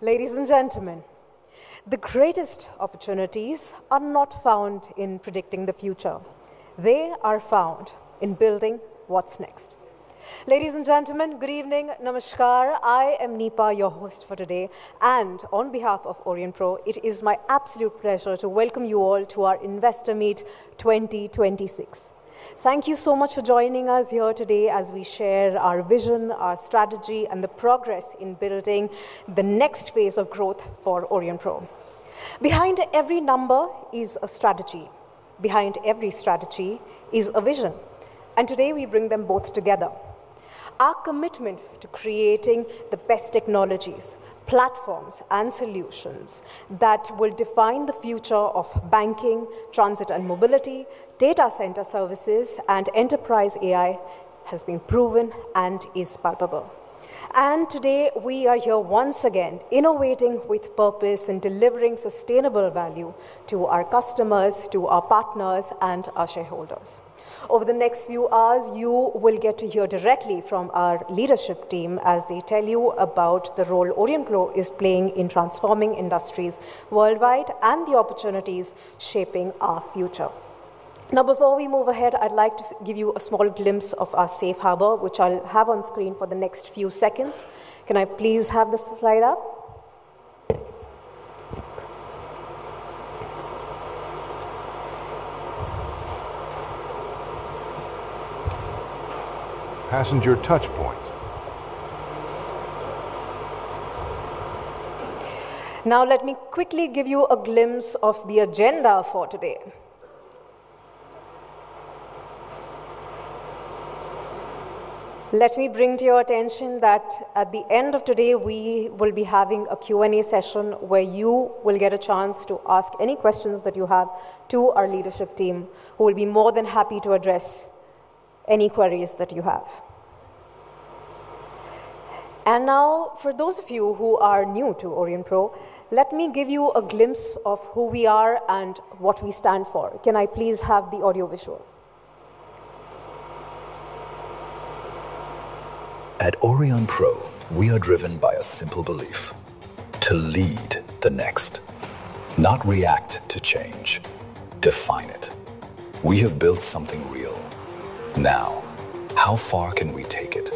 Ladies and gentlemen, the greatest opportunities are not found in predicting the future. They are found in building what's next. Ladies and gentlemen, good evening. Namaskar. I am Nipa, your host for today, and on behalf of Aurionpro, it is my absolute pleasure to welcome you all to our Investor Meet 2026. Thank you so much for joining us here today as we share our vision, our strategy, and the progress in building the next phase of growth for Aurionpro. Behind every number is a strategy. Behind every strategy is a vision. Today, we bring them both together. Our commitment to creating the best technologies, platforms, and solutions that will define the future of banking, transit and mobility, data center services, and Enterprise AI has been proven and is palpable. Today, we are here once again, innovating with purpose and delivering sustainable value to our customers, to our partners, and our shareholders. Over the next few hours, you will get to hear directly from our leadership team as they tell you about the role Aurionpro is playing in transforming industries worldwide and the opportunities shaping our future. Now, before we move ahead, I'd like to give you a small glimpse of our safe harbor, which I'll have on screen for the next few seconds. Can I please have the slide up? Passenger touchpoints. Now, let me quickly give you a glimpse of the agenda for today. Let me bring to your attention that at the end of today, we will be having a Q&A session where you will get a chance to ask any questions that you have to our leadership team, who will be more than happy to address any queries that you have. For those of you who are new to Aurionpro, let me give you a glimpse of who we are and what we stand for. Can I please have the audio visual? At Aurionpro, we are driven by a simple belief to lead the next. Not react to change, define it. We have built something real. Now, how far can we take it?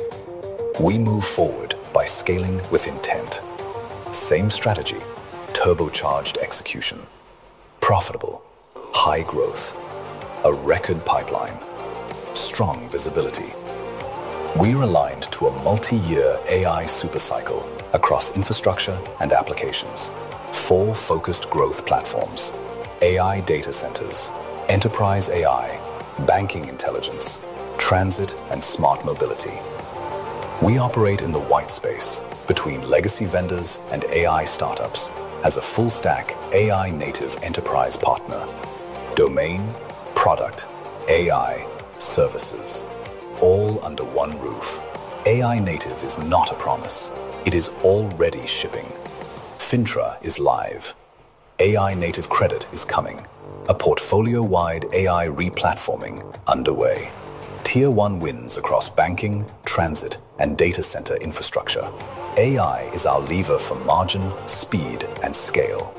We move forward by scaling with intent. Same strategy, turbocharged execution. Profitable, high growth, a record pipeline, strong visibility. We are aligned to a multi-year AI super cycle across infrastructure and applications. 4 focused growth platforms. AI data centers, enterprise AI, banking intelligence, transit, and smart mobility. We operate in the white space between legacy vendors and AI startups as a full stack AI native enterprise partner. Domain, product, AI, services, all under one roof. AI native is not a promise. It is already shipping. Fintra is live. AI native credit is coming. A portfolio-wide AI replatforming underway. Tier 1 wins across banking, transit, and data center infrastructure. AI is our lever for margin, speed, and scale.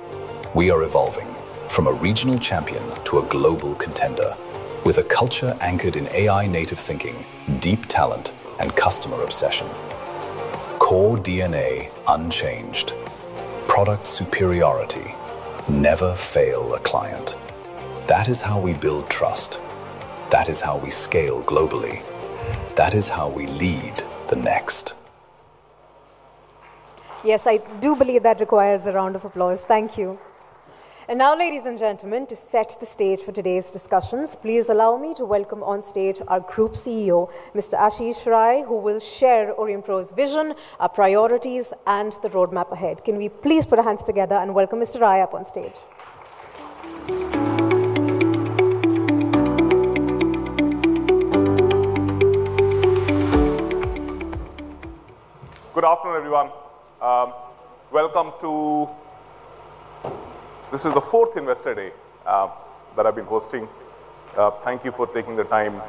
We are evolving from a regional champion to a global contender with a culture anchored in AI native thinking, deep talent, and customer obsession. Core DNA unchanged. Product superiority. Never fail a client. That is how we build trust. That is how we scale globally. That is how we lead the next. Yes, I do believe that requires a round of applause. Thank you. Now, ladies and gentlemen, to set the stage for today's discussions, please allow me to welcome on stage our Group CEO, Mr. Ashish Rai, who will share Aurionpro's vision, our priorities, and the roadmap ahead. Can we please put our hands together and welcome Mr. Rai up on stage? Good afternoon, everyone. Welcome. This is the fourth Investor Day that I have been hosting. Thank you for taking the time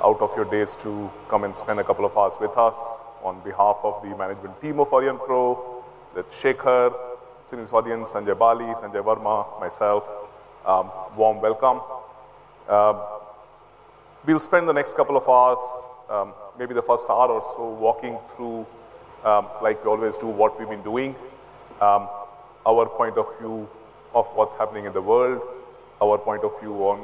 out of your days to come and spend a couple of hours with us. On behalf of the management team of Aurionpro, with Shekhar, Sunil Sawhney, Sanjay Bali, Sanjay Varma, myself, warm welcome. We will spend the next couple of hours, maybe the first hour or so, walking through, like we always do, what we have been doing. Our point of view of what is happening in the world, our point of view on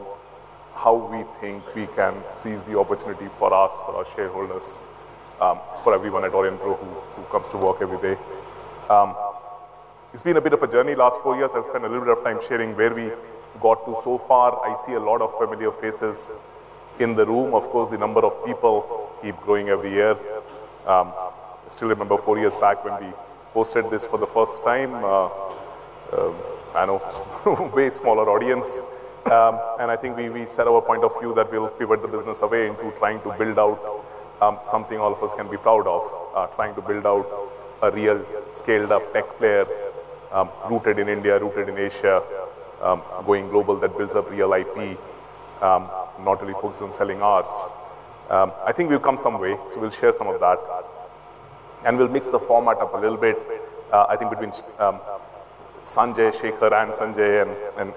how we think we can seize the opportunity for us, for our shareholders, for everyone at Aurionpro who comes to work every day. It has been a bit of a journey the last 4 years. I will spend a little bit of time sharing where we got to so far. I see a lot of familiar faces in the room. Of course, the number of people keep growing every year. I still remember four years back when we hosted this for the first time. I know, way smaller audience. I think we set our point of view that we'll pivot the business away into trying to build out something all of us can be proud of. Trying to build out a real scaled-up tech player Rooted in India, rooted in Asia, going global that builds up real IP, not really focused on selling ours. I think we've come some way. We'll share some of that, and we'll mix the format up a little bit. I think between Sanjay, Shekhar and Sanjay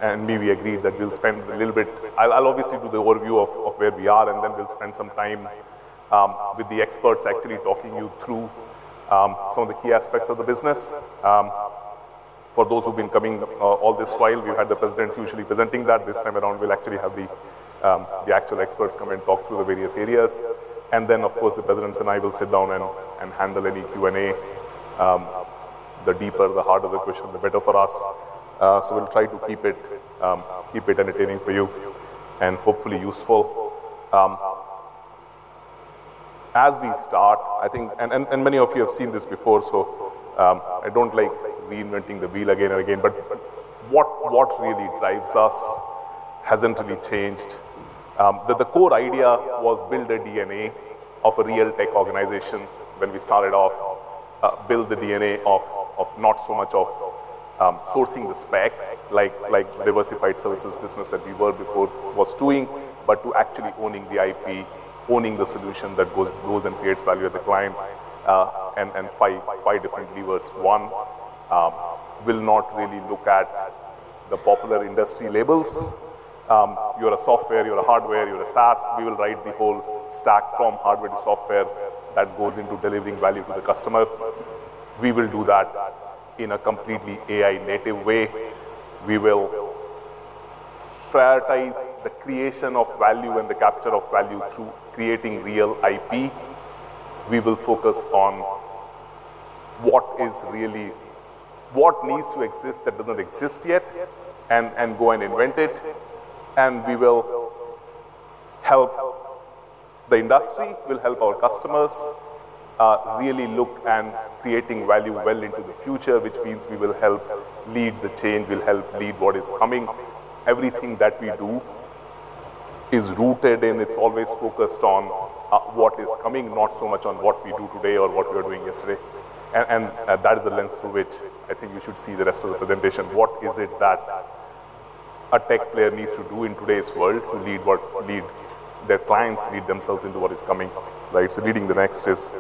and me, we agreed that we'll spend a little bit. I'll obviously do the overview of where we are, then we'll spend some time with the experts actually talking you through some of the key aspects of the business. For those who've been coming all this while, we've had the presidents usually presenting that. This time around, we'll actually have the actual experts come and talk through the various areas. Then, of course, the presidents and I will sit down and handle any Q&A. The deeper, the harder the question, the better for us. We'll try to keep it entertaining for you and hopefully useful. As we start, many of you have seen this before, I don't like reinventing the wheel again and again. What really drives us hasn't really changed. The core idea was build a DNA of a real tech organization when we started off. Build the DNA of not so much of sourcing the spec, like diversified services business that we were before was doing, but to actually owning the IP, owning the solution that goes and creates value at the client, and five different levers. One, we'll not really look at the popular industry labels. You're a software, you're a hardware, you're a SaaS. We will write the whole stack from hardware to software that goes into delivering value to the customer. We will do that in a completely AI native way. We will prioritize the creation of value and the capture of value through creating real IP. We will focus on what needs to exist that doesn't exist yet and go and invent it, we will help the industry, we'll help our customers really look and creating value well into the future, which means we will help lead the change, we'll help lead what is coming. Everything that we do is rooted and it's always focused on what is coming, not so much on what we do today or what we were doing yesterday. That is the lens through which I think you should see the rest of the presentation. What is it that a tech player needs to do in today's world to lead their clients, lead themselves into what is coming? Leading the next is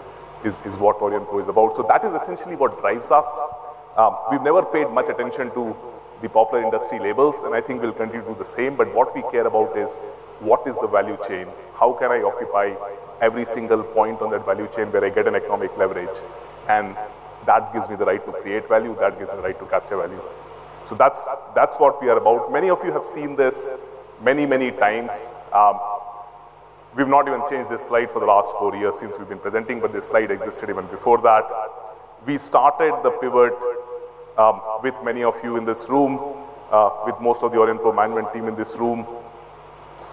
what Aurionpro is about. That is essentially what drives us. We've never paid much attention to the popular industry labels, I think we'll continue to do the same. What we care about is what is the value chain? How can I occupy every single point on that value chain where I get an economic leverage? That gives me the right to create value, that gives me the right to capture value. That's what we are about. Many of you have seen this many, many times. We've not even changed this slide for the last 4 years since we've been presenting, but this slide existed even before that. We started the pivot with many of you in this room, with most of the Aurionpro management team in this room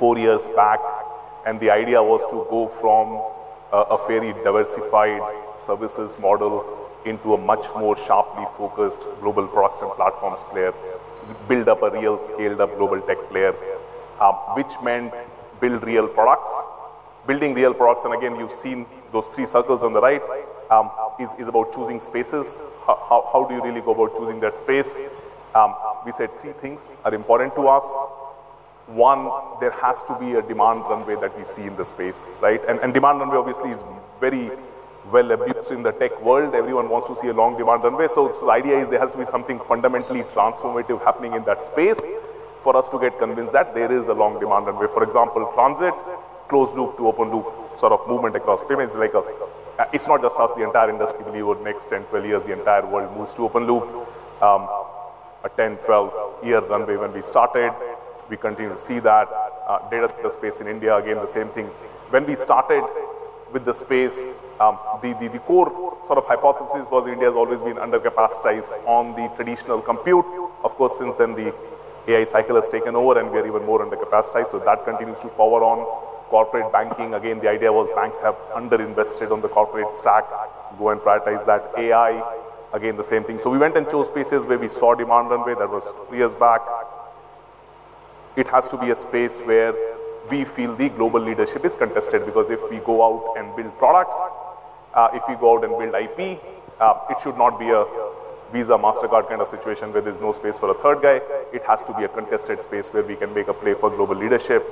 4 years back. The idea was to go from a very diversified services model into a much more sharply focused global products and platforms player. Build up a real scaled-up global tech player, which meant build real products. Building real products, again, you've seen those three circles on the right, is about choosing spaces. How do you really go about choosing that space? We said three things are important to us. One, there has to be a demand runway that we see in the space, right? Demand runway obviously is very well abused in the tech world. Everyone wants to see a long demand runway. The idea is there has to be something fundamentally transformative happening in that space for us to get convinced that there is a long demand runway. For example, transit, closed loop to open loop sort of movement across payments. It's not just us, the entire industry believe over the next 10, 12 years, the entire world moves to open loop. A 10, 12 year runway when we started. We continue to see that. Data center space in India, again, the same thing. When we started with the space, the core sort of hypothesis was India's always been under-capacitized on the traditional compute. Of course, since then, the AI cycle has taken over, and we are even more under-capacitized. That continues to power on. Corporate banking, again, the idea was banks have under-invested on the corporate stack. Go and prioritize that. AI, again, the same thing. We went and chose spaces where we saw demand runway. That was 3 years back. It has to be a space where we feel the global leadership is contested because if we go out and build products, if we go out and build IP, it should not be a Visa, Mastercard kind of situation where there's no space for a third guy. It has to be a contested space where we can make a play for global leadership.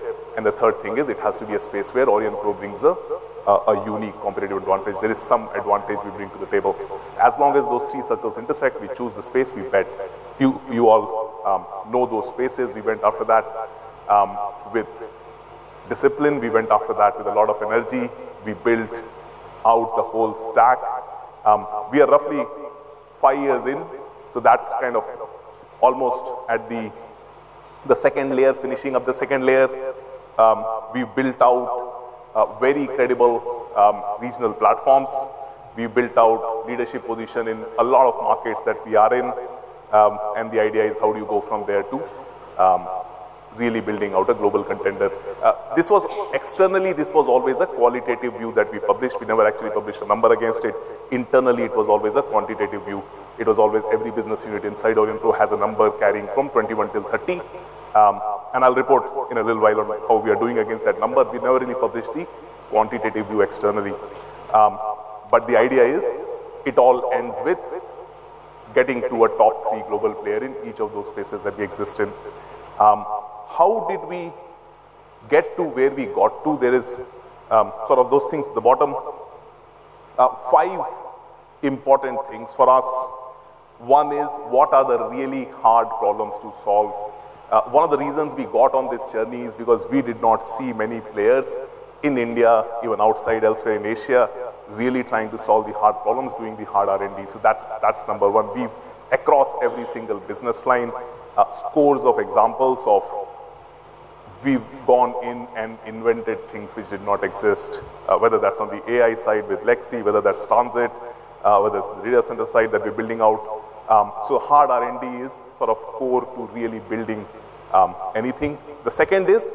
The third thing is it has to be a space where Aurionpro brings a unique competitive advantage. There is some advantage we bring to the table. As long as those three circles intersect, we choose the space we bet. You all know those spaces. We went after that with discipline. We went after that with a lot of energy. We built out the whole stack. We are roughly 5 years in, that's kind of almost at the second layer, finishing up the second layer. We've built out very credible regional platforms. We've built out leadership position in a lot of markets that we are in. The idea is how do you go from there to really building out a global contender? Externally, this was always a qualitative view that we published. We never actually published a number against it. Internally, it was always a quantitative view. It was always every business unit inside Aurionpro has a number carrying from 21 till 30. I'll report in a little while about how we are doing against that number. We've never really published the quantitative view externally. The idea is it all ends with getting to a top three global player in each of those spaces that we exist in. How did we get to where we got to? There are sort of those things at the bottom. Five important things for us. One is, what are the really hard problems to solve? One of the reasons we got on this journey is because we did not see many players in India, even outside elsewhere in Asia, really trying to solve the hard problems, doing the hard R&D. That's number one. We've, across every single business line, scores of examples of we've gone in and invented things which did not exist, whether that's on the AI side with Lexi, whether that's transit, whether it's data center side that we're building out. Hard R&D is sort of core to really building anything. The second is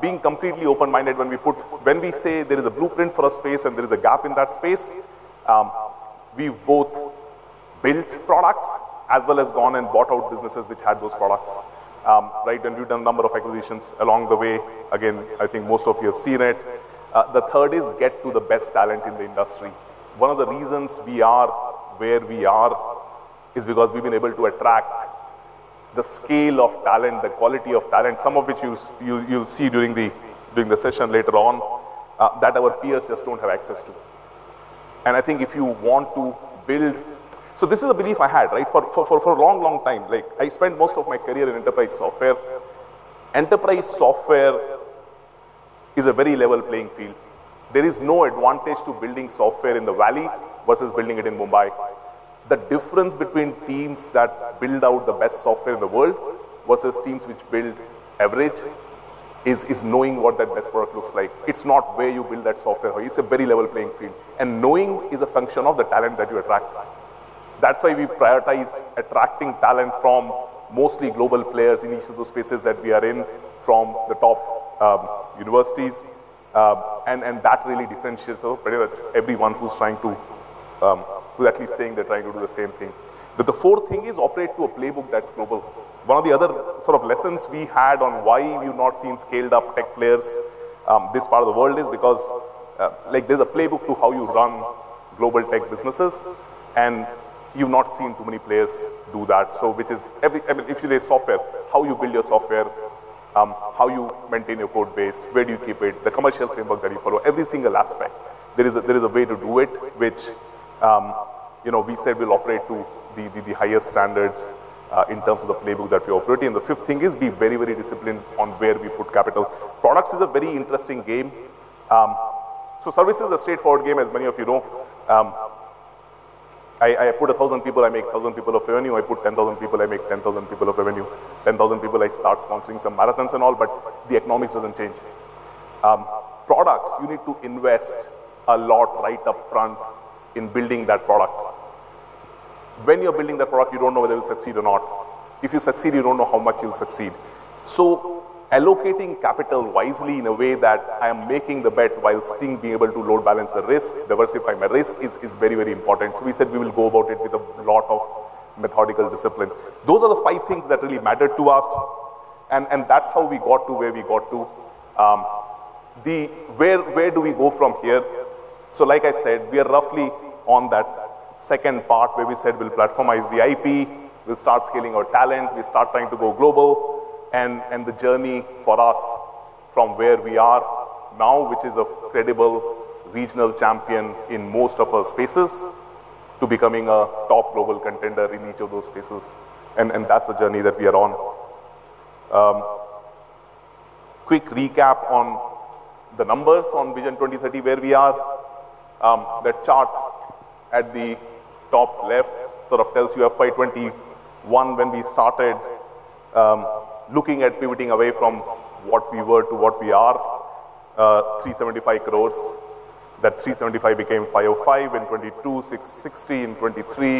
being completely open-minded when we say there is a blueprint for a space and there is a gap in that space, we've both built products as well as gone and bought out businesses which had those products. Right? We've done a number of acquisitions along the way. Again, I think most of you have seen it. The third is get to the best talent in the industry. One of the reasons we are where we are is because we've been able to attract the scale of talent, the quality of talent, some of which you'll see during the session later on, that our peers just don't have access to. I think if you want to build. This is a belief I had, right? For a long, long time. I spent most of my career in enterprise software. Enterprise software is a very level playing field. There is no advantage to building software in the Valley versus building it in Mumbai. The difference between teams that build out the best software in the world versus teams which build average is knowing what that best product looks like. It's not where you build that software. It's a very level playing field. Knowing is a function of the talent that you attract. That's why we prioritized attracting talent from mostly global players in each of those spaces that we are in from the top universities. That really differentiates us pretty much everyone who are at least saying they're trying to do the same thing. The fourth thing is operate to a playbook that's global. One of the other sort of lessons we had on why we've not seen scaled-up tech players, this part of the world, is because there's a playbook to how you run global tech businesses, and you've not seen too many players do that. Which is, if you say software, how you build your software, how you maintain your code base, where do you keep it, the commercial framework that you follow, every single aspect. There is a way to do it, which we said we'll operate to the highest standards in terms of the playbook that we operate in. The fifth thing is be very, very disciplined on where we put capital. Products is a very interesting game. Service is a straightforward game, as many of you know. I put 1,000 people, I make 1,000 people of revenue. I put 10,000 people, I make 10,000 people of revenue. 10,000 people, I start sponsoring some marathons and all, but the economics doesn't change. Products, you need to invest a lot right up front in building that product. When you're building that product, you don't know whether it'll succeed or not. If you succeed, you don't know how much you'll succeed. Allocating capital wisely in a way that I am making the bet while still being able to load balance the risk, diversify my risk, is very, very important. We said we will go about it with a lot of methodical discipline. Those are the five things that really mattered to us, and that's how we got to where we got to. Where do we go from here? Like I said, we are roughly on that second part where we said we'll platformize the IP, we'll start scaling our talent, we start trying to go global. The journey for us from where we are now, which is a credible regional champion in most of our spaces, to becoming a top global contender in each of those spaces, and that's the journey that we are on. Quick recap on the numbers on Vision 2030, where we are. That chart at the top left sort of tells you FY 2021, when we started looking at pivoting away from what we were to what we are. 375 crores. That 375 became 505 in 2022, 660 in 2023,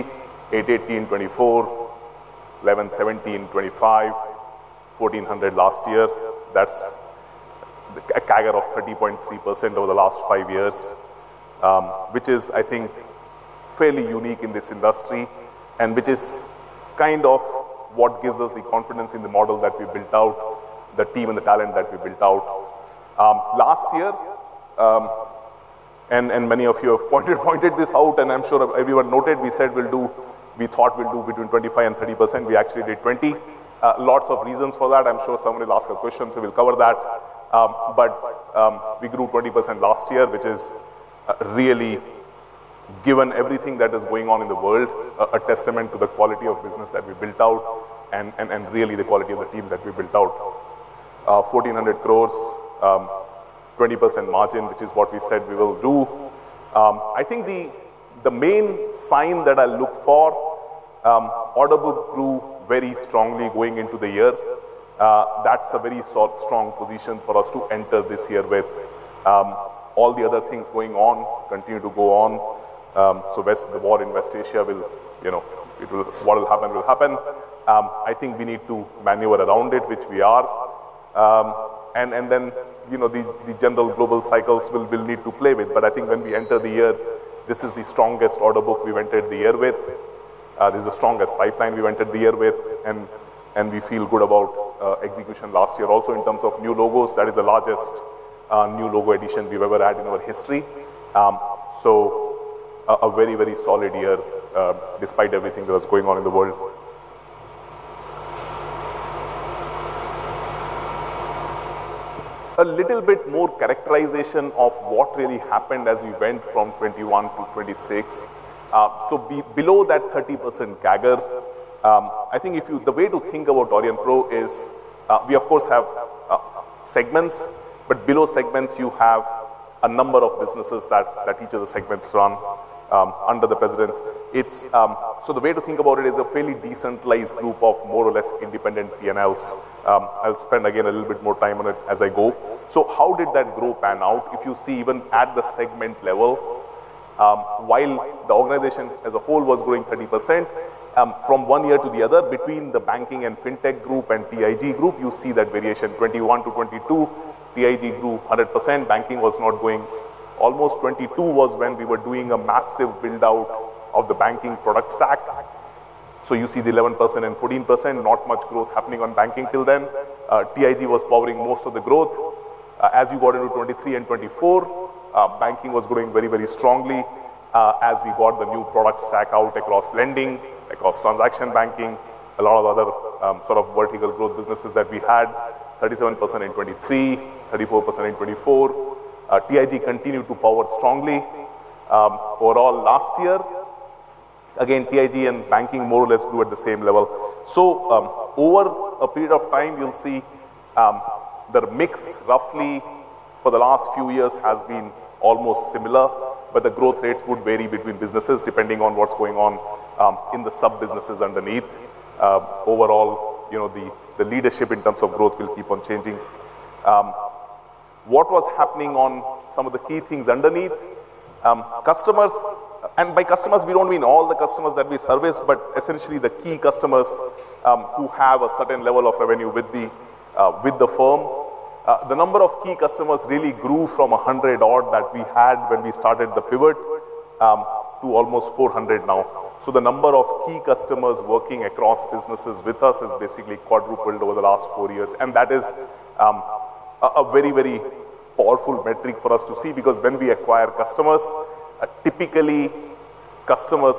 818 in 2024, 1,117 in 2025, 1,400 last year. That's a CAGR of 30.3% over the last five years, which is, I think, fairly unique in this industry and which is kind of what gives us the confidence in the model that we built out, the team and the talent that we built out. Last year, many of you have pointed this out, and I'm sure everyone noted, we thought we'll do between 25%-30%. We actually did 20. Lots of reasons for that. I'm sure somebody will ask a question, we'll cover that. We grew 20% last year, which is really, given everything that is going on in the world, a testament to the quality of business that we built out and really the quality of the team that we built out. 1,400 crores, 20% margin, which is what we said we will do. I think the main sign that I look for, order book grew very strongly going into the year. That's a very strong position for us to enter this year with all the other things going on, continue to go on. The war in West Asia What will happen will happen. I think we need to maneuver around it, which we are. Then the general global cycles we'll need to play with. I think when we enter the year, this is the strongest order book we've entered the year with. This is the strongest pipeline we've entered the year with, and we feel good about execution last year. Also, in terms of new logos, that is the largest new logo addition we've ever had in our history. A very solid year despite everything that was going on in the world. A little bit more characterization of what really happened as we went from 2021 to 2026. Below that 30% CAGR. I think the way to think about Aurionpro is, we of course have segments, but below segments, you have a number of businesses that each of the segments run under the presidents. The way to think about it is a fairly decentralized group of more or less independent P&Ls. I'll spend, again, a little bit more time on it as I go. How did that group pan out? If you see even at the segment level, while the organization as a whole was growing 30%, from one year to the other, between the banking and fintech group and TIG group, you see that variation, 2021 to 2022, TIG grew 100%. Banking was not growing. Almost 2022 was when we were doing a massive build-out of the banking product stack. You see the 11% and 14%, not much growth happening on banking till then. TIG was powering most of the growth. As you got into 2023 and 2024, banking was growing very strongly, as we got the new product stack out across lending, across transaction banking, a lot of other sort of vertical growth businesses that we had, 37% in 2023, 34% in 2024. TIG continued to power strongly. Overall last year, again, TIG and banking more or less grew at the same level. Over a period of time, you'll see the mix roughly for the last few years has been almost similar, but the growth rates would vary between businesses depending on what's going on in the sub-businesses underneath. Overall, the leadership in terms of growth will keep on changing. What was happening on some of the key things underneath? Customers. And by customers, we don't mean all the customers that we service, but essentially the key customers who have a certain level of revenue with the firm. The number of key customers really grew from 100 odd that we had when we started the pivot to almost 400 now. The number of key customers working across businesses with us has basically quadrupled over the last four years, and that is a very powerful metric for us to see because when we acquire customers, typically customers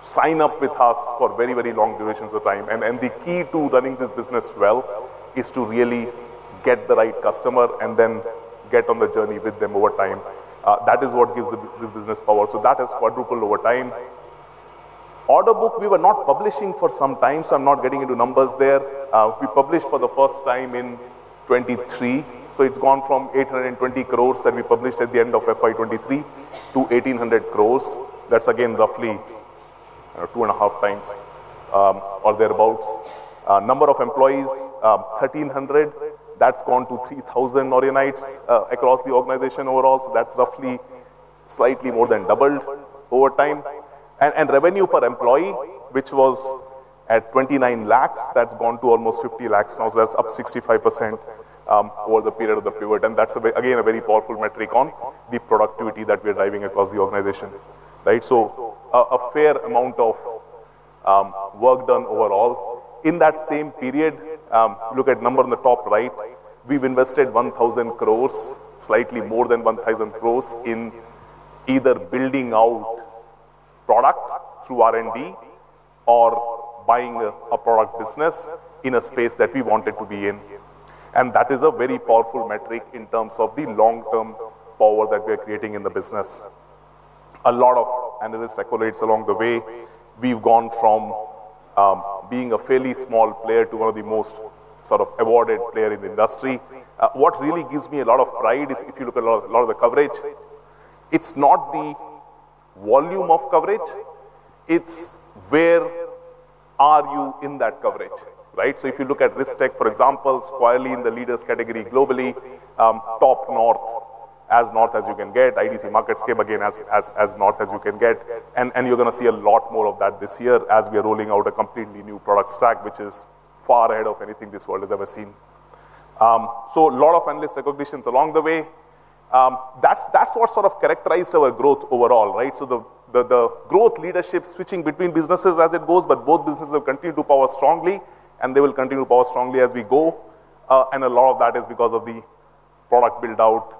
sign up with us for very long durations of time. The key to running this business well is to really get the right customer and then get on the journey with them over time. That is what gives this business power. That has quadrupled over time. Order book, we were not publishing for some time, so I'm not getting into numbers there. We published for the first time in 2023, so it's gone from 820 crores that we published at the end of FY 2023 to 1,800 crores. That's again, roughly two and a half times, or thereabout. Number of employees, 1,300. That's gone to 3,000 Aurionites across the organization overall. That's roughly, slightly more than doubled over time. Revenue per employee, which was at 29 lakhs, that's gone to almost 50 lakhs now. That's up 65% over the period of the pivot. That's, again, a very powerful metric on the productivity that we're driving across the organization. Right? A fair amount of work done overall. In that same period, look at number on the top right. We've invested 1,000 crores, slightly more than 1,000 crores in either building out product through R&D or buying a product business in a space that we wanted to be in. That is a very powerful metric in terms of the long-term power that we are creating in the business. A lot of analyst accolades along the way. We've gone from being a fairly small player to one of the most sort of awarded player in the industry. What really gives me a lot of pride is if you look a lot of the coverage, it's not the volume of coverage, it's where are you in that coverage, right? If you look at RiskTech, for example, squarely in the leaders category globally, top north, as north as you can get. IDC MarketScape, again, as north as you can get. You're going to see a lot more of that this year as we are rolling out a completely new product stack, which is far ahead of anything this world has ever seen. A lot of analyst recognitions along the way. That's what sort of characterized our growth overall, right? The growth leadership switching between businesses as it goes, but both businesses have continued to power strongly, and they will continue to power strongly as we go. A lot of that is because of the product build-out,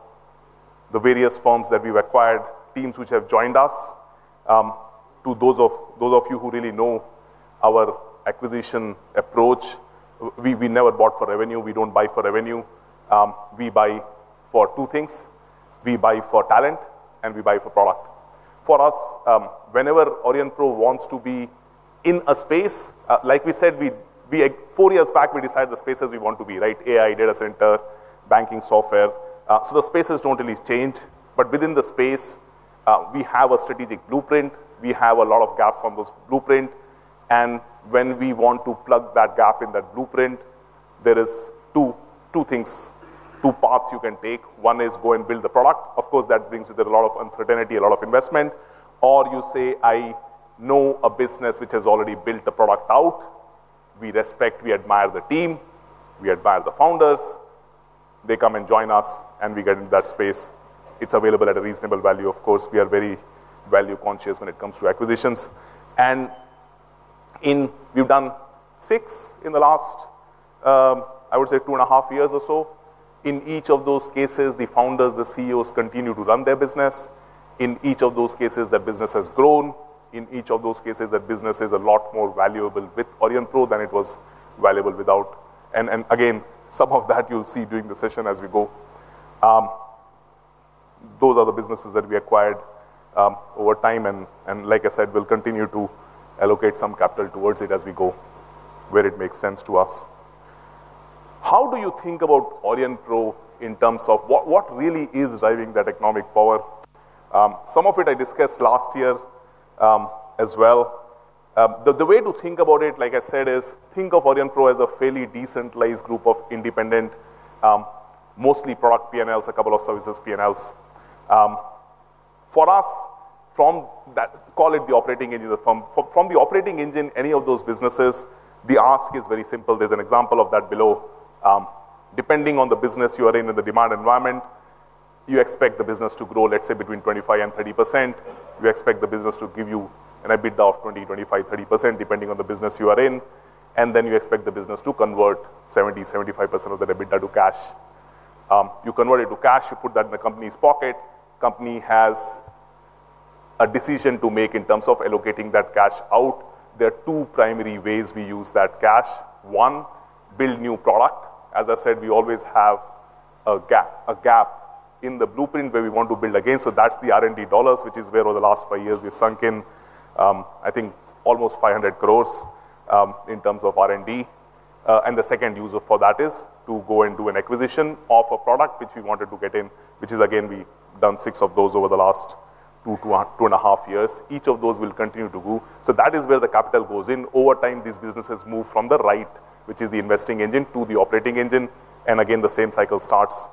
the various firms that we've acquired, teams which have joined us. To those of you who really know our acquisition approach, we never bought for revenue. We don't buy for revenue. We buy for two things. We buy for talent, and we buy for product. For us, whenever Aurionpro wants to be in a space, like we said, four years back, we decided the spaces we want to be, right? AI, data center, banking software. The spaces don't really change, but within the space, we have a strategic blueprint. We have a lot of gaps on those blueprint. When we want to plug that gap in that blueprint, there is two things, two paths you can take. One is go and build the product. Of course, that brings with it a lot of uncertainty, a lot of investment. You say, "I know a business which has already built the product out. We respect, we admire the team, we admire the founders." They come and join us, and we get into that space. It's available at a reasonable value, of course. We are very value-conscious when it comes to acquisitions. We've done six in the last, I would say two and a half years or so. In each of those cases, the founders, the CEOs continue to run their business. In each of those cases, their business has grown. In each of those cases, their business is a lot more valuable with Aurionpro than it was valuable without. Again, some of that you'll see during the session as we go. Those are the businesses that we acquired over time, like I said, we'll continue to allocate some capital towards it as we go, where it makes sense to us. How do you think about Aurionpro in terms of what really is driving that economic power? Some of it I discussed last year as well. The way to think about it, like I said, is think of Aurionpro as a fairly decentralized group of independent, mostly product P&Ls, a couple of services P&Ls. For us, call it the operating engine. From the operating engine, any of those businesses, the ask is very simple. There's an example of that below. Depending on the business you are in and the demand environment, you expect the business to grow, let's say, between 25% and 30%. We expect the business to give you an EBITDA of 20%, 25%, 30%, depending on the business you are in. Then you expect the business to convert 70%, 75% of that EBITDA to cash. You convert it to cash, you put that in the company's pocket. Company has a decision to make in terms of allocating that cash out. There are two primary ways we use that cash. One, build new product. As I said, we always have a gap in the blueprint where we want to build again. That's the R&D dollars, which is where over the last five years we've sunk in, I think, almost 500 crore in terms of R&D. The second user for that is to go and do an acquisition of a product which we wanted to get in, which is again, we've done six of those over the last two and a half years. Each of those will continue to go. That is where the capital goes in. Over time, these businesses move from the right, which is the investing engine, to the operating engine. Again, the same cycle starts.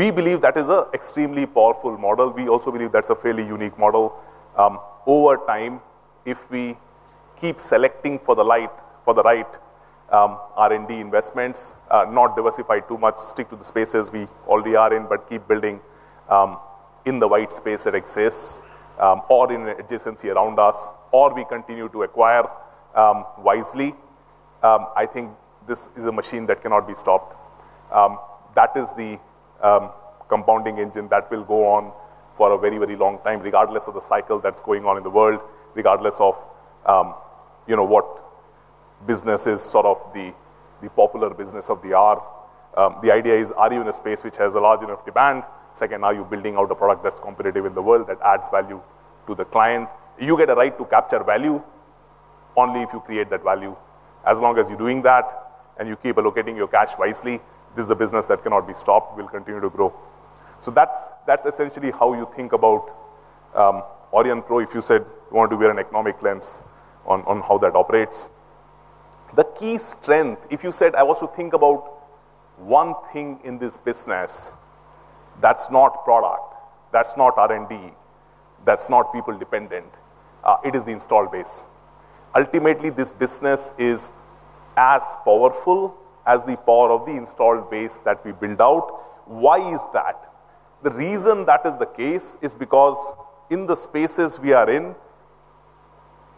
We believe that is an extremely powerful model. We also believe that's a fairly unique model. Over time, if we keep selecting for the right R&D investments, not diversify too much, stick to the spaces we already are in, but keep building in the white space that exists, or in adjacency around us, or we continue to acquire wisely, I think this is a machine that cannot be stopped. That is the compounding engine that will go on for a very long time, regardless of the cycle that's going on in the world, regardless of what business is sort of the popular business of the hour. The idea is, are you in a space which has a large enough demand? Second, are you building out a product that's competitive in the world that adds value to the client? You get a right to capture value only if you create that value. As long as you're doing that and you keep allocating your cash wisely, this is a business that cannot be stopped, will continue to grow. That's essentially how you think about Aurionpro if you said you want to wear an economic lens on how that operates. The key strength, if you said, I want to think about one thing in this business that's not product, that's not R&D, that's not people dependent, it is the installed base. Ultimately, this business is as powerful as the power of the installed base that we build out. Why is that? The reason that is the case is because in the spaces we are in,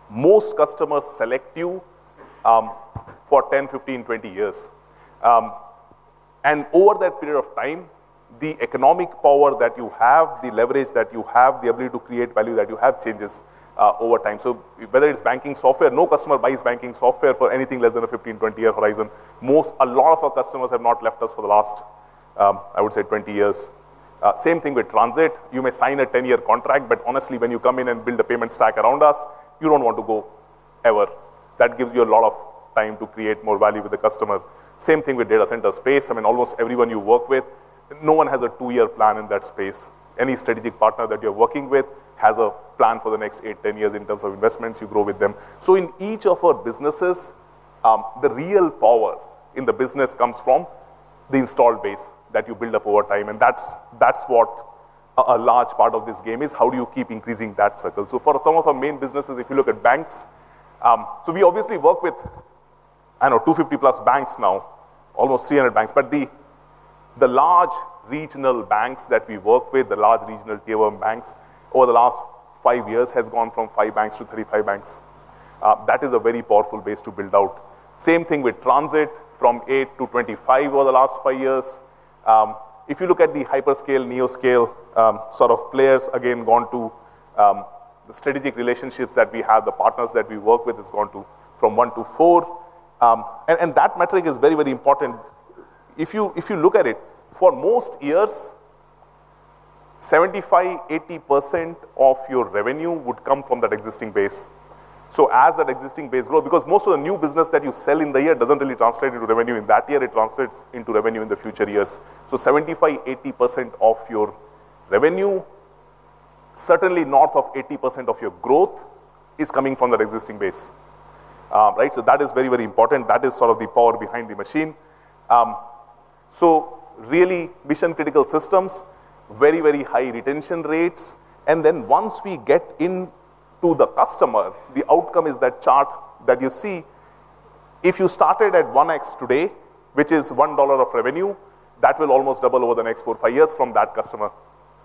most customers select you for 10, 15, 20 years. Over that period of time, the economic power that you have, the leverage that you have, the ability to create value that you have changes over time. Whether it's banking software, no customer buys banking software for anything less than a 15, 20-year horizon. A lot of our customers have not left us for the last, I would say, 20 years. Same thing with transit. You may sign a 10-year contract, but honestly, when you come in and build a payment stack around us, you don't want to go ever. That gives you a lot of time to create more value with the customer. Same thing with data center space. Almost everyone you work with, no one has a 2-year plan in that space. Any strategic partner that you're working with has a plan for the next 8, 10 years in terms of investments you grow with them. In each of our businesses, the real power in the business comes from the installed base that you build up over time, and that's what a large part of this game is. How do you keep increasing that circle? For some of our main businesses, if you look at banks, we obviously work with, I know, 250+ banks now, almost 300 banks. The large regional banks that we work with, the large regional tier 1 banks, over the last 5 years has gone from 5 banks to 35 banks. That is a very powerful base to build out. Same thing with transit from 8 to 25 over the last 5 years. If you look at the hyperscale, neo-scale sort of players, again, gone to the strategic relationships that we have, the partners that we work with has gone from 1 to 4. That metric is very important. If you look at it, for most years, 75, 80% of your revenue would come from that existing base. As that existing base grow, because most of the new business that you sell in the year doesn't really translate into revenue in that year, it translates into revenue in the future years. 75, 80% of your revenue, certainly north of 80% of your growth is coming from that existing base. Right? That is very important. That is sort of the power behind the machine. Really mission-critical systems, very high retention rates. Then once we get into the customer, the outcome is that chart that you see If you started at 1X today, which is INR 1 of revenue, that will almost double over the next 4 or 5 years from that customer,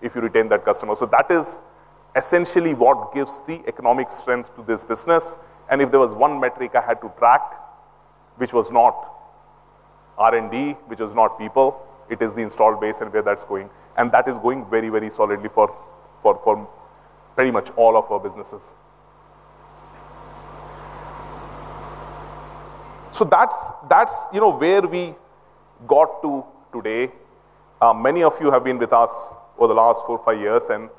if you retain that customer. That is essentially what gives the economic strength to this business. If there was one metric I had to track, which was not R&D, which was not people, it is the installed base and where that's going. That is going very solidly for pretty much all of our businesses. That's where we got to today. Many of you have been with us over the last four or five years, and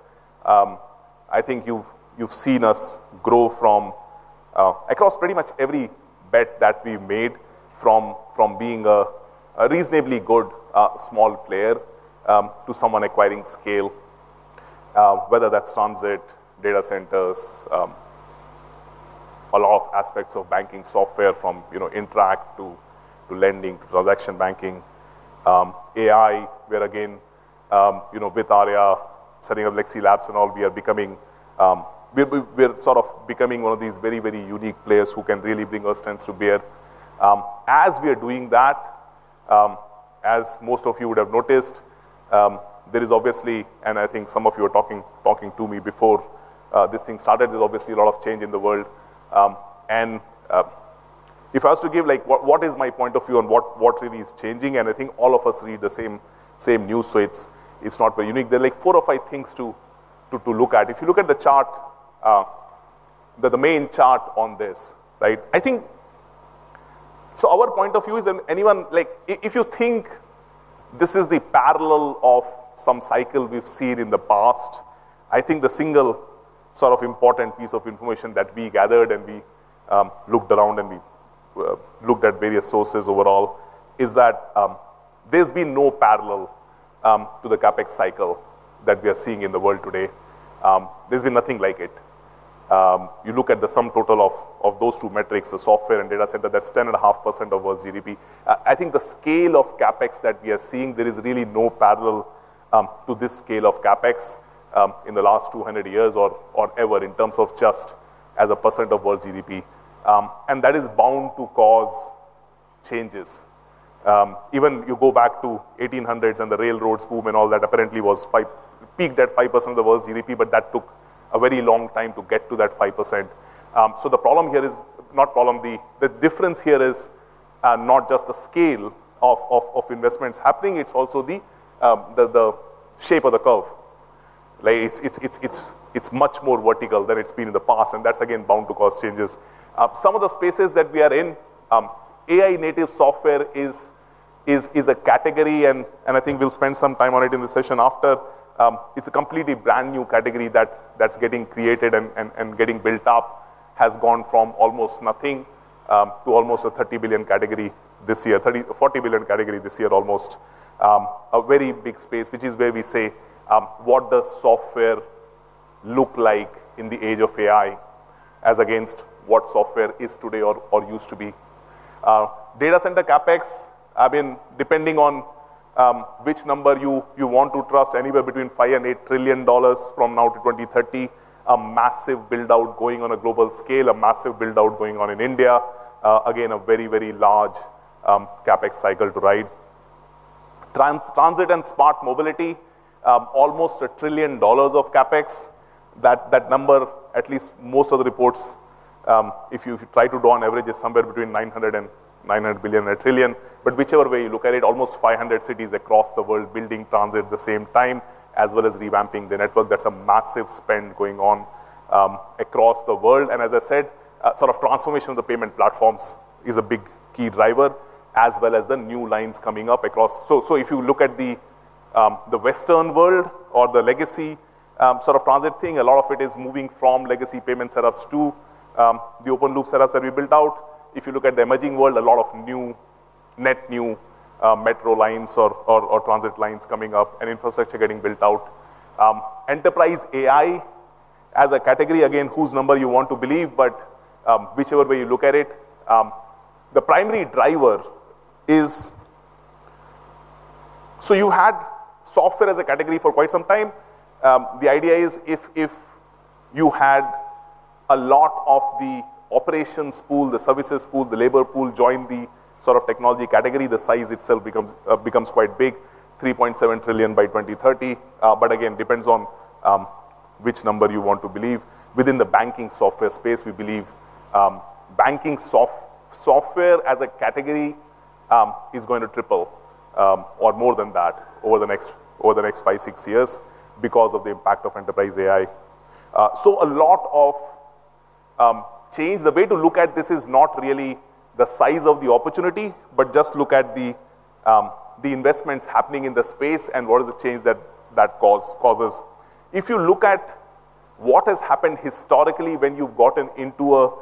I think you've seen us grow from across pretty much every bet that we made from being a reasonably good small player to someone acquiring scale, whether that's transit, data centers, a lot of aspects of banking software from Interact to lending to transaction banking. AI, where again with Arya setting up Lexi Labs and all, we are becoming one of these very, very unique players who can really bring our strengths to bear. As we are doing that, as most of you would have noticed, there is obviously, and I think some of you were talking to me before this thing started, there's obviously a lot of change in the world. If I was to give what is my point of view on what really is changing, and I think all of us read the same news, so it's not very unique. There are four or five things to look at. If you look at the chart, the main chart on this, right? Our point of view is if you think this is the parallel of some cycle we've seen in the past, I think the single important piece of information that we gathered, and we looked around and we looked at various sources overall, is that there's been no parallel to the CapEx cycle that we are seeing in the world today. There's been nothing like it. You look at the sum total of those two metrics, the software and data center, that's 10.5% of world GDP. I think the scale of CapEx that we are seeing, there is really no parallel to this scale of CapEx in the last 200 years or ever in terms of just as a percent of world GDP. That is bound to cause changes. Even you go back to 1800s and the railroads boom and all that apparently peaked at 5% of the world's GDP, that took a very long time to get to that 5%. The difference here is not just the scale of investments happening, it's also the shape of the curve. It's much more vertical than it's been in the past, that's again bound to cause changes. Some of the spaces that we are in, AI native software is a category, I think we'll spend some time on it in the session after. It's a completely brand-new category that's getting created and getting built up. Has gone from almost nothing to almost a 30 billion category this year, 40 billion category this year almost. A very big space, which is where we say, what does software look like in the age of AI as against what software is today or used to be? Data center CapEx, depending on which number you want to trust, anywhere between $5 trillion and $8 trillion from now to 2030. A massive build-out going on a global scale, a massive build-out going on in India. Again, a very, very large CapEx cycle to ride. Transit and smart mobility, almost $1 trillion of CapEx. That number, at least most of the reports, if you try to do on average, is somewhere between $900 billion or $1 trillion. Whichever way you look at it, almost 500 cities across the world building transit at the same time, as well as revamping the network. That's a massive spend going on across the world. As I said, transformation of the payment platforms is a big key driver as well as the new lines coming up across. If you look at the Western world or the legacy transit thing, a lot of it is moving from legacy payment setups to the open loop setups that we built out. If you look at the emerging world, a lot of net new metro lines or transit lines coming up and infrastructure getting built out. Enterprise AI as a category, again, whose number you want to believe, but whichever way you look at it, the primary driver is you had software as a category for quite some time. The idea is if you had a lot of the operations pool, the services pool, the labor pool, join the technology category, the size itself becomes quite big, $3.7 trillion by 2030. Again, depends on which number you want to believe. Within the banking software space, we believe banking software as a category is going to triple or more than that over the next five, six years because of the impact of Enterprise AI. A lot of change. The way to look at this is not really the size of the opportunity, but just look at the investments happening in the space and what are the changes that causes. If you look at what has happened historically when you've gotten into a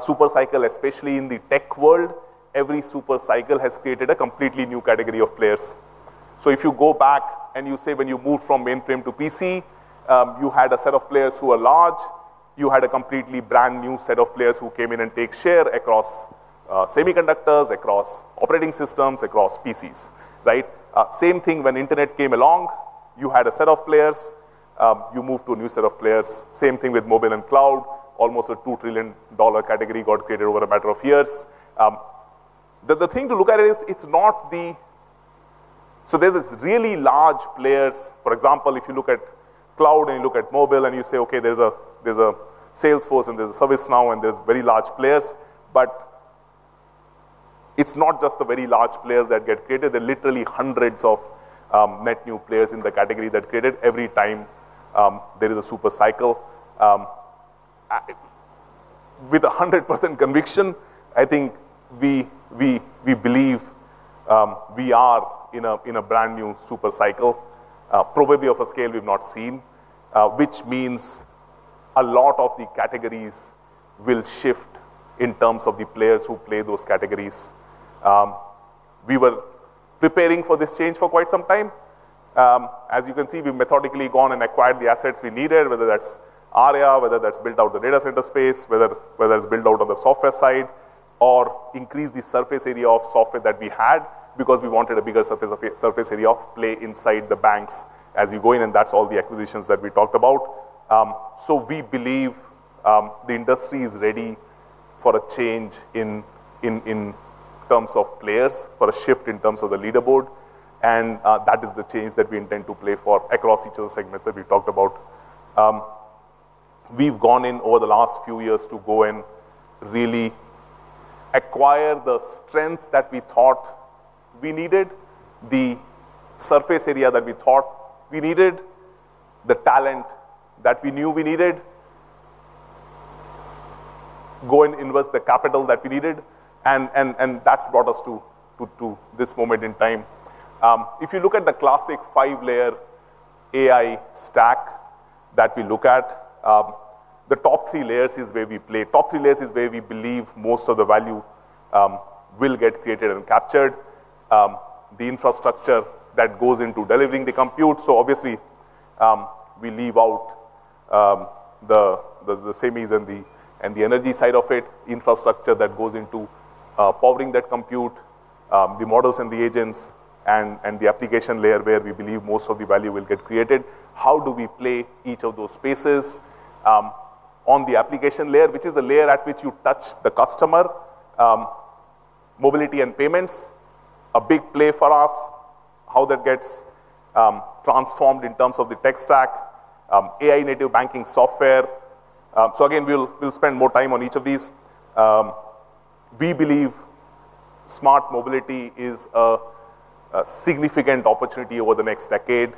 super cycle, especially in the tech world, every super cycle has created a completely new category of players. If you go back and you say when you moved from mainframe to PC, you had a set of players who were large. You had a completely brand-new set of players who came in and take share across semiconductors, across operating systems, across PCs, right? Same thing when internet came along, you had a set of players. You move to a new set of players. Same thing with mobile and cloud. Almost a $2 trillion category got created over a matter of years. The thing to look at is it's not the there's these really large players. For example, if you look at cloud and you look at mobile and you say, "Okay, there's a Salesforce and there's a ServiceNow, and there's very large players." It's not just the very large players that get created. There are literally hundreds of net new players in the category that created every time there is a super cycle. With 100% conviction, I think we believe, we are in a brand-new super cycle, probably of a scale we've not seen. Which means a lot of the categories will shift in terms of the players who play those categories. We were preparing for this change for quite some time. As you can see, we've methodically gone and acquired the assets we needed, whether that's Arya.ai, whether that's built out the data center space, whether it's built out on the software side, or increase the surface area of software that we had because we wanted a bigger surface area of play inside the banks as you go in, and that's all the acquisitions that we talked about. We believe, the industry is ready for a change in terms of players, for a shift in terms of the leaderboard. That is the change that we intend to play for across each of the segments that we've talked about. We've gone in over the last few years to go and really acquire the strengths that we thought we needed, the surface area that we thought we needed, the talent that we knew we needed. Go and invest the capital that we needed and that's brought us to this moment in time. If you look at the classic five-layer AI stack that we look at, the top three layers is where we play. Top three layers is where we believe most of the value will get created and captured. The infrastructure that goes into delivering the compute, obviously, we leave out the SEMIs and the energy side of it, infrastructure that goes into powering that compute, the models and the agents and the application layer where we believe most of the value will get created. How do we play each of those spaces? On the application layer, which is the layer at which you touch the customer. Mobility and payments, a big play for us. How that gets transformed in terms of the tech stack. AI native banking software. Again, we'll spend more time on each of these. We believe smart mobility is a significant opportunity over the next decade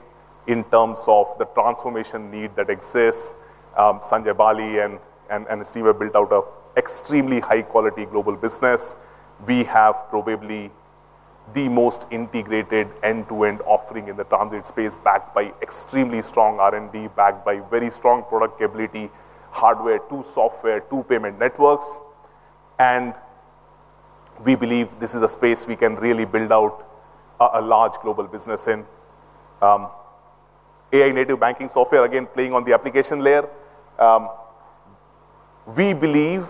in terms of the transformation need that exists. Sanjay Bali and Steve have built out an extremely high-quality global business. We have probably the most integrated end-to-end offering in the transit space backed by extremely strong R&D, backed by very strong product ability, hardware to software to payment networks. We believe this is a space we can really build out a large global business in. AI native banking software, again, playing on the application layer. We believe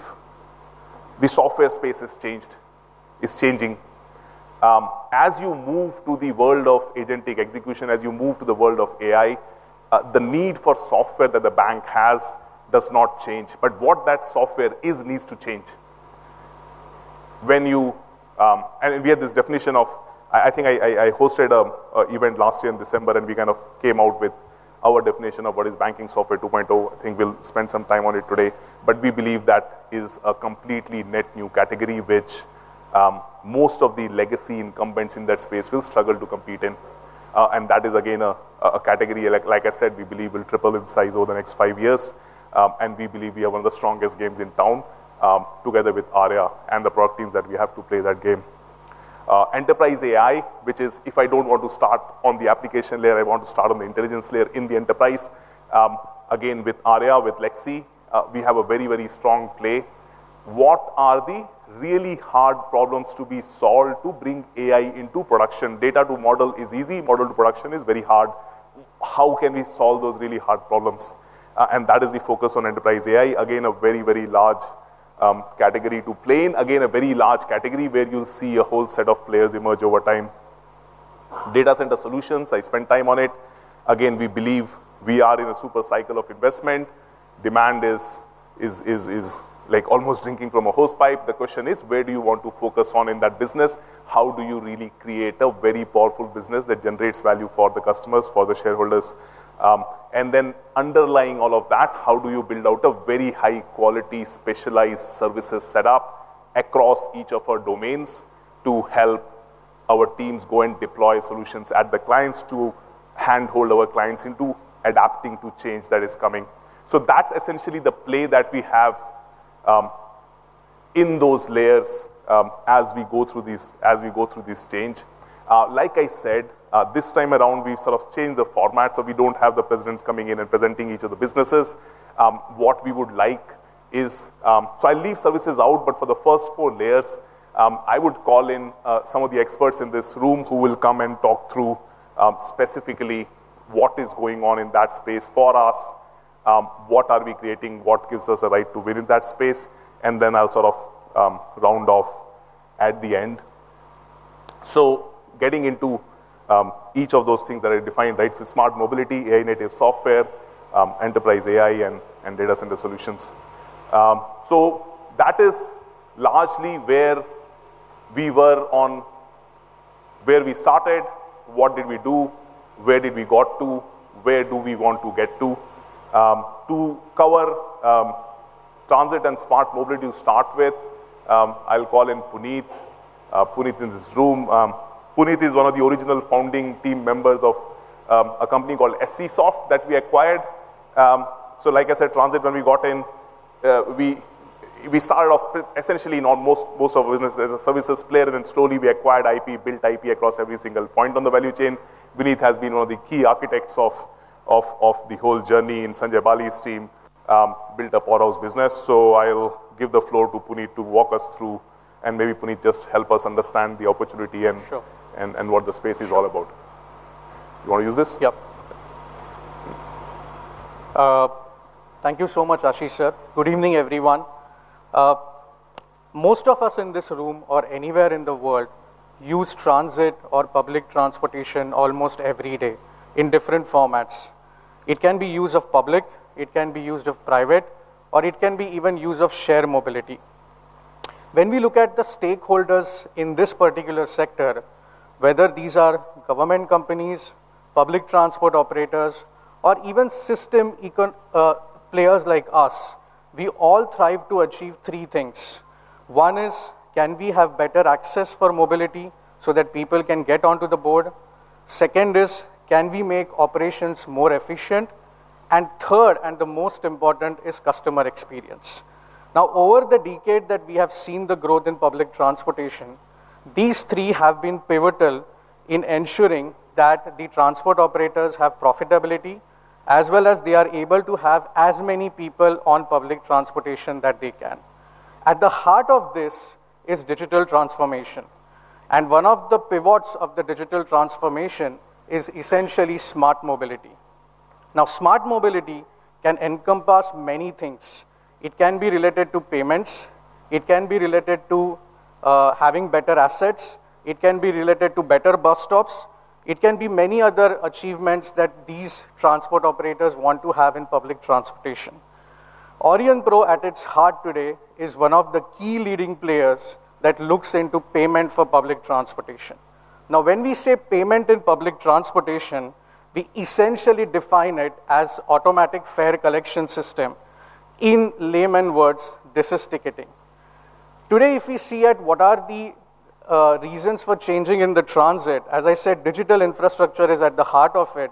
the software space has changed. It's changing. As you move to the world of agentic execution, as you move to the world of AI, the need for software that the bank has does not change. What that software is needs to change. We had this definition of I think I hosted an event last year in December, and we kind of came out with our definition of what is banking software 2.0. I think we'll spend some time on it today. We believe that is a completely net new category which, most of the legacy incumbents in that space will struggle to compete in. That is again a category, like I said, we believe will triple in size over the next five years. We believe we have one of the strongest games in town, together with Arya.ai and the product teams that we have to play that game. Enterprise AI, which is if I don't want to start on the application layer, I want to start on the intelligence layer in the enterprise. Again, with Arya.ai, with Lexi, we have a very strong play. What are the really hard problems to be solved to bring AI into production? Data to model is easy. Model to production is very hard. How can we solve those really hard problems? That is the focus on enterprise AI. Again, a very large category to play in. Again, a very large category where you'll see a whole set of players emerge over time. Data center solutions, I spent time on it. Again, we believe we are in a super cycle of investment. Demand is like almost drinking from a hose pipe. The question is: where do you want to focus on in that business? How do you really create a very powerful business that generates value for the customers, for the shareholders? Then underlying all of that, how do you build out a very high-quality, specialized services set up across each of our domains to help our teams go and deploy solutions at the clients to handhold our clients into adapting to change that is coming? That's essentially the play that we have in those layers, as we go through this change. Like I said, this time around, we've sort of changed the format, we don't have the presidents coming in and presenting each of the businesses. What we would like is I leave services out, but for the first four layers, I would call in some of the experts in this room who will come and talk through, specifically what is going on in that space for us, what are we creating? What gives us a right to win in that space? Then I'll sort of round off at the end. Getting into each of those things that I defined, right? Smart mobility, AI native software, enterprise AI and data center solutions. That is largely where we started, what did we do, where did we get to, where do we want to get to. To cover transit and smart mobility to start with, I'll call in Puneet. Puneet's in this room. Puneet is one of the original founding team members of a company called SC Soft that we acquired. Like I said, Transit, when we got in, we started off essentially most of the business as a services player, then slowly we acquired IP, built IP across every single point on the value chain. Puneet has been one of the key architects of the whole journey and Sanjay Bali's team built up Oracle's business. I'll give the floor to Puneet to walk us through and maybe Puneet just help us understand the opportunity and Sure what the space is all about. You want to use this? Yep. Thank you so much, Ashish sir. Good evening, everyone. Most of us in this room or anywhere in the world use transit or public transportation almost every day in different formats. It can be use of public, it can be use of private, or it can be even use of shared mobility. When we look at the stakeholders in this particular sector, whether these are government companies, public transport operators, or even system players like us, we all thrive to achieve three things. One is, can we have better access for mobility so that people can get onto the board? Second is, can we make operations more efficient? Third, and the most important is customer experience. Over the decade that we have seen the growth in public transportation, these three have been pivotal in ensuring that the transport operators have profitability, as well as they are able to have as many people on public transportation that they can. At the heart of this is digital transformation. One of the pivots of the digital transformation is essentially smart mobility. Smart mobility can encompass many things. It can be related to payments, it can be related to having better assets. It can be related to better bus stops. It can be many other achievements that these transport operators want to have in public transportation. Aurionpro at its heart today is one of the key leading players that looks into payment for public transportation. When we say payment in public transportation, we essentially define it as automatic fare collection system. In layman words, this is ticketing. Today, if we see it, what are the reasons for changing in the transit? As I said, digital infrastructure is at the heart of it,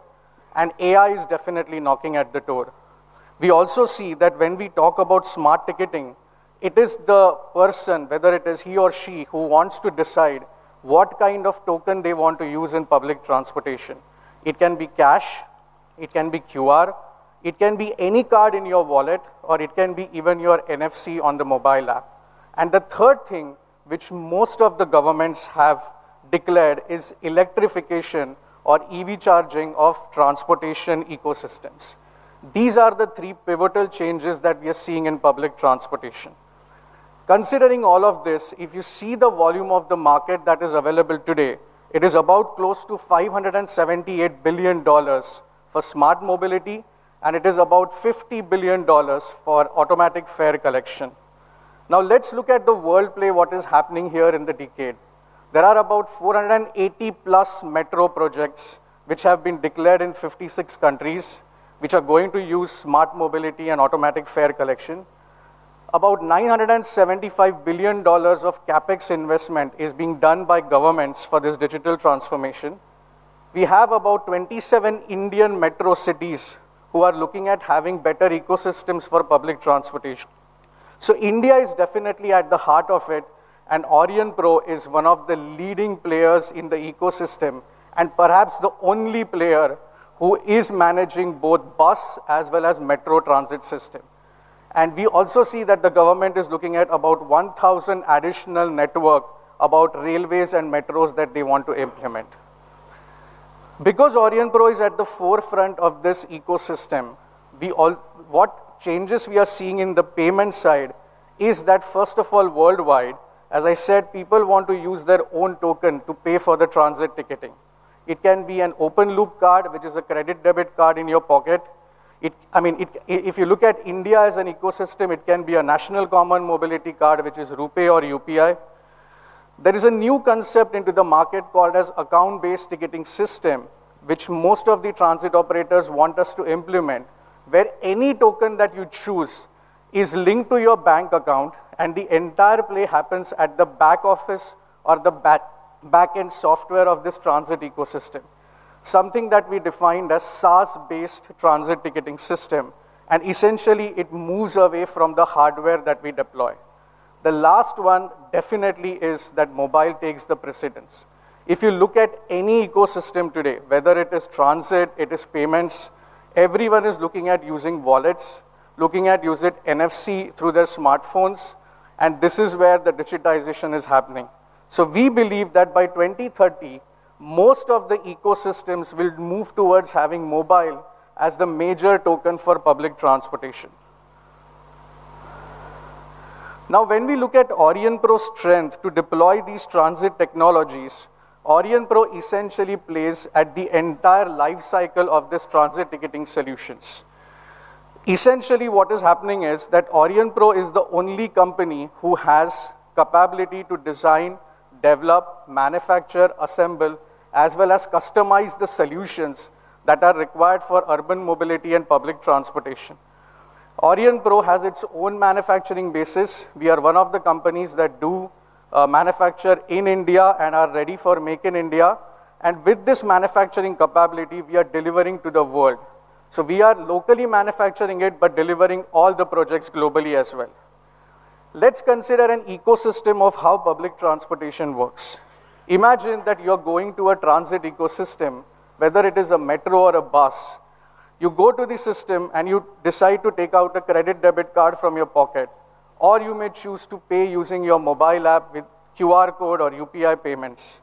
AI is definitely knocking at the door. We also see that when we talk about smart ticketing, it is the person, whether it is he or she, who wants to decide what kind of token they want to use in public transportation. It can be cash, it can be QR, it can be any card in your wallet, or it can be even your NFC on the mobile app. The third thing which most of the governments have declared is electrification or EV charging of transportation ecosystems. These are the three pivotal changes that we are seeing in public transportation. Considering all of this, if you see the volume of the market that is available today, it is about close to $578 billion for smart mobility, and it is about $50 billion for automatic fare collection. Let's look at the world play, what is happening here in the decade. There are about 480+ metro projects which have been declared in 56 countries, which are going to use smart mobility and automatic fare collection. About $975 billion of CapEx investment is being done by governments for this digital transformation. We have about 27 Indian metro cities who are looking at having better ecosystems for public transportation. India is definitely at the heart of it, and Aurionpro is one of the leading players in the ecosystem, and perhaps the only player who is managing both bus as well as metro transit system. We also see that the government is looking at about 1,000 additional network about railways and metros that they want to implement. Aurionpro is at the forefront of this ecosystem, what changes we are seeing in the payment side is that, first of all, worldwide, as I said, people want to use their own token to pay for the transit ticketing. It can be an open loop card, which is a credit debit card in your pocket. If you look at India as an ecosystem, it can be a national common mobility card, which is RuPay or UPI. There is a new concept into the market called as account-based ticketing system, which most of the transit operators want us to implement, where any token that you choose is linked to your bank account and the entire play happens at the back office or the back-end software of this transit ecosystem. Something that we defined as SaaS-based transit ticketing system, essentially it moves away from the hardware that we deploy. The last one definitely is that mobile takes the precedence. If you look at any ecosystem today, whether it is transit, it is payments, everyone is looking at using wallets, looking at using NFC through their smartphones, and this is where the digitization is happening. We believe that by 2030, most of the ecosystems will move towards having mobile as the major token for public transportation. When we look at Aurionpro's strength to deploy these transit technologies, Aurionpro essentially plays at the entire life cycle of this transit ticketing solutions. Essentially, what is happening is that Aurionpro is the only company who has capability to design, develop, manufacture, assemble, as well as customize the solutions that are required for urban mobility and public transportation. Aurionpro has its own manufacturing bases. We are one of the companies that do manufacture in India and are ready for Make in India. With this manufacturing capability, we are delivering to the world. We are locally manufacturing it, but delivering all the projects globally as well. Let's consider an ecosystem of how public transportation works. Imagine that you're going to a transit ecosystem, whether it is a metro or a bus. You go to the system, you decide to take out a credit debit card from your pocket, or you may choose to pay using your mobile app with QR code or UPI payments.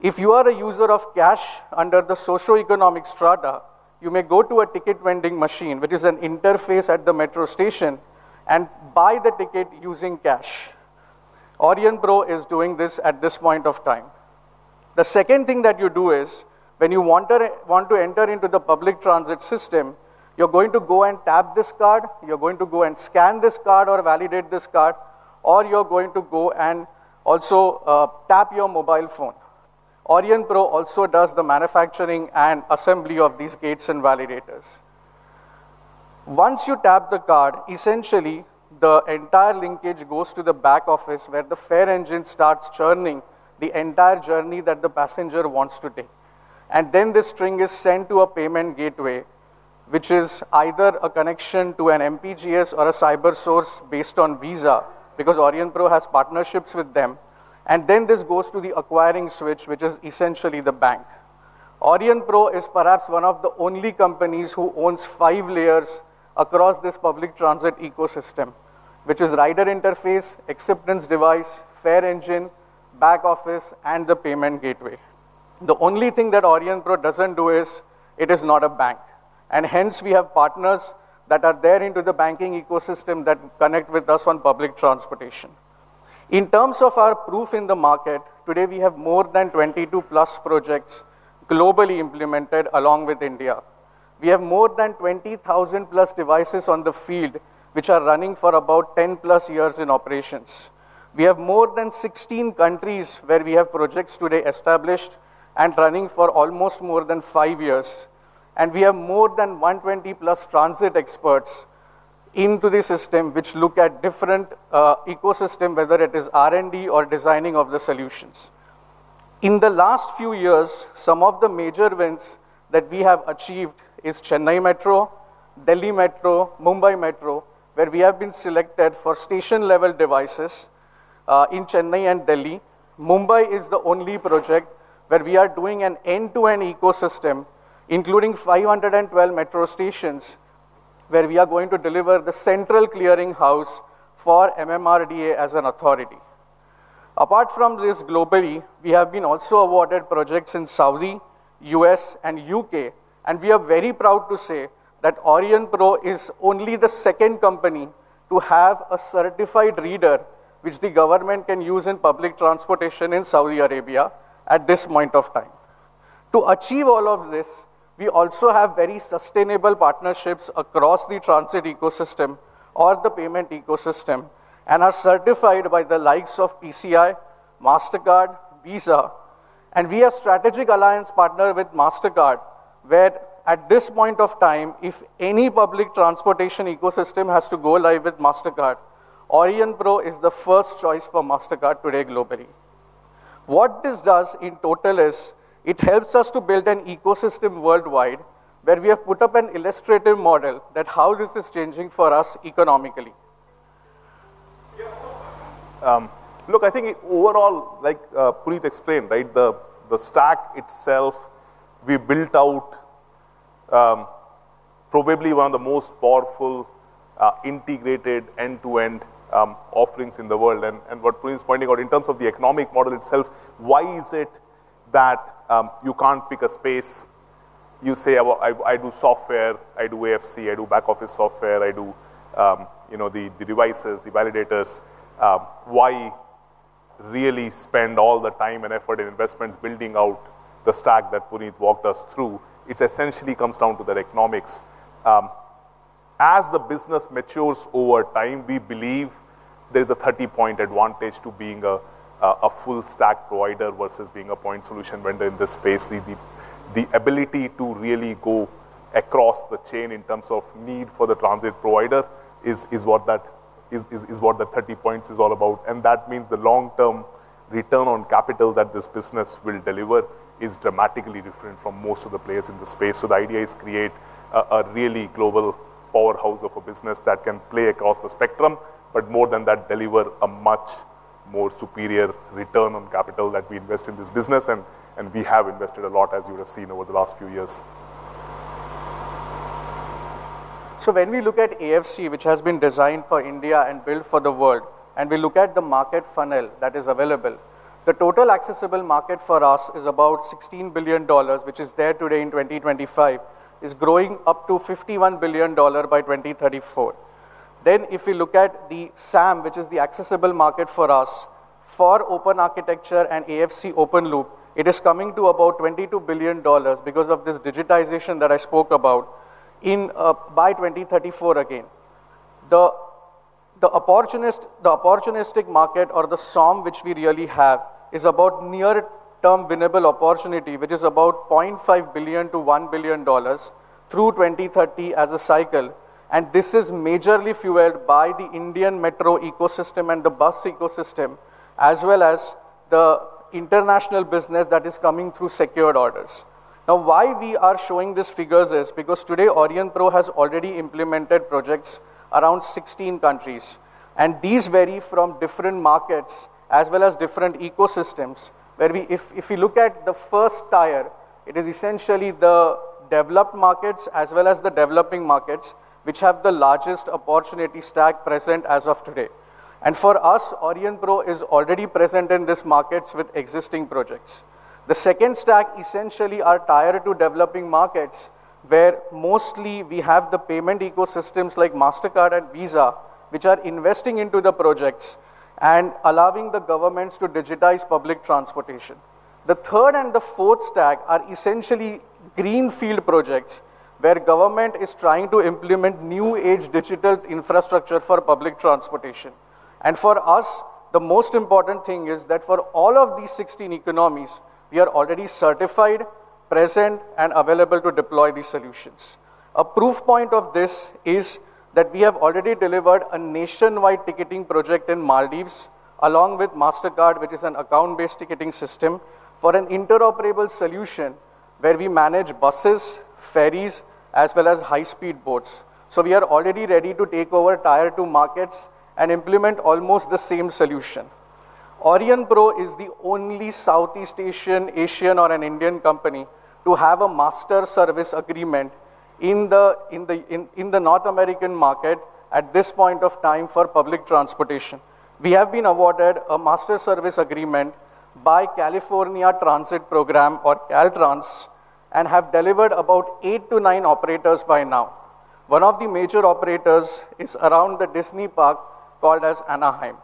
If you are a user of cash under the socioeconomic strata, you may go to a ticket vending machine, which is an interface at the metro station, and buy the ticket using cash. Aurionpro is doing this at this point of time. The second thing that you do is when you want to enter into the public transit system, you're going to go and tap this card. You're going to go and scan this card or validate this card, or you're going to go and also tap your mobile phone. Aurionpro also does the manufacturing and assembly of these gates and validators. Once you tap the card, essentially, the entire linkage goes to the back office where the fare engine starts churning the entire journey that the passenger wants to take. This string is sent to a payment gateway, which is either a connection to an MPGS or a CyberSource based on Visa, because Aurionpro has partnerships with them. This goes to the acquiring switch, which is essentially the bank. Aurionpro is perhaps one of the only companies who owns five layers across this public transit ecosystem, which is rider interface, acceptance device, fare engine, back office, and the payment gateway. The only thing that Aurionpro doesn't do is, it is not a bank. Hence we have partners that are there into the banking ecosystem that connect with us on public transportation. In terms of our proof in the market, today we have more than 22-plus projects globally implemented along with India. We have more than 20,000-plus devices on the field, which are running for about 10-plus years in operations. We have more than 16 countries where we have projects today established and running for almost more than five years. We have more than 120-plus transit experts into the system which look at different ecosystem, whether it is R&D or designing of the solutions. In the last few years, some of the major wins that we have achieved is Chennai Metro, Delhi Metro, Mumbai Metro, where we have been selected for station-level devices, in Chennai and Delhi. Mumbai is the only project where we are doing an end-to-end ecosystem, including 512 metro stations, where we are going to deliver the central clearing house for MMRDA as an authority. Apart from this, globally, we have been also awarded projects in Saudi, U.S. and U.K. We are very proud to say that Aurionpro is only the second company to have a certified reader which the government can use in public transportation in Saudi Arabia at this point of time. To achieve all of this, we also have very sustainable partnerships across the transit ecosystem or the payment ecosystem and are certified by the likes of PCI, Mastercard, Visa. We are strategic alliance partner with Mastercard, where at this point of time, if any public transportation ecosystem has to go live with Mastercard, Aurionpro is the first choice for Mastercard today globally. What this does in total is it helps us to build an ecosystem worldwide where we have put up an illustrative model that how this is changing for us economically. Look, I think overall, like Puneet explained, right? The stack itself, we built out probably one of the most powerful integrated end-to-end offerings in the world. Puneet is pointing out in terms of the economic model itself, why is it that you can't pick a space? You say, "I do software. I do AFC. I do back office software. I do the devices, the validators." Why really spend all the time and effort and investments building out the stack that Puneet walked us through? It essentially comes down to the economics. As the business matures over time, we believe there's a 30-point advantage to being a full stack provider versus being a point solution vendor in this space. The ability to really go across the chain in terms of need for the transit provider is what that 30 points is all about. That means the long-term return on capital that this business will deliver is dramatically different from most of the players in the space. The idea is create a really global powerhouse of a business that can play across the spectrum, but more than that, deliver a much more superior return on capital that we invest in this business. We have invested a lot, as you would have seen over the last few years. When we look at AFC, which has been designed for India and built for the world, and we look at the market funnel that is available. The total accessible market for us is about INR 16 billion, which is there today in 2025. It's growing up to INR 51 billion by 2034. If we look at the SAM, which is the accessible market for us for open architecture and AFC open loop, it is coming to about INR 22 billion because of this digitization that I spoke about by 2034 again. The opportunistic market or the SOM which we really have is about near-term winnable opportunity, which is about INR 0.5 billion-INR 1 billion through 2030 as a cycle. This is majorly fueled by the Indian metro ecosystem and the bus ecosystem, as well as the international business that is coming through secured orders. Why we are showing these figures is because today, Aurionpro has already implemented projects around 16 countries, and these vary from different markets as well as different ecosystems. If we look at the first tier, it is essentially the developed markets as well as the developing markets which have the largest opportunity stack present as of today. For us, Aurionpro is already present in these markets with existing projects. The second stack essentially are tier 2 developing markets where mostly we have the payment ecosystems like Mastercard and Visa which are investing into the projects and allowing the governments to digitize public transportation. The third and the fourth stack are essentially greenfield projects where government is trying to implement new age digital infrastructure for public transportation. For us, the most important thing is that for all of these 16 economies, we are already certified, present, and available to deploy these solutions. A proof point of this is that we have already delivered a nationwide ticketing project in Maldives along with Mastercard, which is an account-based ticketing system for an interoperable solution where we manage buses, ferries, as well as high-speed boats. We are already ready to take over tier 2 markets and implement almost the same solution. Aurionpro is the only Southeast Asian, or an Indian company to have a master service agreement in the North American market at this point of time for public transportation. We have been awarded a master service agreement by California Transit Program or Caltrans and have delivered about eight to nine operators by now. One of the major operators is around the Disney park called as Anaheim.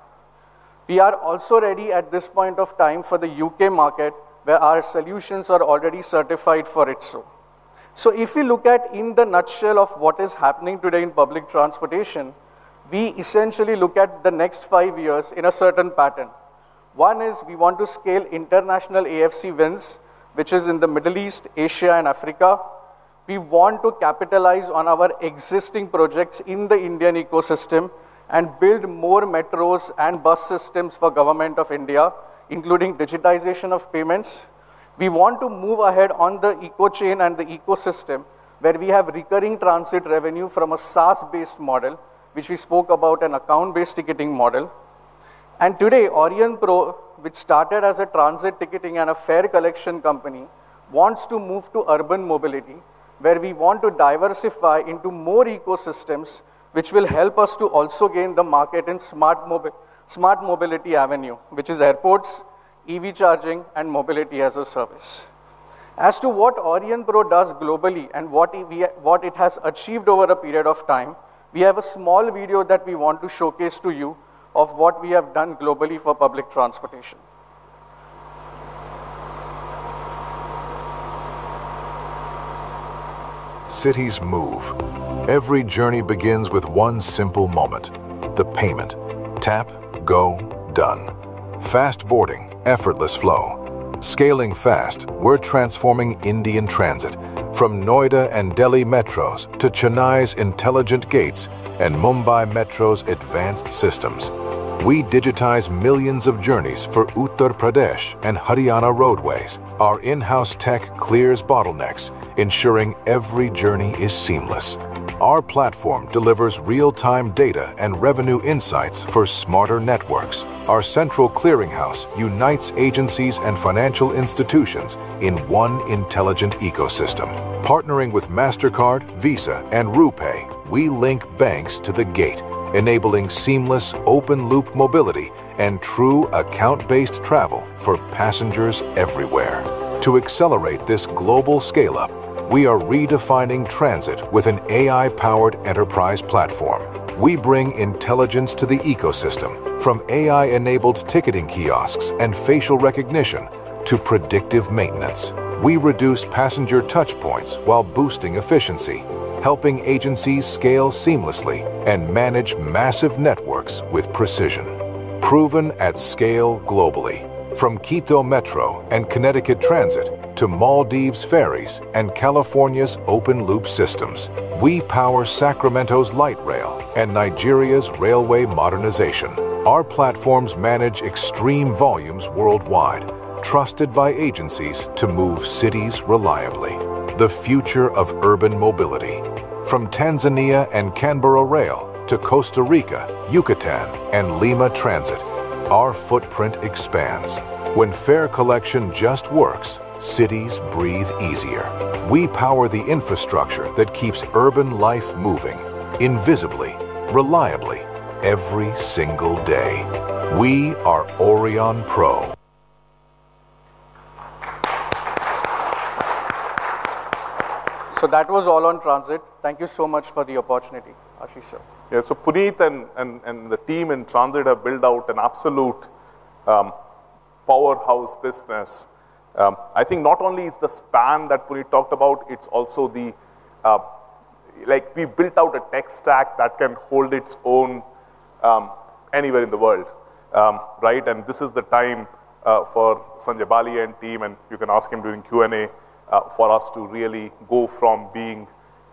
We are also ready at this point of time for the U.K. market where our solutions are already certified for it. If we look at in the nutshell of what is happening today in public transportation, we essentially look at the next five years in a certain pattern. One is we want to scale international AFC wins, which is in the Middle East, Asia and Africa. We want to capitalize on our existing projects in the Indian ecosystem and build more metros and bus systems for Government of India, including digitization of payments. We want to move ahead on the eco-chain and the ecosystem where we have recurring transit revenue from a SaaS-based model, which we spoke about an account-based ticketing model. Today, Aurionpro, which started as a transit ticketing and a fare collection company, wants to move to urban mobility where we want to diversify into more ecosystems which will help us to also gain the market in smart mobility avenue, which is airports, EV charging, and mobility as a service. As to what Aurionpro does globally and what it has achieved over a period of time, we have a small video that we want to showcase to you of what we have done globally for public transportation. Cities move. Every journey begins with one simple moment. The payment. Tap. Go. Done. Fast boarding. Effortless flow. Scaling fast. We are transforming Indian transit from Noida and Delhi metros to Chennai's intelligent gates and Mumbai Metro's advanced systems. We digitize millions of journeys for Uttar Pradesh and Haryana Roadways. Our in-house tech clears bottlenecks, ensuring every journey is seamless. Our platform delivers real-time data and revenue insights for smarter networks. Our central clearinghouse unites agencies and financial institutions in one intelligent ecosystem. Partnering with Mastercard, Visa, and RuPay, we link banks to the gate, enabling seamless open-loop mobility and true account-based travel for passengers everywhere. To accelerate this global scale-up, we are redefining transit with an AI-powered enterprise platform. We bring intelligence to the ecosystem from AI-enabled ticketing kiosks and facial recognition to predictive maintenance. We reduce passenger touch points while boosting efficiency, helping agencies scale seamlessly and manage massive networks with precision. Proven at scale globally. From Metro de Quito and CTtransit to Maldives ferries and California's open-loop systems. We power Sacramento's light rail and Nigeria's railway modernization. Our platforms manage extreme volumes worldwide. Trusted by agencies to move cities reliably. The future of urban mobility. From Tanzania and Canberra Rail to Costa Rica, Yucatan, and Lima Transit, our footprint expands. When fare collection just works, cities breathe easier. We power the infrastructure that keeps urban life moving invisibly, reliably every single day. We are Aurionpro. That was all on Transit. Thank you so much for the opportunity, Ashish Sir. Puneet and the team in Transit have built out an absolute powerhouse business. Not only is the span that Puneet talked about, it's also the. We built out a tech stack that can hold its own anywhere in the world. This is the time for Sanjay Bali and team, and you can ask him during Q&A, for us to really go from being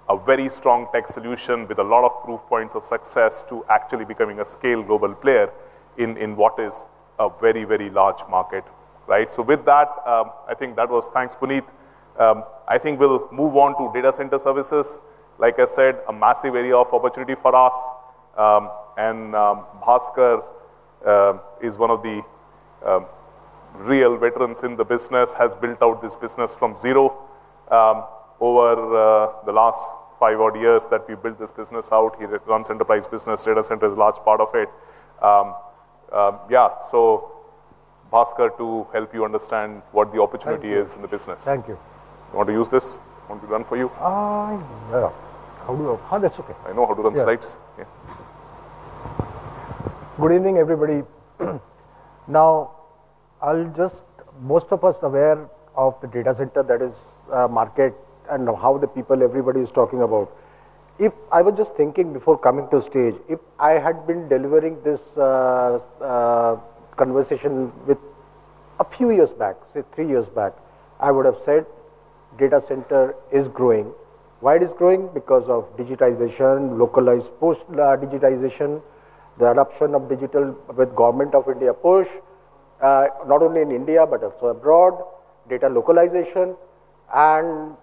a very strong tech solution with a lot of proof points of success to actually becoming a scale global player in what is a very large market. Thanks, Puneet. We'll move on to data center services. Like I said, a massive area of opportunity for us. Bhaskar is one of the real veterans in the business, has built out this business from zero over the last five odd years that we built this business out. He runs enterprise business. Data center is a large part of it. Bhaskar to help you understand what the opportunity is in the business. Thank you. You want to use this? Want me to run for you? No. That's okay. I know how to run slides. Yeah. Good evening, everybody. Most of us aware of the data center, that is market and how the people, everybody is talking about. I was just thinking before coming to stage, if I had been delivering this conversation a few years back, say three years back, I would've said data center is growing. Why it is growing? Because of digitization, localized post digitization, the adoption of digital with Government of India push, not only in India but also abroad, data localization, and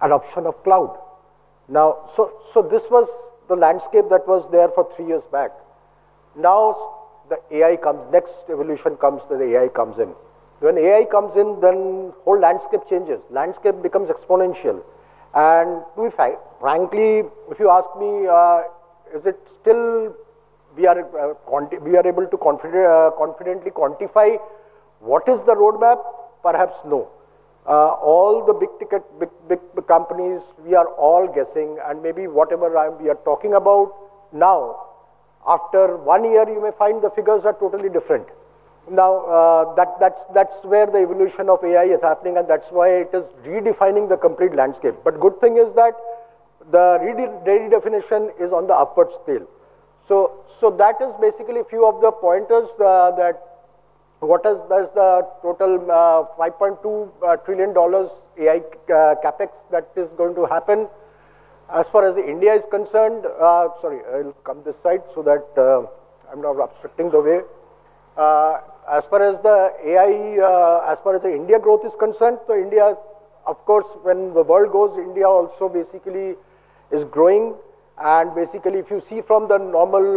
adoption of cloud. This was the landscape that was there for three years back. The AI comes. Next evolution comes, AI comes in. Whole landscape changes. Landscape becomes exponential. To be frank, frankly, if you ask me, is it still we are able to confidently quantify what is the roadmap? Perhaps no. All the big ticket, big companies, we are all guessing and maybe whatever we are talking about now, after one year, you may find the figures are totally different. That's where the evolution of AI is happening, and that's why it is redefining the complete landscape. Good thing is that the redefinition is on the upward scale. That is basically few of the pointers that what is the total $5.2 trillion AI CapEx that is going to happen. As far as India is concerned-- Sorry, I'll come this side so that I'm not obstructing the way. As far as the India growth is concerned, India, of course, when the world goes, India also basically is growing. Basically, if you see from the normal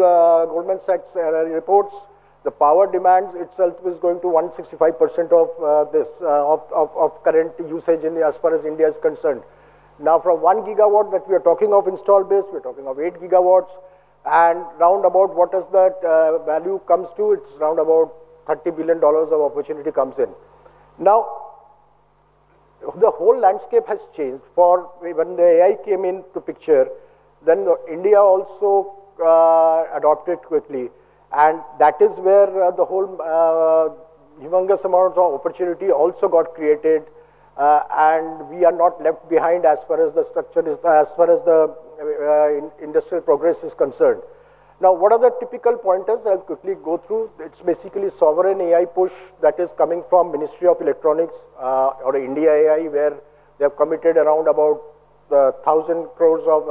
government sector reports, the power demands itself is going to 165% of current usage as far as India is concerned. From one gigawatt that we are talking of installed base, we're talking of eight gigawatts, and round about what is that value comes to, it's around about $30 billion of opportunity comes in. The whole landscape has changed. AI came into picture, India also adopted quickly, and that is where the whole humongous amount of opportunity also got created. We are not left behind as far as the industrial progress is concerned. What are the typical pointers? I'll quickly go through. It's basically sovereign AI push that is coming from Ministry of Electronics or IndiaAI where they have committed around about 10,000 crores of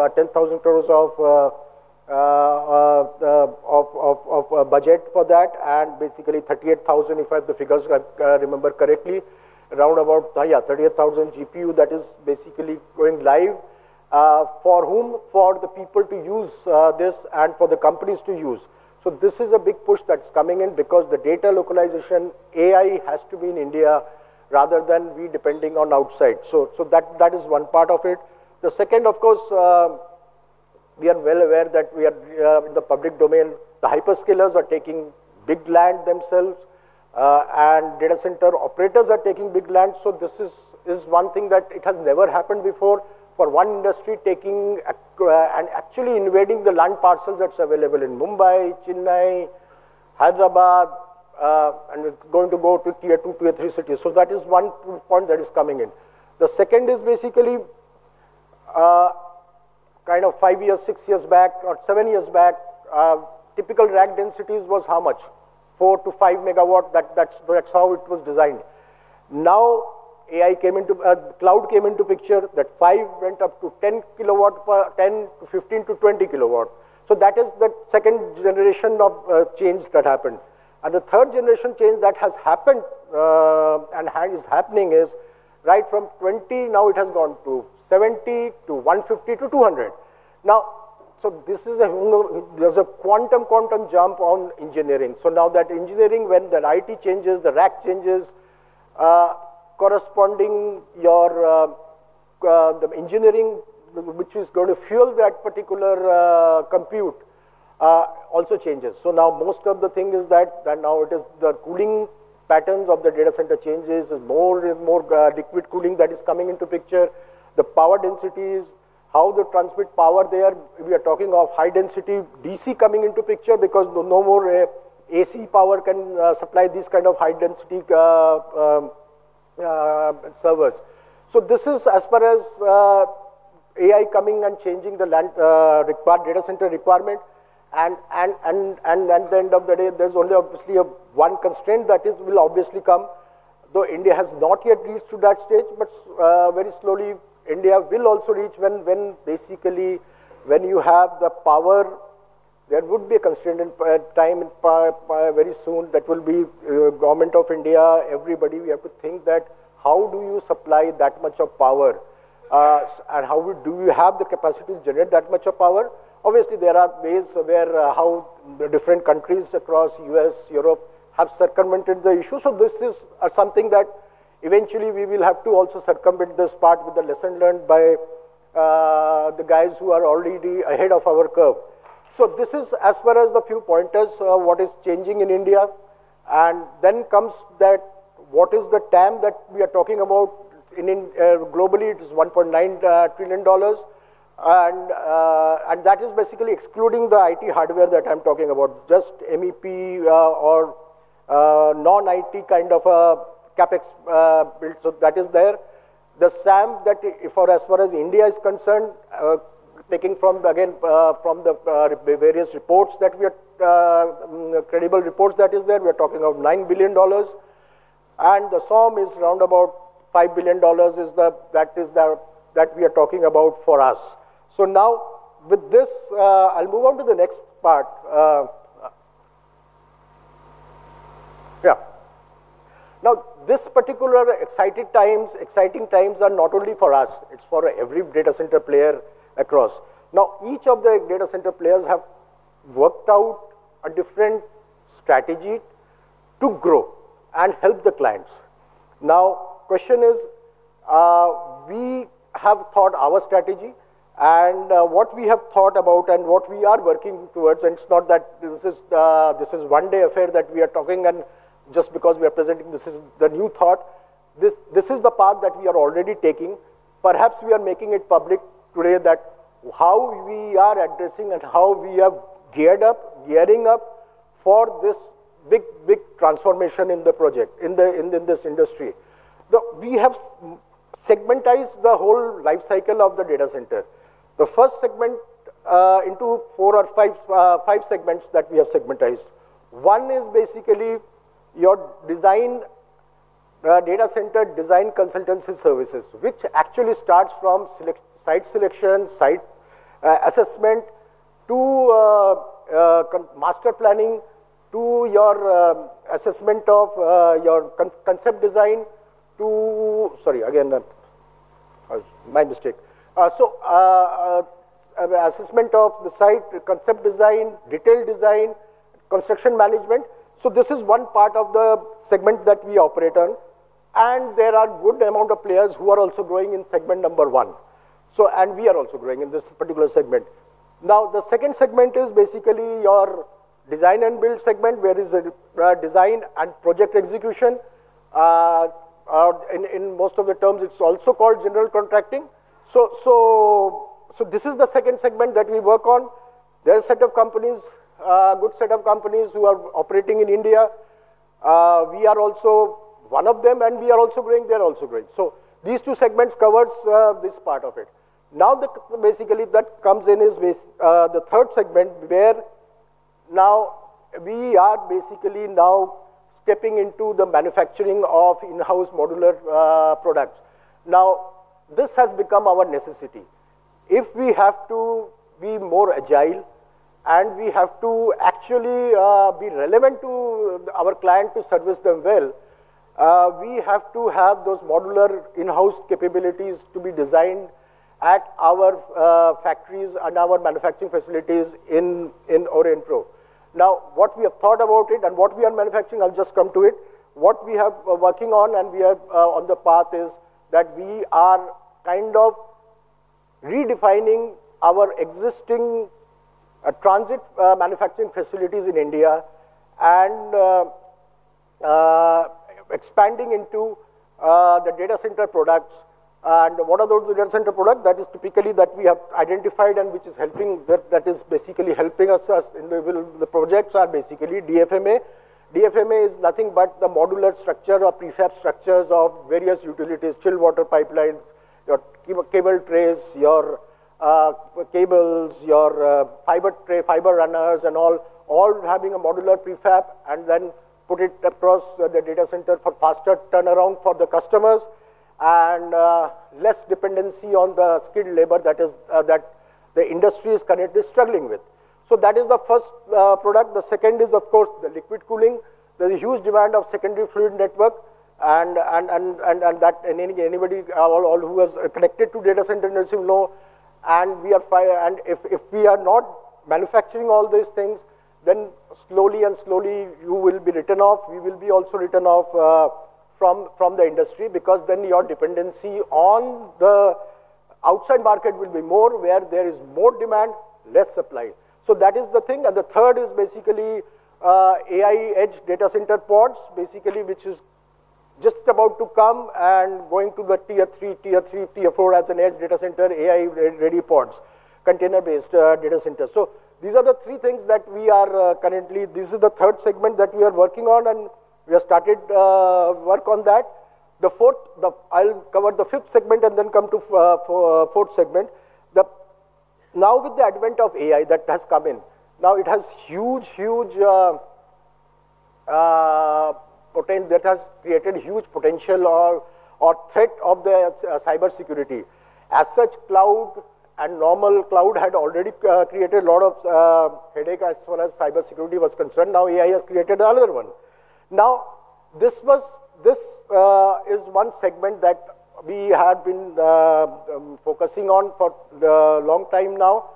budget for that, and basically 38,000, if the figures I remember correctly. Around about, yeah, 38,000 GPU that is basically going live. For whom? For the people to use this and for the companies to use. This is a big push that's coming in because the data localization AI has to be in India rather than we depending on outside. That is one part of it. The second, of course, we are well aware that in the public domain, the hyperscalers are taking big land themselves, and data center operators are taking big land. This is one thing that it has never happened before for one industry taking and actually invading the land parcels that's available in Mumbai, Chennai, Hyderabad, and it's going to go to tier 2, tier 3 cities. That is one proof point that is coming in. The second is basically kind of five years, six years back or seven years back, typical rack densities was how much? 4MW-5MW. That's how it was designed. Cloud came into picture, that 5 went up to 10kW per 10kW to 15kW to 20kW. That is the second generation of change that happened. The third generation change that has happened, and is happening is right from 20, now it has gone to 70 to 150 to 200. There's a quantum jump on engineering. That engineering, when the IT changes, the rack changes, corresponding the engineering which is going to fuel that particular compute also changes. Most of the thing is that now the cooling patterns of the data center changes. There's more liquid cooling that is coming into picture. The power densities, how they transmit power there. We are talking of high density DC coming into picture because no more AC power can supply these kind of high density servers. This is as far as AI coming and changing the data center requirement. At the end of the day, there's only obviously one constraint that will obviously come, though India has not yet reached to that stage. Very slowly India will also reach when basically you have the power, there would be a constraint in time very soon. That will be Government of India, everybody, we have to think that how do you supply that much of power? How do you have the capacity to generate that much of power? Obviously, there are ways where how the different countries across U.S., Europe, have circumvented the issue. This is something that eventually we will have to also circumvent this part with the lesson learned by the guys who are already ahead of our curve. This is as far as the few pointers what is changing in India. Comes that what is the TAM that we are talking about? Globally, it is $1.9 trillion. That is basically excluding the IT hardware that I'm talking about. Just MEP or non-IT kind of a CapEx build. That is there. The SAM as far as India is concerned, taking from the various credible reports that is there, we're talking of $9 billion. The SOM is around about $5 billion, that we are talking about for us. With this, I'll move on to the next part. This particular exciting times are not only for us, it's for every data center player across. Each of the data center players have worked out a different strategy to grow and help the clients. Question is, we have thought our strategy. What we have thought about and what we are working towards, it's not that this is one-day affair that we are talking, and just because we are presenting, this is the new thought. This is the path that we are already taking. Perhaps we are making it public today that how we are addressing and how we have gearing up for this big transformation in this industry. We have segmentized the whole life cycle of the data center. The first segment into 4 or 5 segments that we have segmentized. One is basically your data center design consultancy services, which actually starts from site selection, site assessment, to master planning, to your assessment of your concept design. Sorry. Again, my mistake. Assessment of the site, concept design, detail design, construction management. This is one part of the segment that we operate on, and there are good amount of players who are also growing in segment 1. We are also growing in this particular segment. The second segment is basically your design and build segment, where design and project execution. In most of the terms, it is also called general contracting. This is the second segment that we work on. There are a good set of companies who are operating in India. We are also one of them, and we are also growing. They are also growing. These two segments covers this part of it. That comes in is the third segment where we are basically stepping into the manufacturing of in-house modular products. This has become our necessity. If we have to be more agile, we have to actually be relevant to our client to service them well, we have to have those modular in-house capabilities to be designed at our factories and our manufacturing facilities in Aurionpro. What we have thought about it and what we are manufacturing, I will just come to it. What we are working on and we are on the path is that we are kind of redefining our existing transit manufacturing facilities in India and expanding into the data center products. One of those data center product that is typically that we have identified and that is basically helping us in the projects are basically DFMA. DFMA is nothing but the modular structure or prefab structures of various utilities, chill water pipelines, your cable trays, your cables, your fiber runners and all having a modular prefab, and then put it across the data center for faster turnaround for the customers and less dependency on the skilled labor that the industry is currently struggling with. That is the first product. The second is, of course, liquid cooling. There is a huge demand of secondary fluid network. Anybody at all who is connected to data center industry will know. If we are not manufacturing all these things, slowly and slowly you will be written off, we will be also written off from the industry because your dependency on the outside market will be more where there is more demand, less supply. That is the thing. The third is basically AI edge data center pods, which is just about to come and going to the tier 3, tier 4 as an edge data center, AI-ready pods, container-based data centers. These are the three things that we are currently. This is the third segment that we are working on, and we have started work on that. The fourth. I will cover the fifth segment and then come to fourth segment. With the advent of AI that has come in, it has created huge potential or threat of the cybersecurity. As such, cloud and normal cloud had already created a lot of headache as well as cybersecurity was concerned. AI has created another one. This is one segment that we have been focusing on for the long time now.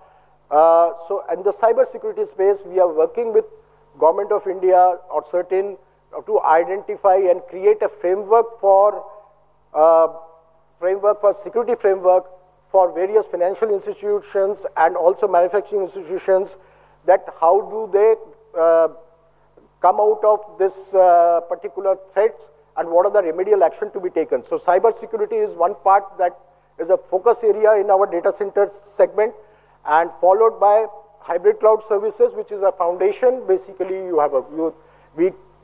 In the cybersecurity space, we are working with Government of India on certain, to identify and create a security framework for various financial institutions and also manufacturing institutions. How do they come out of this particular threats, and what are the remedial action to be taken? Cybersecurity is one part that is a focus area in our data centers segment, and followed by hybrid cloud services, which is a foundation. Basically,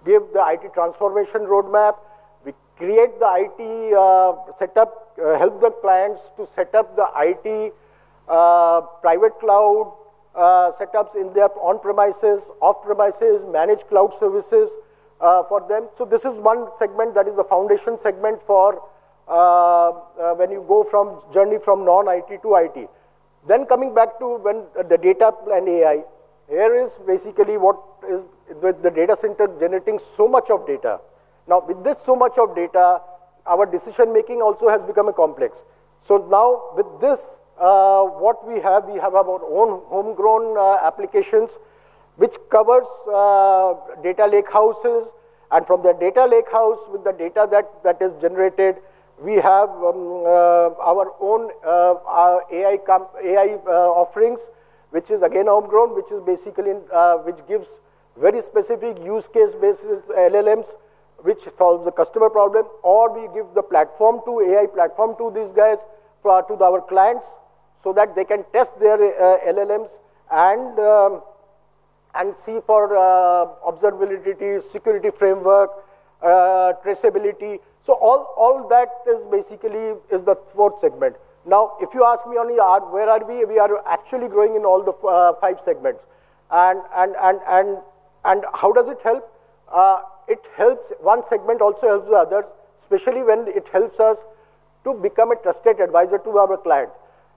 we give the IT transformation roadmap. We create the IT setup, help the clients to set up the IT private cloud setups in their on-premises, off-premises, managed cloud services for them. This is one segment that is the foundation segment for when you go from journey from non-IT to IT. Coming back to when the data and AI. Here is basically what is with the data center generating so much of data. Now with this so much of data, our decision-making also has become complex. Now with this, what we have? We have our own homegrown applications which covers data lake houses, and from the data lake house with the data that is generated, we have our own AI offerings, which is again homegrown, which gives very specific use case basis LLMs which solves the customer problem. Or we give the AI platform to these guys, to our clients, so that they can test their LLMs and see for observability, security framework, traceability. All that is basically is the fourth segment. If you ask me only, where are we? We are actually growing in all the five segments. How does it help? One segment also helps the others, especially when it helps us to become a trusted advisor to our client.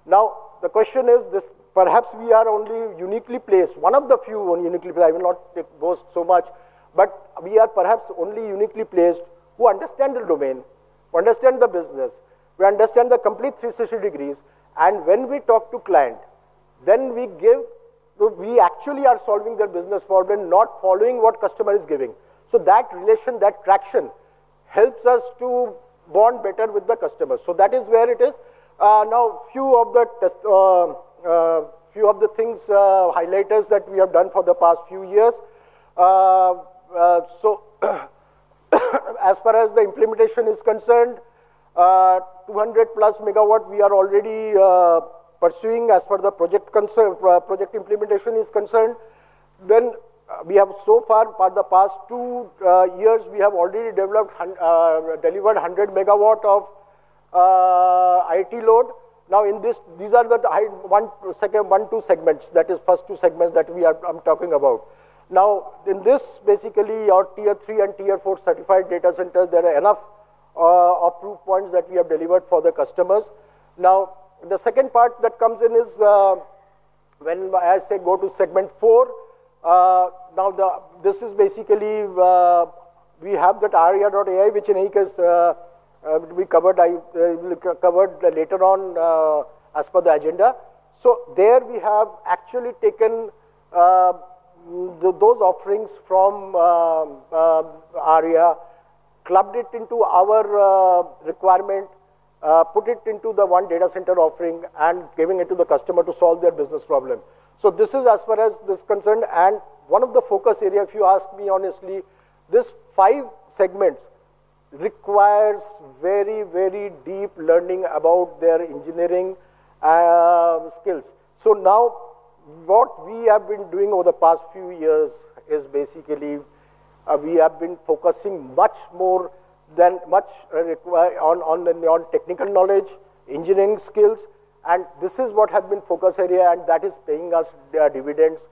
The question is this. Perhaps we are only uniquely placed, one of the few only uniquely placed, I will not boast so much. We are perhaps only uniquely placed who understand the domain, who understand the business, we understand the complete 360 degrees, and when we talk to client, We actually are solving their business problem, not following what customer is giving. That relation, that traction, helps us to bond better with the customer. That is where it is. Few of the things, highlighters that we have done for the past few years. As far as the implementation is concerned, 200+ megawatt we are already pursuing as per the project implementation is concerned. We have so far for the past two years, we have already delivered 100 megawatt of IT load. These are the one, two segments. That is first two segments that I'm talking about. In this, basically, our tier 3 and tier 4 certified data centers, there are enough approved points that we have delivered for the customers. The second part that comes in is when I say go to segment 4, now this is basically, we have that Arya.ai, which in any case we'll cover later on as per the agenda. There we have actually taken those offerings from Arya, clubbed it into our requirement, put it into the one data center offering, and giving it to the customer to solve their business problem. This is as far as this is concerned. One of the focus area, if you ask me honestly, this five segments requires very, very deep learning about their engineering skills. Now what we have been doing over the past few years is basically, we have been focusing much on technical knowledge, engineering skills, and this is what have been focus area, and that is paying us their dividends.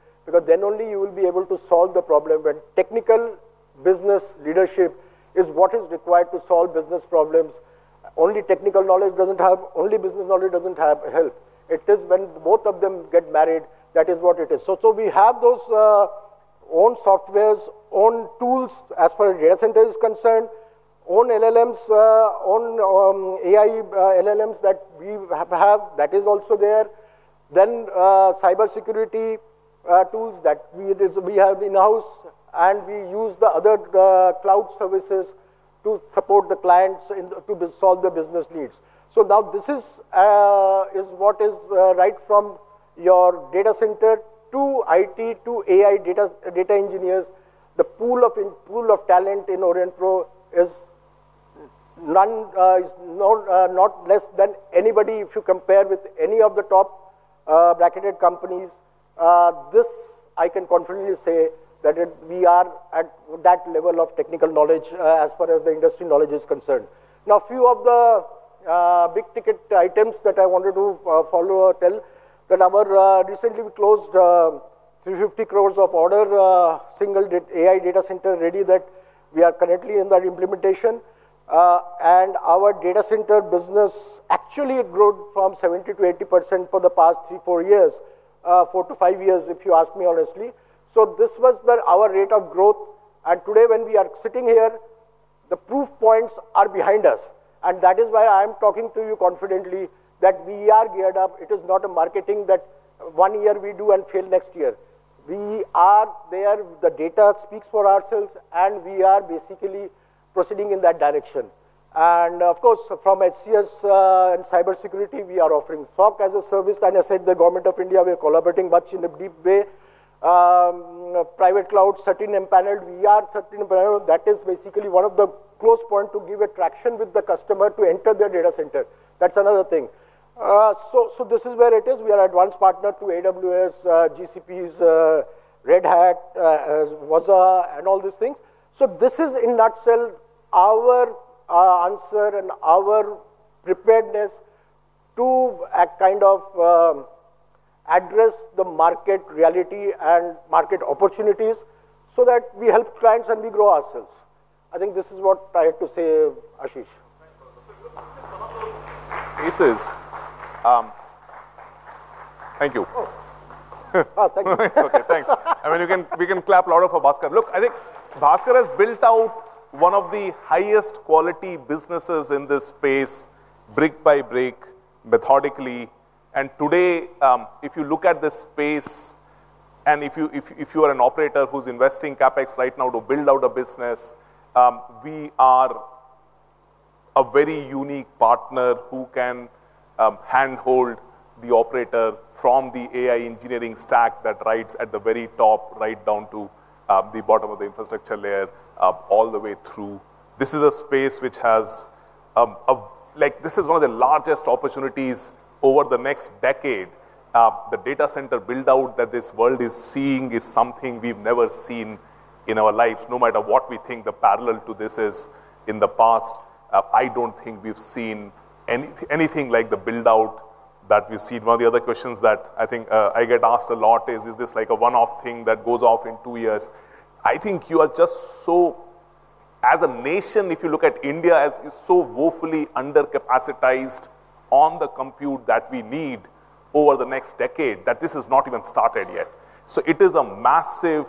Then only you will be able to solve the problem when technical business leadership is what is required to solve business problems. Only technical knowledge doesn't help, only business knowledge doesn't help. It is when both of them get married, that is what it is. We have those own softwares, own tools as far as data center is concerned, own LLMs, own AI LLMs that we have. That is also there. Cybersecurity tools that we have in-house, and we use the other cloud services to support the clients and to solve their business needs. Now this is what is right from your data center to IT, to AI data engineers. The pool of talent in Aurionpro is not less than anybody if you compare with any of the top bracketed companies. This I can confidently say, that we are at that level of technical knowledge as far as the industry knowledge is concerned. A few of the big-ticket items that I wanted to follow or tell. That recently we closed 350 crores of order, single AI data center ready that we are currently in the implementation. Our data center business actually grew from 70%-80% for the past three, four years. Four to five years, if you ask me honestly. This was our rate of growth. Today, when we are sitting here, the proof points are behind us. That is why I am talking to you confidently that we are geared up. It is not a marketing that one year we do and fail next year. We are there. The data speaks for ourselves, we are basically proceeding in that direction. Of course, from HCS and cybersecurity, we are offering SOC as a service. Like I said, the Government of India, we are collaborating much in a deep way. Private cloud, CERT-In empaneled, we are CERT-In empaneled. That is basically one of the close point to give a traction with the customer to enter their data center. That's another thing. This is where it is. We are advanced partner to AWS, GCPs, Red Hat, VMware, and all these things. This is in nutshell our answer and our preparedness to address the market reality and market opportunities so that we help clients and we grow ourselves. I think this is what I had to say, Ashish. Thank you. Thank you. It's okay. Thanks. We can clap louder for Bhaskar. Look, I think Bhaskar has built out one of the highest quality businesses in this space, brick by brick, methodically. Today, if you look at the space and if you are an operator who's investing CapEx right now to build out a business, we are a very unique partner who can handhold the operator from the AI engineering stack that rides at the very top, right down to the bottom of the infrastructure layer, all the way through. This is one of the largest opportunities over the next decade. The data center build-out that this world is seeing is something we've never seen in our lives. No matter what we think the parallel to this is in the past, I don't think we've seen anything like the build-out that we've seen. One of the other questions that I think I get asked a lot is this like a one-off thing that goes off in two years? I think as a nation, if you look at India as so woefully under-capacitized on the compute that we need over the next decade, that this has not even started yet. It is a massive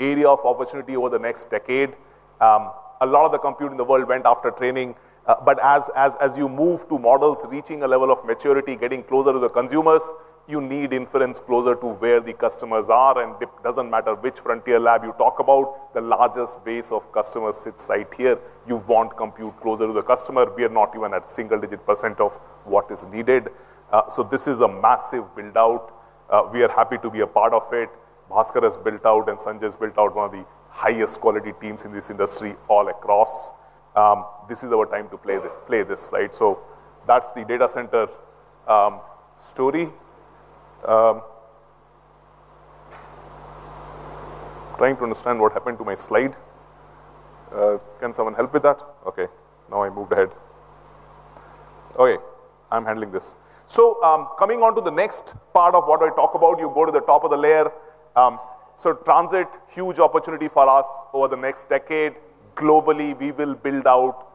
area of opportunity over the next decade. A lot of the compute in the world went after training. As you move to models reaching a level of maturity, getting closer to the consumers, you need inference closer to where the customers are. It doesn't matter which frontier lab you talk about, the largest base of customers sits right here. You want compute closer to the customer. We are not even at single-digit % of what is needed. This is a massive build-out. We are happy to be a part of it. Bhaskar has built out and Sanjay has built out one of the highest quality teams in this industry all across. This is our time to play this. That's the Data Center story. Trying to understand what happened to my slide. Can someone help with that? Now I moved ahead. I'm handling this. Coming on to the next part of what I talk about, you go to the top of the layer. Transit, huge opportunity for us over the next decade. Globally, we will build out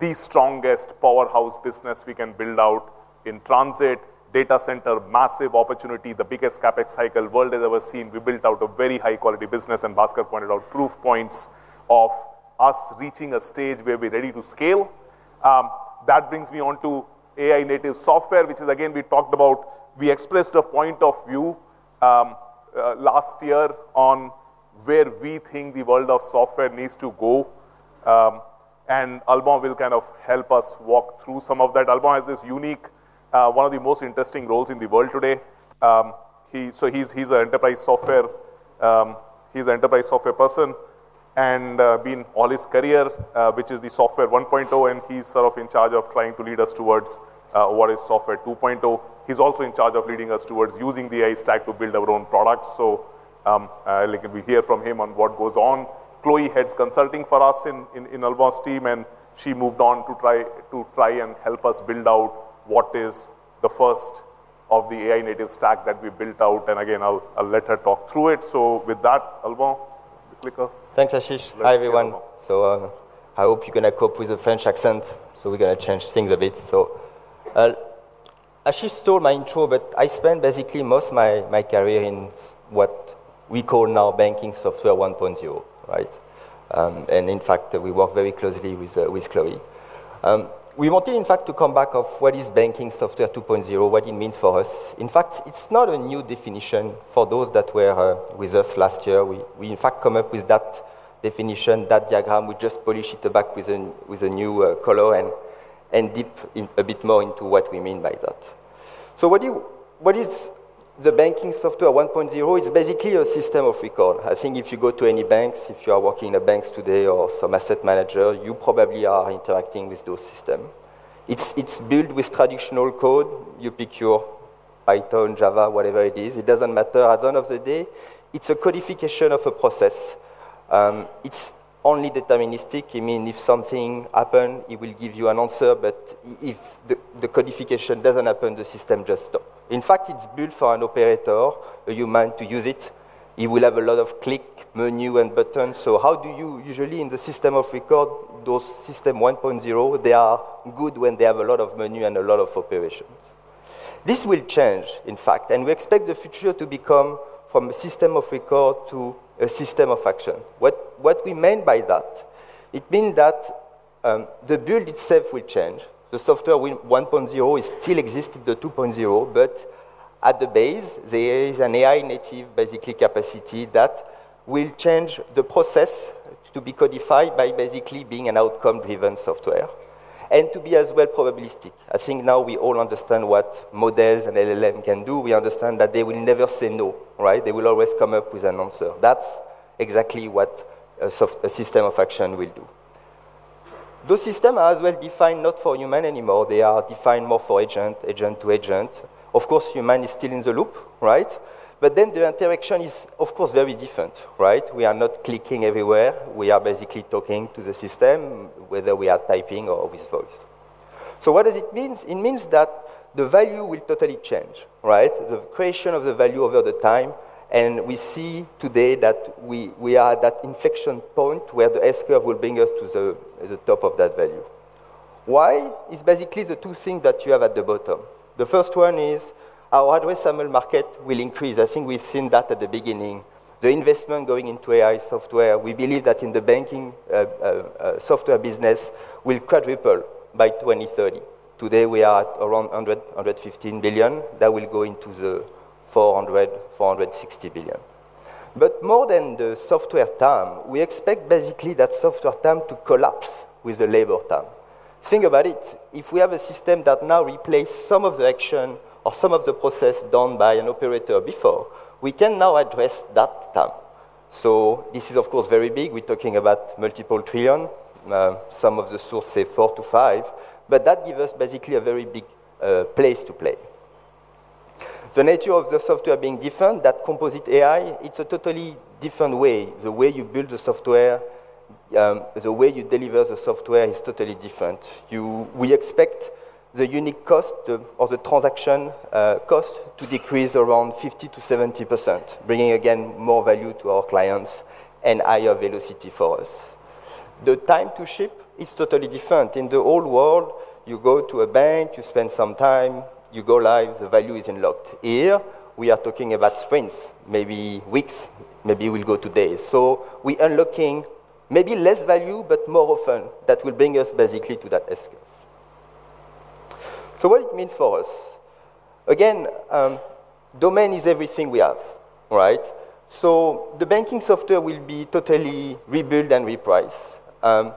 the strongest powerhouse business we can build out in Transit. Data Center, massive opportunity. The biggest CapEx cycle world has ever seen. We built out a very high-quality business, and Bhaskar pointed out proof points of us reaching a stage where we're ready to scale. That brings me on to AI-native software, which is, again, we talked about, we expressed a point of view last year on where we think the world of software needs to go. Alban will help us walk through some of that. Alban has this unique, one of the most interesting roles in the world today. He's an enterprise software person, and been all his career, which is the Software 1.0, and he's in charge of trying to lead us towards what is Software 2.0. He's also in charge of leading us towards using the AI stack to build our own products. We'll hear from him on what goes on. Chloe heads consulting for us in Alban's team, and she moved on to try and help us build out what is the first of the AI-native stack that we built out. Again, I'll let her talk through it. With that, Alban, the clicker. Thanks, Ashish. Hi, everyone. Let's go, Alban. I hope you're going to cope with the French accent. We're going to change things a bit. Ashish told my intro, but I spent basically most my career in what we call now banking software 1.0. In fact, we work very closely with Chloe. We wanted in fact to come back of what is banking software 2.0, what it means for us. In fact, it's not a new definition for those that were with us last year. We in fact come up with that definition, that diagram. We just polish it back with a new color and dip a bit more into what we mean by that. What is the banking software 1.0? It's basically a system of record. I think if you go to any banks, if you are working in the banks today or some asset manager, you probably are interacting with those system. It's built with traditional code. You pick your Python, Java, whatever it is, it doesn't matter. At the end of the day, it's a codification of a process. It's only deterministic. If something happen, it will give you an answer. If the codification doesn't happen, the system just stop. In fact, it's built for an operator, a human to use it. It will have a lot of click, menu, and button. How do you usually in the system of record, those system 1.0, they are good when they have a lot of menu and a lot of operations. This will change, in fact, and we expect the future to become from a system of record to a system of action. What we mean by that, it mean that the build itself will change. The software 1.0 still exist in the 2.0, but at the base, there is an AI-native basically capacity that will change the process to be codified by basically being an outcome-driven software and to be as well probabilistic. I think now we all understand what models and LLM can do. We understand that they will never say no. They will always come up with an answer. That's exactly what a system of action will do. Those system are as well defined not for human anymore. They are defined more for agent to agent. Of course, human is still in the loop. The interaction is of course very different. We are not clicking everywhere. We are basically talking to the system, whether we are typing or with voice. What does it means? It means that the value will totally change. The creation of the value over the time. We see today that we are at that inflection point where the S-curve will bring us to the top of that value. Why? It is basically the two things that you have at the bottom. The first one is our addressable market will increase. I think we have seen that at the beginning. The investment going into AI software, we believe that in the banking software business will quadruple by 2030. Today, we are at around 100 billion-115 billion. That will go into the 400 billion-460 billion. More than the software TAM, we expect basically that software TAM to collapse with the labor TAM. Think about it. If we have a system that now replaces some of the action or some of the process done by an operator before, we can now address that TAM. This is of course very big. We are talking about multiple trillion. Some of the sources say 4 trillion-5 trillion, but that gives us basically a very big place to play. The nature of the software being different, that composite AI, it is a totally different way. The way you build the software, the way you deliver the software is totally different. We expect the unique cost of the transaction cost to decrease around 50%-70%, bringing again, more value to our clients and higher velocity for us. The time to ship is totally different. In the old world, you go to a bank, you spend some time, you go live, the value is unlocked. Here, we are talking about sprints, maybe weeks, maybe we will go to days. We are looking maybe less value but more often. That will bring us basically to that S-curve. What it means for us. Again, domain is everything we have. The banking software will be totally rebuilt and repriced.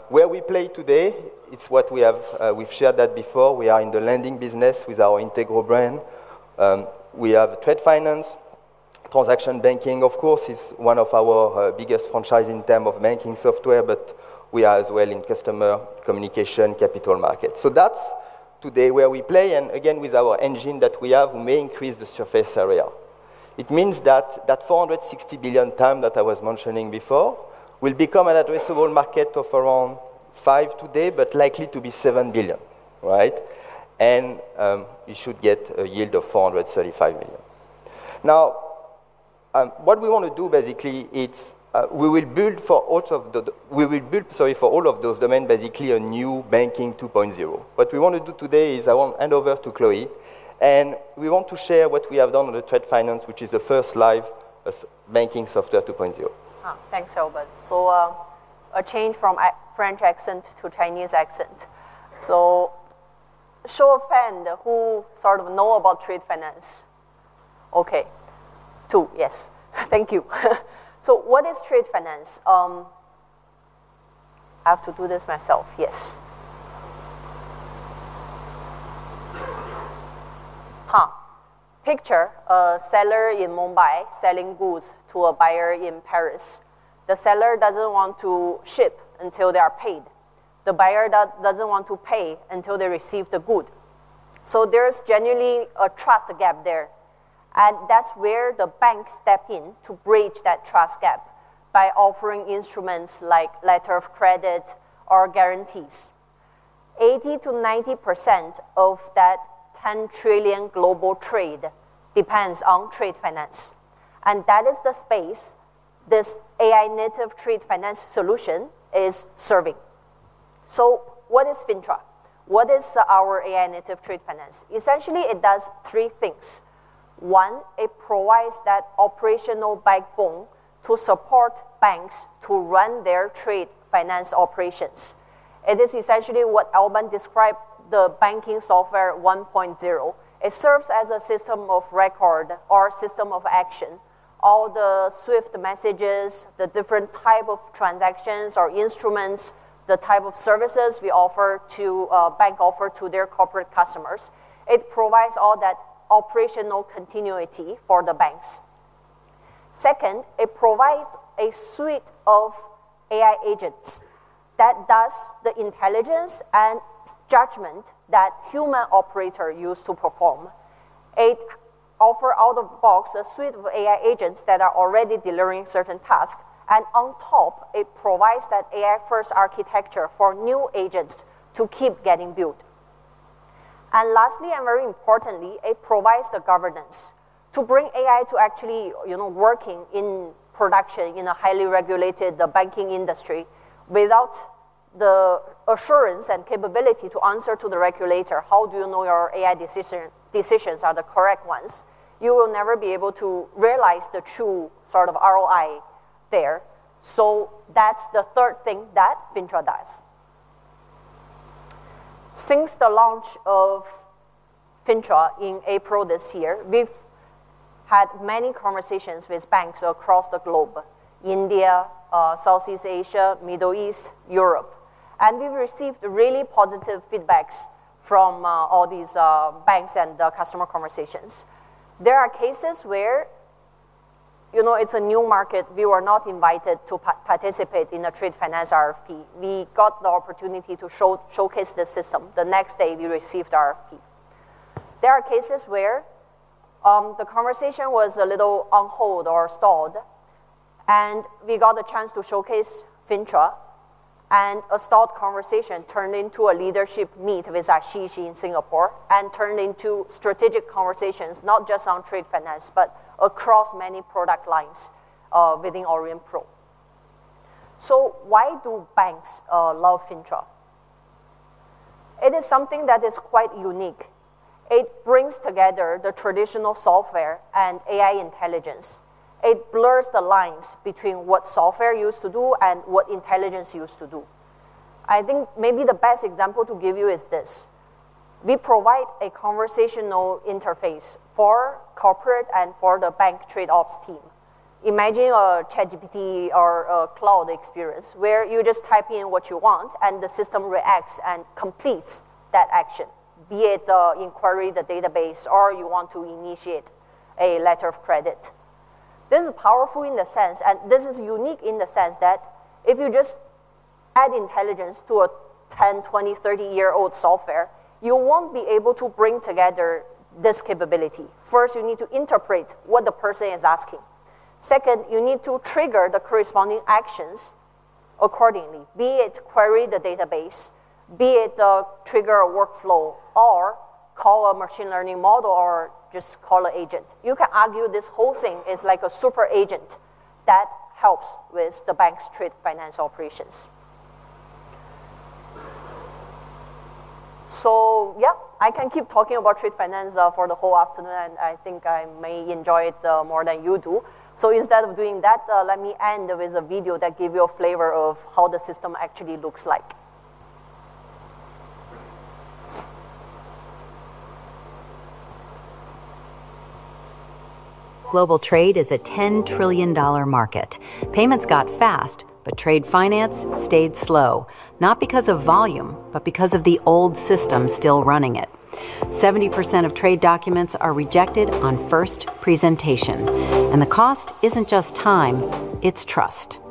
Where we play today, we have shared that before. We are in the lending business with our Integro brand. We have trade finance. Transaction banking, of course, is one of our biggest franchises in terms of banking software, but we are as well in customer communication, capital markets. That is today where we play. Again, with our engine that we have, we may increase the surface area. It means that 460 billion TAM that I was mentioning before will become an addressable market of around 5 billion today, but likely to be 7 billion. You should get a yield of 435 million. What we want to do basically, we will build for all of those domains basically a new banking 2.0. What we want to do today is I want to hand over to Chloe, and we want to share what we have done on the trade finance, which is the first live banking software 2.0. Thanks, Alban. A change from French accent to Chinese accent. Show of hand who sort of know about trade finance. Okay. Two. Yes. Thank you. What is trade finance? I have to do this myself. Yes. Picture a seller in Mumbai selling goods to a buyer in Paris. The seller doesn't want to ship until they are paid. The buyer doesn't want to pay until they receive the good. There's generally a trust gap there, and that's where the bank step in to bridge that trust gap by offering instruments like letter of credit or guarantees. 80%-90% of that 10 trillion global trade depends on trade finance, and that is the space this AI-native trade finance solution is serving. What is Fintra? What is our AI-native trade finance? Essentially, it does three things. One, it provides that operational backbone to support banks to run their trade finance operations. It is essentially what Alban described the banking software 1.0. It serves as a system of record or system of action. All the swift messages, the different type of transactions or instruments, the type of services banks offer to their corporate customers, it provides all that operational continuity for the banks. Second, it provides a suite of AI agents that does the intelligence and judgment that human operator used to perform. It offer out of the box a suite of AI agents that are already delivering certain tasks, and on top, it provides that AI-first architecture for new agents to keep getting built. Lastly, and very importantly, it provides the governance to bring AI to actually working in production in a highly regulated banking industry without the assurance and capability to answer to the regulator, how do you know your AI decisions are the correct ones? You will never be able to realize the true ROI there. That's the third thing that Fintra does. Since the launch of Fintra in April this year, we've had many conversations with banks across the globe. India, Southeast Asia, Middle East, Europe. We've received really positive feedbacks from all these banks and customer conversations. There are cases where it's a new market, we were not invited to participate in a trade finance RFP. We got the opportunity to showcase the system the next day we received the RFP. There are cases where the conversation was a little on hold or stalled, and we got the chance to showcase Fintra, and a stalled conversation turned into a leadership meet with Ashish in Singapore and turned into strategic conversations, not just on trade finance, but across many product lines within Aurionpro. Why do banks love Fintra? It is something that is quite unique. It brings together the traditional software and AI intelligence. It blurs the lines between what software used to do and what intelligence used to do. I think maybe the best example to give you is this. We provide a conversational interface for corporate and for the bank trade ops team. Imagine a ChatGPT or a Claude experience where you just type in what you want and the system reacts and completes that action, be it inquiry the database, or you want to initiate a letter of credit. This is powerful in a sense, and this is unique in the sense that if you just add intelligence to a 10, 20, 30-year-old software, you won't be able to bring together this capability. First, you need to interpret what the person is asking. Second, you need to trigger the corresponding actions accordingly. Be it query the database, be it trigger a workflow or call a machine learning model or just call an agent. You can argue this whole thing is like a super agent that helps with the bank's trade finance operations. Yeah, I can keep talking about trade finance for the whole afternoon, and I think I may enjoy it more than you do. Instead of doing that, let me end with a video that give you a flavor of how the system actually looks like. Global trade is a INR 10 trillion market. Payments got fast, but trade finance stayed slow, not because of volume, but because of the old system still running it. 70% of trade documents are rejected on first presentation, and the cost isn't just time, it's trust.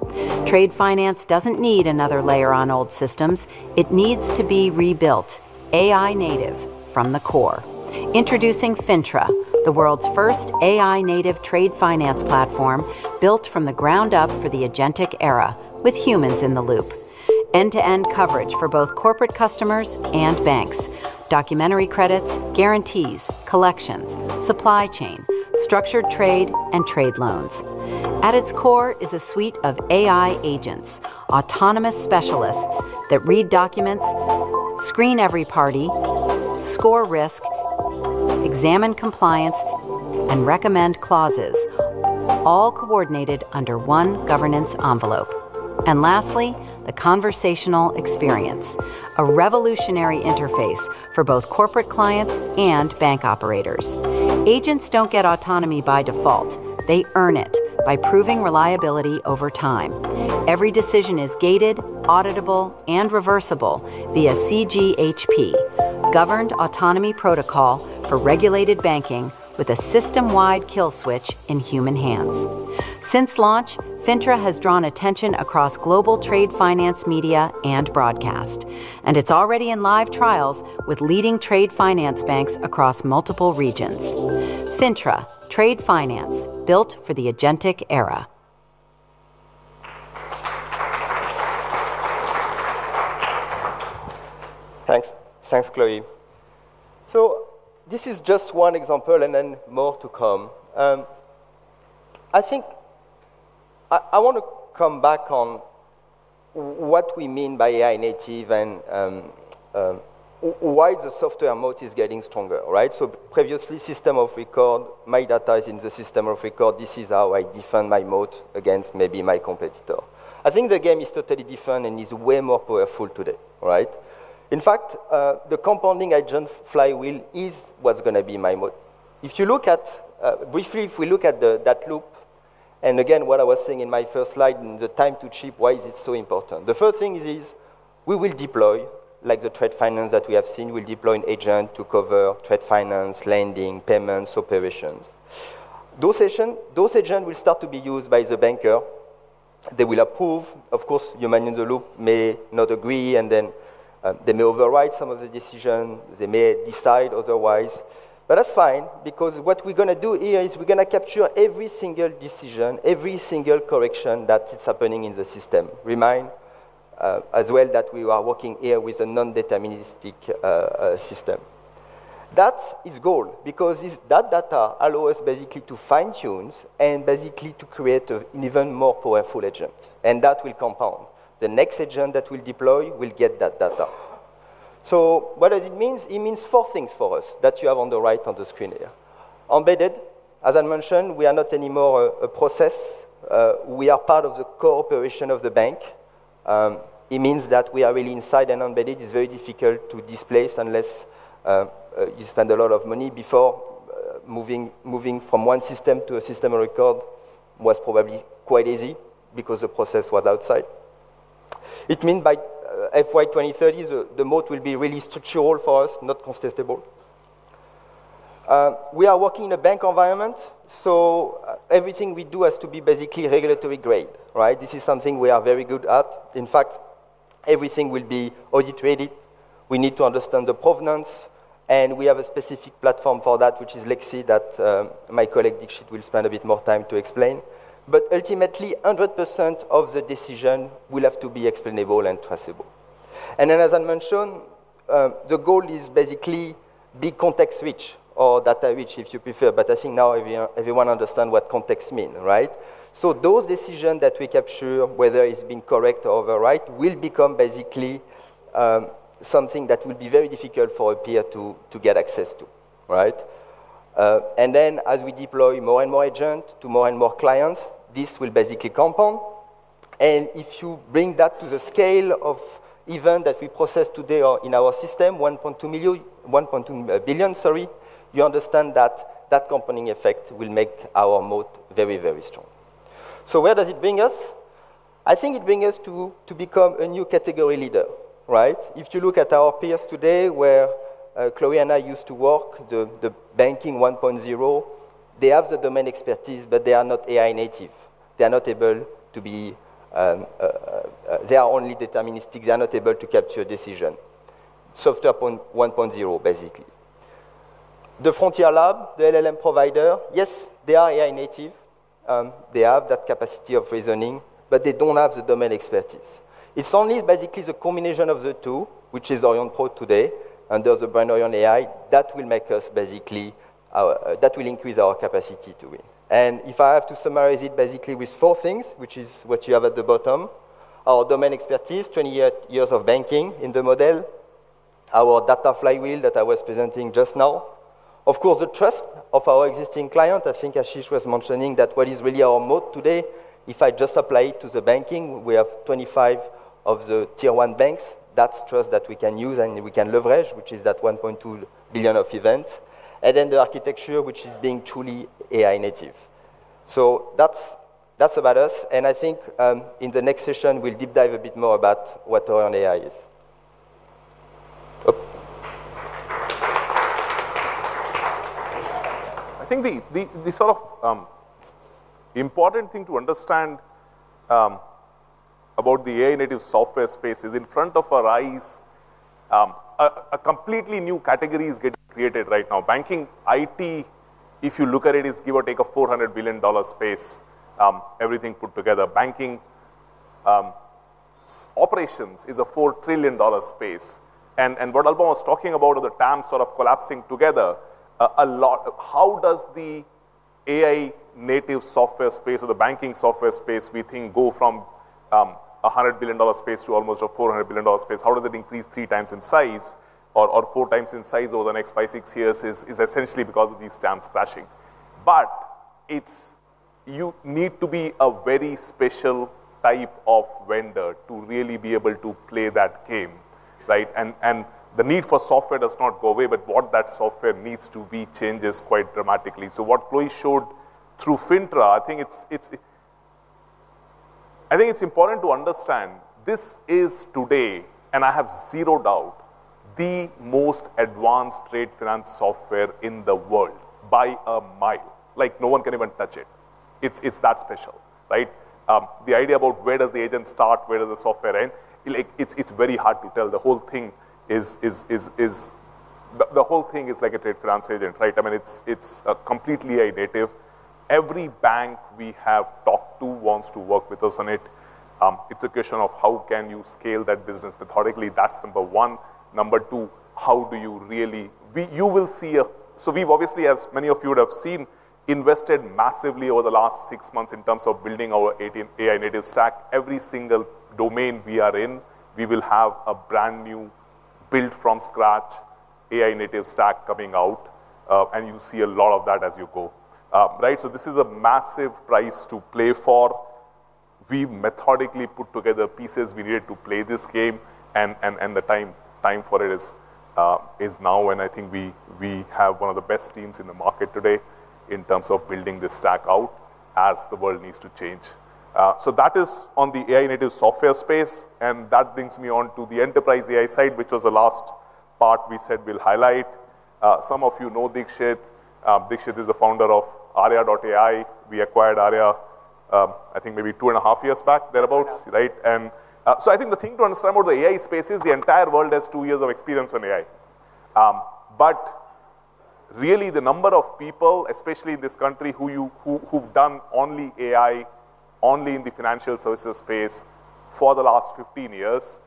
Trade finance doesn't need another layer on old systems. It needs to be rebuilt, AI native from the core. Introducing Fintra, the world's first AI native trade finance platform built from the ground up for the agentic era with humans in the loop. End-to-end coverage for both corporate customers and banks. Documentary credits, guarantees, collections, supply chain, structured trade, and trade loans. At its core is a suite of AI agents, autonomous specialists that read documents, screen every party, score risk, examine compliance, and recommend clauses, all coordinated under one governance envelope. Lastly, the conversational experience. A revolutionary interface for both corporate clients and bank operators. Agents don't get autonomy by default. They earn it by proving reliability over time. Every decision is gated, auditable, and reversible via CGHP, governed autonomy protocol for regulated banking with a system-wide kill switch in human hands. Since launch, Fintra has drawn attention across global trade finance media and broadcast, and it's already in live trials with leading trade finance banks across multiple regions. Fintra, trade finance built for the agentic era. Thanks. Thanks, Chloe. This is just one example and then more to come. I think I want to come back on what we mean by AI native and why the software moat is getting stronger. Previously, system of record, my data is in the system of record. This is how I defend my moat against maybe my competitor. I think the game is totally different and is way more powerful today. In fact, the compounding agent flywheel is what's going to be my moat. Briefly, if we look at that loop, again, what I was saying in my first slide, the time to ship, why is it so important? The first thing is we will deploy, like the trade finance that we have seen, we'll deploy an agent to cover trade finance, lending, payments, operations. Those agents will start to be used by the banker. They will approve. Of course, human-in-the-loop may not agree, they may override some of the decision. They may decide otherwise. That's fine, because what we're going to do here is we're going to capture every single decision, every single correction that is happening in the system. Remind as well that we are working here with a non-deterministic system. That is gold, because that data allow us basically to fine-tune and basically to create an even more powerful agent. That will compound. The next agent that we'll deploy will get that data. What does it mean? It means four things for us that you have on the right on the screen here. Embedded, as I mentioned, we are not anymore a process. We are part of the cooperation of the bank. It means that we are really inside and embedded. It's very difficult to displace unless you spend a lot of money before moving from one system to a system of record was probably quite easy because the process was outside. It mean by FY 2030, the moat will be really structural for us, not contestable. We are working in a bank environment, everything we do has to be basically regulatory grade. This is something we are very good at. In fact, everything will be audit ready. We need to understand the provenance, we have a specific platform for that, which is Lexi, that my colleague, Deekshith, will spend a bit more time to explain. Ultimately, 100% of the decision will have to be explainable and traceable. As I mentioned, the goal is basically be context rich or data rich, if you prefer. I think now everyone understand what context mean, right? Those decision that we capture, whether it's been correct or overwrite, will become basically something that will be very difficult for a peer to get access to. As we deploy more and more agent to more and more clients, this will basically compound. If you bring that to the scale of event that we process today or in our system, 1.2 billion, you understand that that compounding effect will make our moat very, very strong. Where does it bring us? I think it bring us to become a new category leader. If you look at our peers today where Chloe and I used to work, the banking 1.0, they have the domain expertise, but they are not AI native. They are only deterministic. They are not able to capture a decision. Software 1.0, basically. The frontier lab, the LLM provider, Yes, they are AI native. They have that capacity of reasoning, but they don't have the domain expertise. It's only basically the combination of the two, which is Aurionpro today, and there's a brand Aurion AI, that will increase our capacity to win. If I have to summarize it basically with four things, which is what you have at the bottom, our domain expertise, 20 years of banking in the model, our data flywheel that I was presenting just now. Of course, the trust of our existing client. I think Ashish was mentioning that what is really our moat today, if I just apply it to the banking, we have 25 of the tier 1 banks. That's trust that we can use and we can leverage, which is that 1.2 billion of event. The architecture, which is being truly AI native. That's about us. I think in the next session, we'll deep dive a bit more about what Aurion AI is. I think the sort of important thing to understand about the AI native software space is in front of our eyes, a completely new category is getting created right now. Banking IT, if you look at it, is give or take a $400 billion space, everything put together. Banking operations is a $4 trillion space. What Alban was talking about are the TAMs sort of collapsing together a lot. How does the AI native software space or the banking software space, we think, go from $100 billion space to almost a $400 billion space? How does it increase three times in size or four times in size over the next five, six years is essentially because of these TAMs crashing. You need to be a very special type of vendor to really be able to play that game. The need for software does not go away, but what that software needs to be changes quite dramatically. What Chloe showed through Fintra, I think it's important to understand this is today, and I have zero doubt, the most advanced trade finance software in the world by a mile. No one can even touch it. It's that special. The idea about where does the agent start, where does the software end, it's very hard to tell. The whole thing is like a trade finance agent. It's completely AI native. Every bank we have talked to wants to work with us on it. It's a question of how can you scale that business methodically. That's number one. Number two, we've obviously, as many of you would have seen, invested massively over the last six months in terms of building our AI native stack. Every single domain we are in, we will have a brand new build from scratch, AI native stack coming out, and you see a lot of that as you go. This is a massive prize to play for. We methodically put together pieces we needed to play this game, and the time for it is now. I think we have one of the best teams in the market today in terms of building this stack out as the world needs to change. That is on the AI native software space, and that brings me on to the enterprise AI side, which was the last part we said we'll highlight. Some of you know Deekshith. Deekshith is the Founder of Arya.ai. We acquired Arya, I think maybe two and a half years back, thereabouts. Yeah. I think the thing to understand about the AI space is the entire world has two years of experience on AI. Really the number of people, especially in this country, who've done only AI, only in the financial services space for the last 15 years,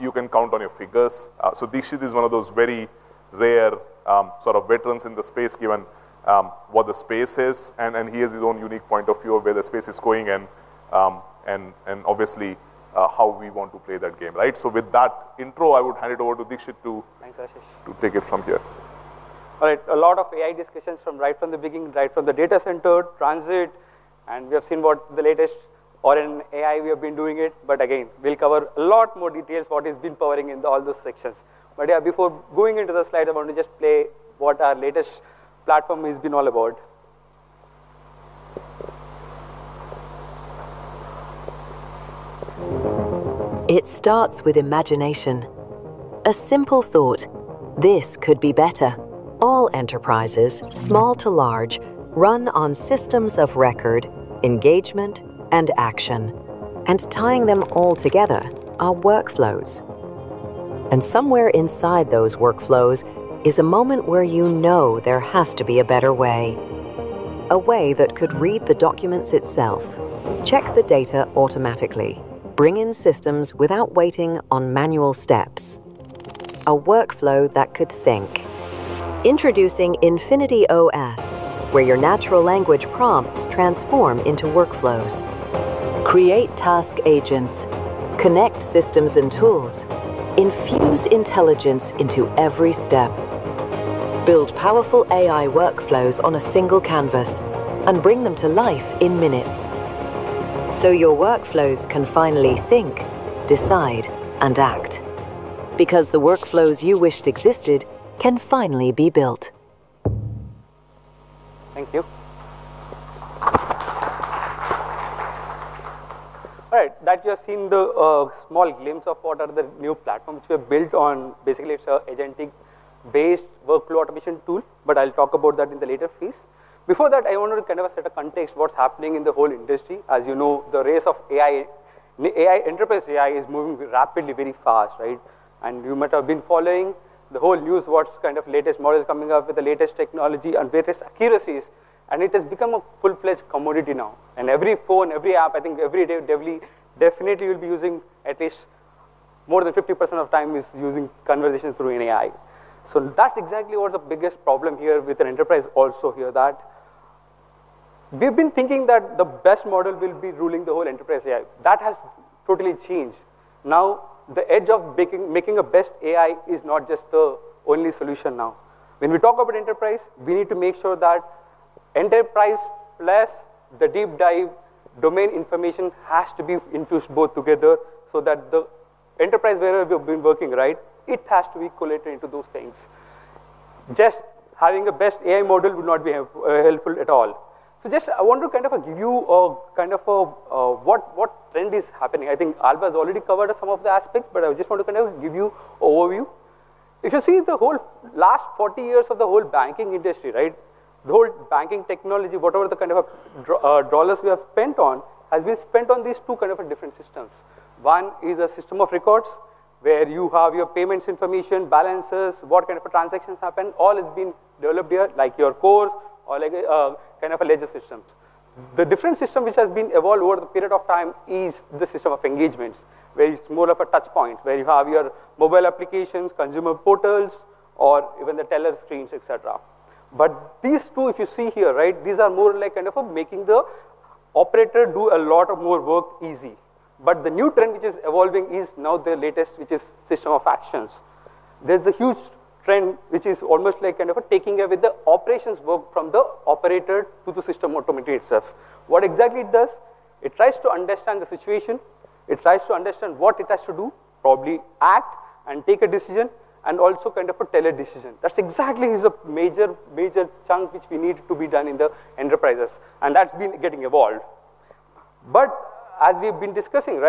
you can count on your fingers. Deekshith is one of those very rare veterans in the space, given what the space is, and he has his own unique point of view of where the space is going and obviously how we want to play that game. With that intro, I would hand it over to Deekshith to. Thanks, Ashish to take it from here. All right. A lot of AI discussions from right from the beginning, right from the data center, transit, and we have seen what the latest Aurion AI, we have been doing it. Again, we'll cover a lot more details what has been powering in all those sections. Before going into the slide, I want to just play what our latest platform has been all about. It starts with imagination. A simple thought, this could be better. All enterprises, small to large, run on systems of record, engagement, and action, and tying them all together are workflows. Somewhere inside those workflows is a moment where you know there has to be a better way. A way that could read the documents itself, check the data automatically, bring in systems without waiting on manual steps. A workflow that could think. Introducing Infinity OS, where your natural language prompts transform into workflows. Create task agents. Connect systems and tools. Infuse intelligence into every step. Build powerful AI workflows on a single canvas, and bring them to life in minutes. Your workflows can finally think, decide, and act, because the workflows you wished existed can finally be built. Thank you. All right. That you have seen the small glimpse of what are the new platforms. We have built on, basically it's an agentic-based workflow automation tool. I'll talk about that in the later phase. Before that, I want to set a context what's happening in the whole industry. As you know, the race of enterprise AI is moving rapidly, very fast. You might have been following the whole news, what's latest models coming up with the latest technology and latest accuracies, and it has become a full-fledged commodity now. Every phone, every app, I think every day definitely you'll be using at least more than 50% of time is using conversations through an AI. That's exactly what's the biggest problem here with an enterprise also here that we've been thinking that the best model will be ruling the whole enterprise AI. That has totally changed. Now, the edge of making a best AI is not just the only solution now. When we talk about enterprise, we need to make sure that enterprise plus the deep dive domain information has to be infused both together so that the enterprise wherever you've been working, it has to be collated into those things. Just having the best AI model would not be helpful at all. Just, I want to give you a kind of a what trend is happening. Alban has already covered some of the aspects, but I just want to give you overview. If you see the whole last 40 years of the whole banking industry, the whole banking technology, whatever the kind of INR we have spent on, has been spent on these two different systems. One is a system of records, where you have your payments information, balances, what kind of transactions happen. All has been developed here, like your core or like a ledger system. The different system which has been evolved over the period of time is the system of engagements, where it's more of a touch point, where you have your mobile applications, consumer portals, or even the teller screens, et cetera. These two, if you see here, these are more like making the operator do a lot of more work easy. The new trend which is evolving is now the latest, which is system of actions. There's a huge trend which is almost like taking away the operations work from the operator to the system automated itself. What exactly it does, it tries to understand the situation, it tries to understand what it has to do, probably act and take a decision, and also a teller decision. That's exactly is a major chunk which we need to be done in the enterprises, and that's been getting evolved. As we've been discussing,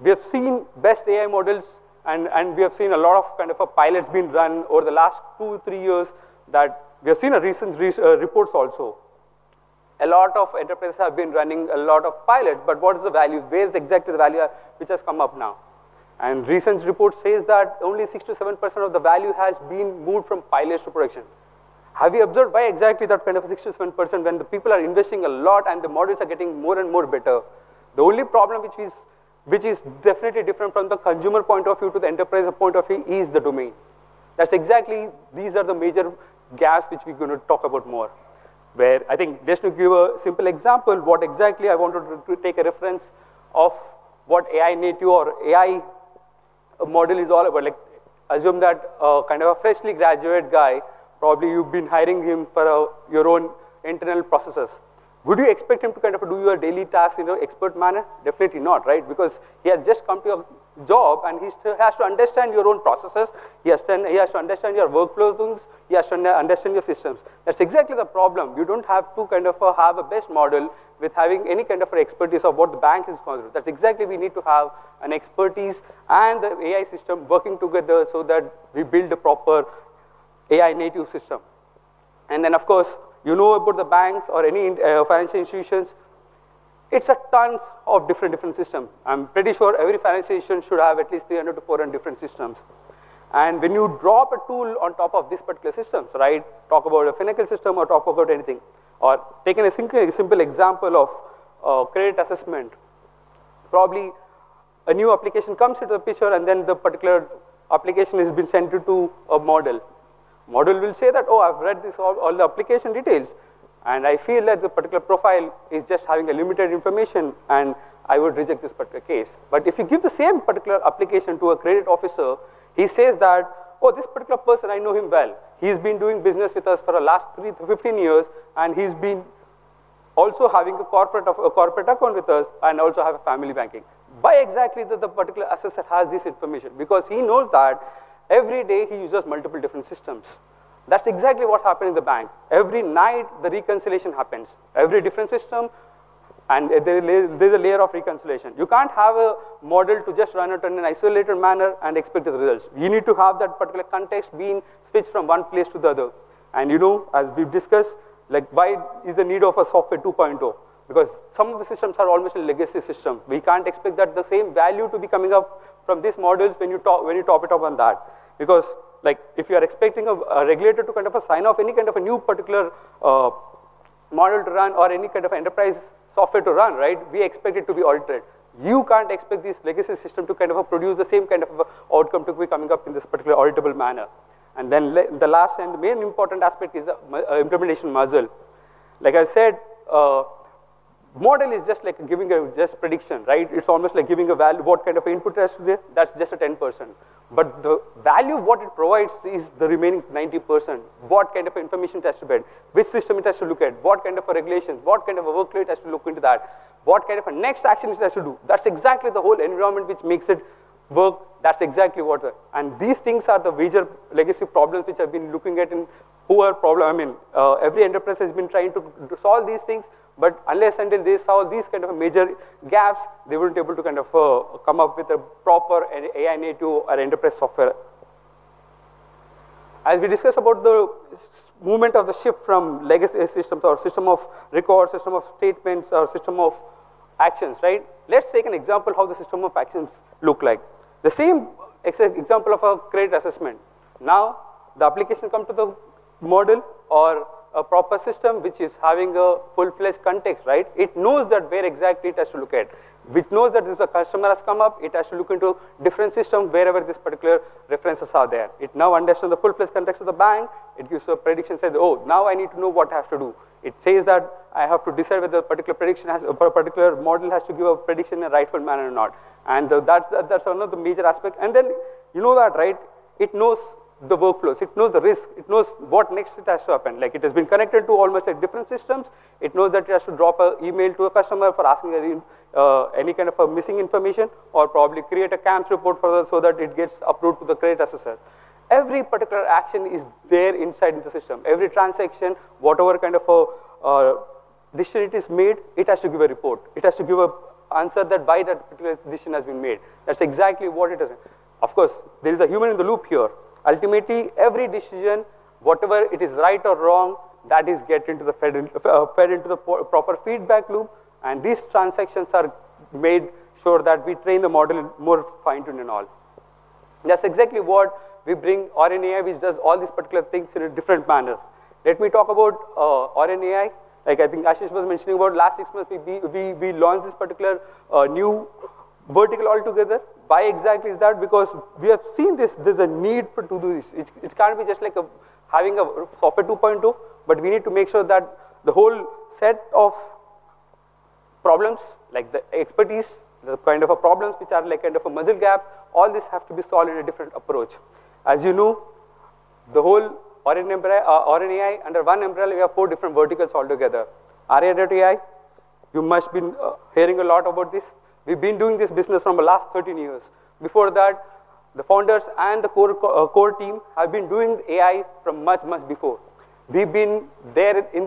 we have seen best AI models and we have seen a lot of pilots being run over the last two, three years that we have seen recent reports also. A lot of enterprises have been running a lot of pilots, but what is the value? Where is exactly the value which has come up now? Recent report says that only 67% of the value has been moved from pilots to production. Have you observed why exactly that kind of success when the people are investing a lot and the models are getting more and more better? The only problem which is definitely different from the consumer point of view to the enterprise point of view is the domain. That's exactly, these are the major gaps which we're going to talk about more, where just to give a simple example, what exactly I wanted to take a reference of what AI native or AI model is all about. Assume that a freshly graduate guy, probably you've been hiring him for your own internal processes. Would you expect him to do your daily task in expert manner? Definitely not, right? Because he has just come to your job and he still has to understand your own processes. He has to understand your workflows. He has to understand your systems. That's exactly the problem. You don't have to have a base model with having any kind of expertise of what the bank is going through. That's exactly we need to have an expertise and the AI system working together so that we build a proper AI native system. Of course, you know about the banks or any financial institutions, it's a tons of different system. I'm pretty sure every financial institution should have at least 300 to 400 different systems. When you drop a tool on top of these particular systems. Talk about a financial system or talk about anything or taking a simple example of credit assessment. Probably a new application comes into the picture, and then the particular application has been sent to a model. Model will say that, "Oh, I've read all the application details, and I feel that the particular profile is just having a limited information, and I would reject this particular case." If you give the same particular application to a credit officer, he says that, "Oh, this particular person, I know him well. He's been doing business with us for the last 15 years, and he's been also having a corporate account with us and also have a family banking." Why exactly that the particular assessor has this information? Because he knows that every day he uses multiple different systems. That's exactly what happens in the bank. Every night, the reconciliation happens. Every different system, and there's a layer of reconciliation. You can't have a model to just run it in an isolated manner and expect the results. You need to have that particular context being switched from one place to the other. You know, as we've discussed, like why is the need of a Software 2.0? Some of the systems are almost a legacy system. We can't expect that the same value to be coming up from these models when you top it up on that. If you are expecting a regulator to sign off any kind of a new particular model to run or any kind of enterprise software to run. We expect it to be audited. You can't expect this legacy system to produce the same kind of outcome to be coming up in this particular auditable manner. The last and the main important aspect is implementation muscle. Like I said, model is just like giving a just prediction. It's almost like giving a value, what kind of input it has to give. That's just a 10%. The value of what it provides is the remaining 90%. What kind of information it has to bring, which system it has to look at, what kind of a regulations, what kind of a workload it has to look into that, what kind of a next actions it has to do. That's exactly the whole environment which makes it work. These things are the major legacy problems which I've been looking at. I mean, every enterprise has been trying to solve these things, but unless and until they solve these kind of major gaps, they won't be able to come up with a proper AI native or enterprise software. We discuss about the movement of the shift from legacy systems or system of record, system of statements, or system of actions. Let's take an example how the system of actions look like. The same example of a credit assessment. Now, the application come to the model or a proper system which is having a full-fledged context. It knows that where exactly it has to look at. Which knows that if the customer has come up, it has to look into different system wherever this particular references are there. It now understands the full-fledged context of the bank. It gives a prediction, says, "Oh, now I need to know what I have to do." It says that I have to decide whether a particular model has to give a prediction in a rightful manner or not. That's another major aspect. Then you know that, right? It knows the workflows. It knows the risk. It knows what next it has to happen. Like, it has been connected to almost, like, different systems. It knows that it has to drop a email to a customer for asking any kind of a missing information or probably create a CAMs report for them so that it gets approved to the credit assessor. Every particular action is there inside the system. Every transaction, whatever kind of a decision it is made, it has to give a report. It has to give an answer that why that particular decision has been made. That's exactly what it is. Of course, there is a human in the loop here. Ultimately, every decision, whatever it is right or wrong, that is fed into the proper feedback loop, these transactions are made sure that we train the model more fine-tuned and all. That's exactly what we bring Aurion AI, which does all these particular things in a different manner. Let me talk about Aurion AI. I think Ashish was mentioning about last 6 months, we launched this particular new vertical altogether. Why exactly is that? Because we have seen there's a need for to do this. It can't be just like having a Software 2.0, but we need to make sure that the whole set of problems, like the expertise, the kind of problems which are like model gap, all this have to be solved in a different approach. You know, the whole Aurion AI, under one umbrella, we have 4 different verticals altogether. Arya.ai, you must been hearing a lot about this. We've been doing this business from the last 13 years. Before that, the founders and the core team have been doing AI from much, much before. We've been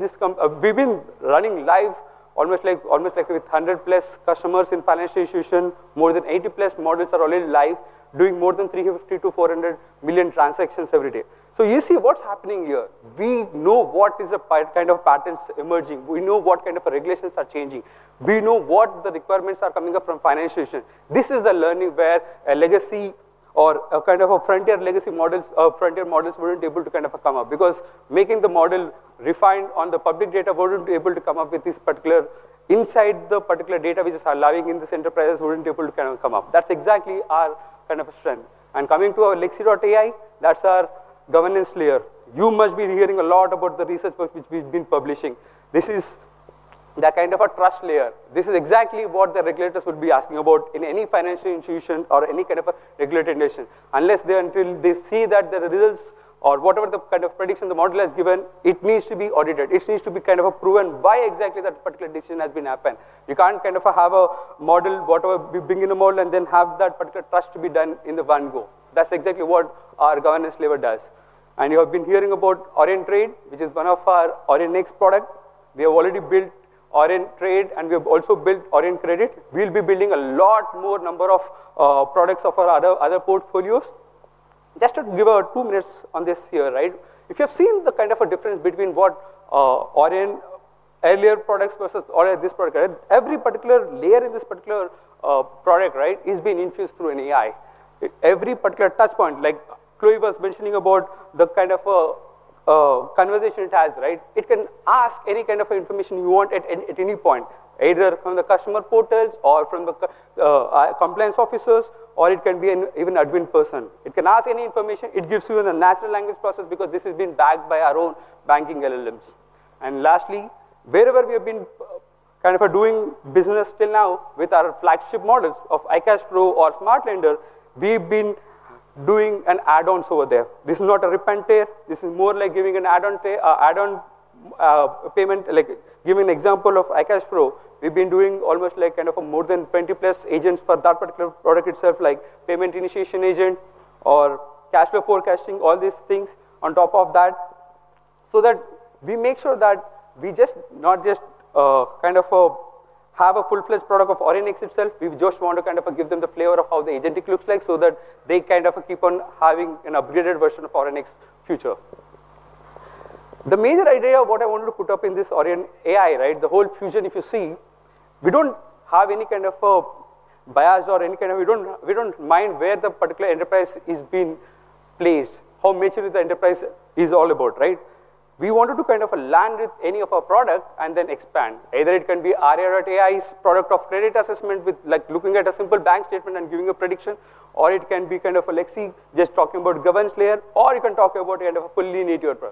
running live almost like with 100 plus customers in financial institution. More than 80 plus models are already live, doing more than 350 million-400 million transactions every day. You see what's happening here. We know what is a kind of patterns emerging. We know what kind of regulations are changing. We know what the requirements are coming up from financial institution. This is the learning where a legacy Or a kind of a frontier models weren't able to come up, because making the model refined on the public data weren't able to come up with this particular inside the particular databases allowing in this enterprise weren't able to come up. That's exactly our strength. Coming to our Lexi.ai, that's our governance layer. You must be hearing a lot about the research work which we've been publishing. This is that kind of a trust layer. This is exactly what the regulators would be asking about in any financial institution or any kind of a regulated nation. Unless they until they see that the results or whatever the kind of prediction the model has given, it needs to be audited. It needs to be proven why exactly that particular decision has been happened. You can't have a model, whatever, we bring in a model and then have that particular trust to be done in the one go. That's exactly what our governance layer does. You have been hearing about Aurion Trade, which is one of our Aurionics product. We have already built Aurion Trade, and we have also built Aurion Credit. We'll be building a lot more number of products of our other portfolios. Just to give out 2 minutes on this here. If you have seen the kind of a difference between what Aurion earlier products versus Aurion this product, every particular layer in this particular product is being infused through an AI. Every particular touchpoint, like Chloe was mentioning about the kind of a conversation it has. It can ask any kind of information you want at any point, either from the customer portals or from the compliance officers, or it can be even admin person. It can ask any information. It gives you the natural language process because this has been backed by our own banking LLMs. Lastly, wherever we have been doing business till now with our flagship models of iCashpro+ or SmartLender, we've been doing an add-ons over there. This is not a rip and tear. This is more like giving an add-on payment. Give you an example of iCashpro+. We've been doing almost more than 20-plus agents for that particular product itself, like payment initiation agent or cash flow forecasting, all these things on top of that, so that we make sure that we just not just have a full-fledged product of Aurionics itself. We just want to give them the flavor of how the agentic looks like so that they keep on having an upgraded version of Aurionics future. The major idea of what I wanted to put up in this Aurion AI, the whole fusion if you see, we don't have any kind of a bias or We don't mind where the particular enterprise is being placed, how mature the enterprise is all about. We wanted to land with any of our product and then expand. Either it can be Arya.ai's product of credit assessment with looking at a simple bank statement and giving a prediction, or it can be Lexi just talking about governance layer, or it can talk about fully native approach.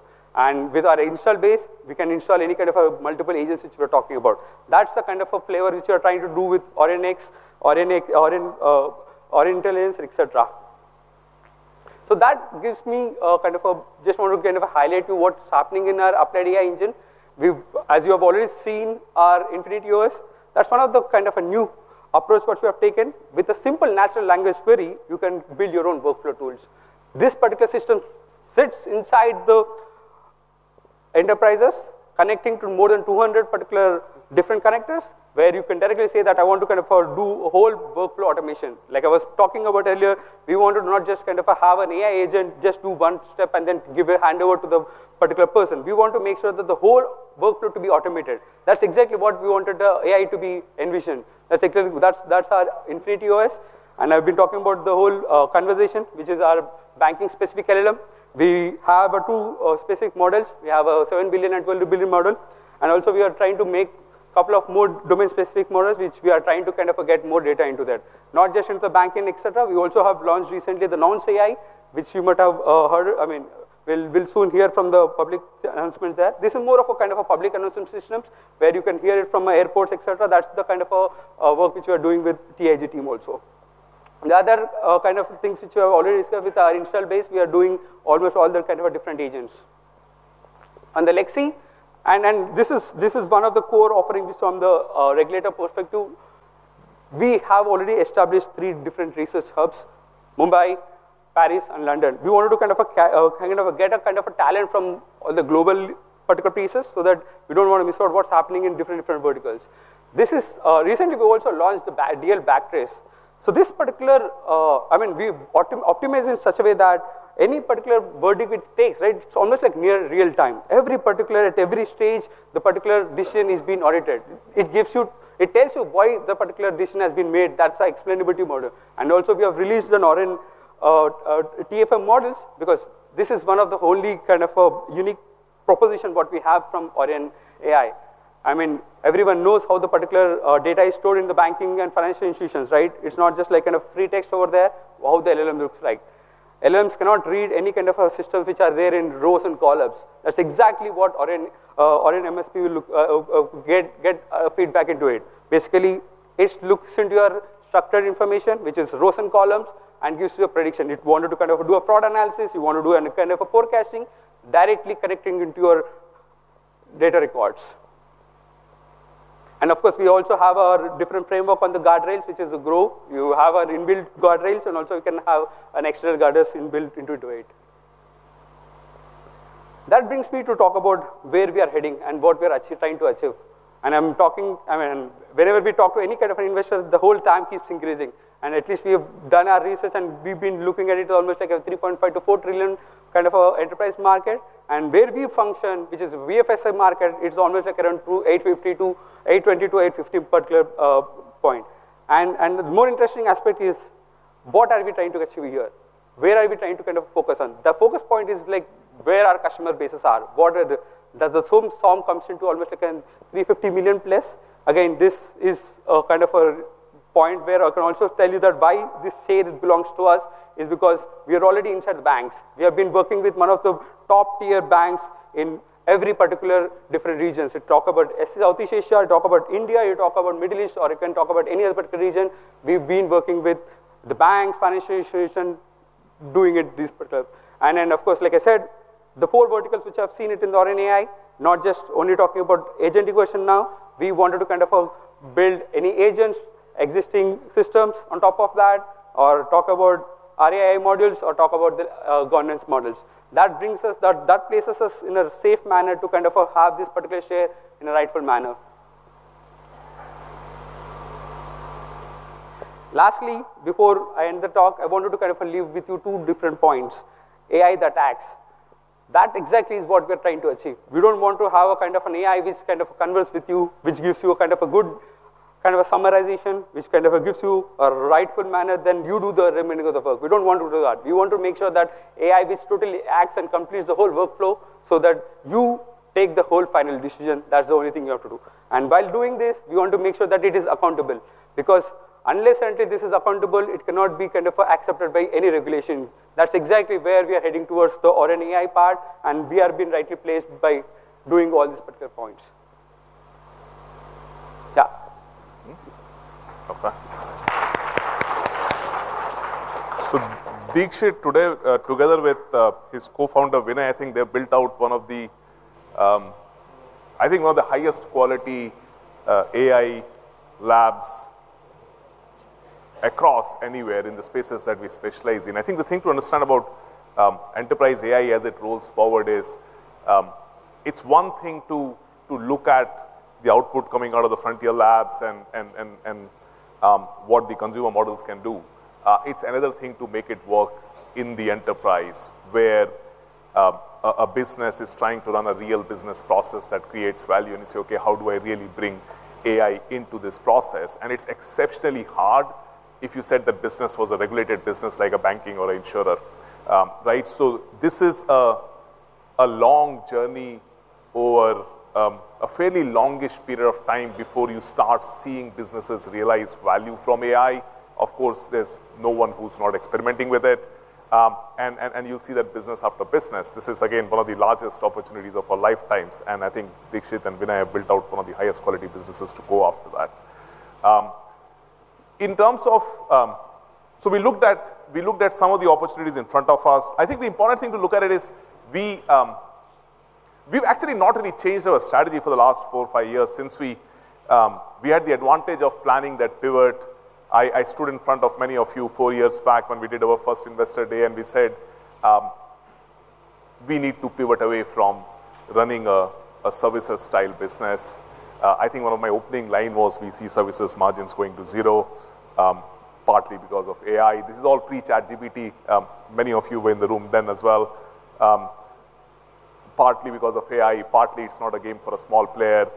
With our install base, we can install any kind of a multiple agents which we're talking about. That's the kind of a flavor which we're trying to do with Aurionics, Aurintelligence, et cetera. Just want to highlight you what's happening in our applied AI engine. As you have already seen our Infinity OS, that's one of the new approach which we have taken. With a simple natural language query, you can build your own workflow tools. This particular system sits inside the enterprises connecting to more than 200 particular different connectors, where you can directly say that I want to do a whole workflow automation. We wanted not just to have an AI agent just do one step and then give a handover to the particular person. We want to make sure that the whole workflow is automated. That's exactly what we wanted the AI to be envisioned. That's our Infinity OS, I've been talking about the whole conversation, which is our banking-specific LLM. We have two specific models. We have a seven billion and 12 billion model. We are trying to make a couple of more domain-specific models, which we are trying to get more data into that. Not just into banking, et cetera, we also have launched recently Launch AI, which you might have heard. We'll soon hear from the public announcements there. This is more of a public announcement system where you can hear it from airports, et cetera. That's the kind of work which we're doing with TIG team also. The other kind of things which we have already discussed with our install base, we are doing almost all the kind of different agents. On Lexi, this is one of the core offerings from the regulator perspective. We have already established three different research hubs: Mumbai, Paris, and London. We wanted to get talent from all the global particular pieces so that we don't want to miss out what's happening in different verticals. Recently, we also launched DL Backtrace. We optimize in such a way that any particular verdict it takes, it's almost like near real-time. Every particular at every stage, the particular decision is being audited. It tells you why the particular decision has been made. That's the explainability model. We have released Aurion TFM models because this is one of the only unique propositions what we have from Aurion AI. Everyone knows how the particular data is stored in the banking and financial institutions. It's not just like free text over there, how the LLM looks like. LLMs cannot read any kind of system which are there in rows and columns. That's exactly what Aurion MSP will get feedback into it. Basically, it looks into your structured information, which is rows and columns, and gives you a prediction. It wanted to do a fraud analysis. You want to do any kind of forecasting directly connecting into your data records. We also have our different framework on the guardrails, which is a group. You have in-built guardrails, and you can also have external guardrails in-built into it. That brings me to talk about where we are heading and what we're trying to achieve. Whenever we talk to any kind of investors, the whole TAM keeps increasing. At least we have done our research, we've been looking at it almost like an 3.5 trillion to 4 trillion enterprise market. Where we function, which is BFSI market, it's almost like around 820 to 850 particular point. The more interesting aspect is: What are we trying to achieve here? Where are we trying to kind of focus on? The focus point is, where our customer bases are. The total sum comes into almost 350 million plus. Again, this is a kind of point where I can also tell you that why this share belongs to us is because we are already inside banks. We have been working with one of the top-tier banks in every particular different regions. You talk about Southeast Asia, you talk about India, you talk about Middle East, or you can talk about any other particular region, we have been working with the banks, financial institutions. Of course, like I said, the four verticals which I have seen it in the AurionAI, not just only talking about agent integration now, we wanted to kind of build any agents, existing systems on top of that, or talk about RAI modules, or talk about the governance modules. That places us in a safe manner to kind of have this particular share in a rightful manner. Lastly, before I end the talk, I wanted to kind of leave with you two different points. AI that acts. That exactly is what we are trying to achieve. We don't want to have a kind of an AI which kind of converse with you, which gives you a kind of a good summarization, which kind of gives you a rightful manner, then you do the remaining of the work. We don't want to do that. We want to make sure that AI which totally acts and completes the whole workflow so that you take the whole final decision. That's the only thing you have to do. While doing this, we want to make sure that it is accountable, because unless and until this is accountable, it cannot be kind of accepted by any regulation. That's exactly where we are heading towards the AurionAI part, and we are being rightly placed by doing all these particular points. Yeah. Okay. Deekshith today, together with his co-founder, Vinay, I think they have built out one of the highest quality AI labs across anywhere in the spaces that we specialize in. I think the thing to understand about enterprise AI as it rolls forward is, it's one thing to look at the output coming out of the frontier labs and what the consumer models can do. It's another thing to make it work in the enterprise, where a business is trying to run a real business process that creates value and you say, "Okay, how do I really bring AI into this process?" It's exceptionally hard if you said the business was a regulated business like a banking or insurer. Right? This is a long journey over a fairly longish period of time before you start seeing businesses realize value from AI. Of course, there's no one who's not experimenting with it. You'll see that business after business, this is again, one of the largest opportunities of our lifetimes. I think Deekshith and Vinay have built out one of the highest quality businesses to go after that. We looked at some of the opportunities in front of us. I think the important thing to look at it is we have actually not really changed our strategy for the last four or five years since we had the advantage of planning that pivot. I stood in front of many of you four years back when we did our first Investor Day and we said, "We need to pivot away from running a services style business." I think one of my opening line was, we see services margins going to zero, partly because of AI. This is all pre-ChatGPT. Many of you were in the room then as well. Partly because of AI, partly it's not a game for a small player.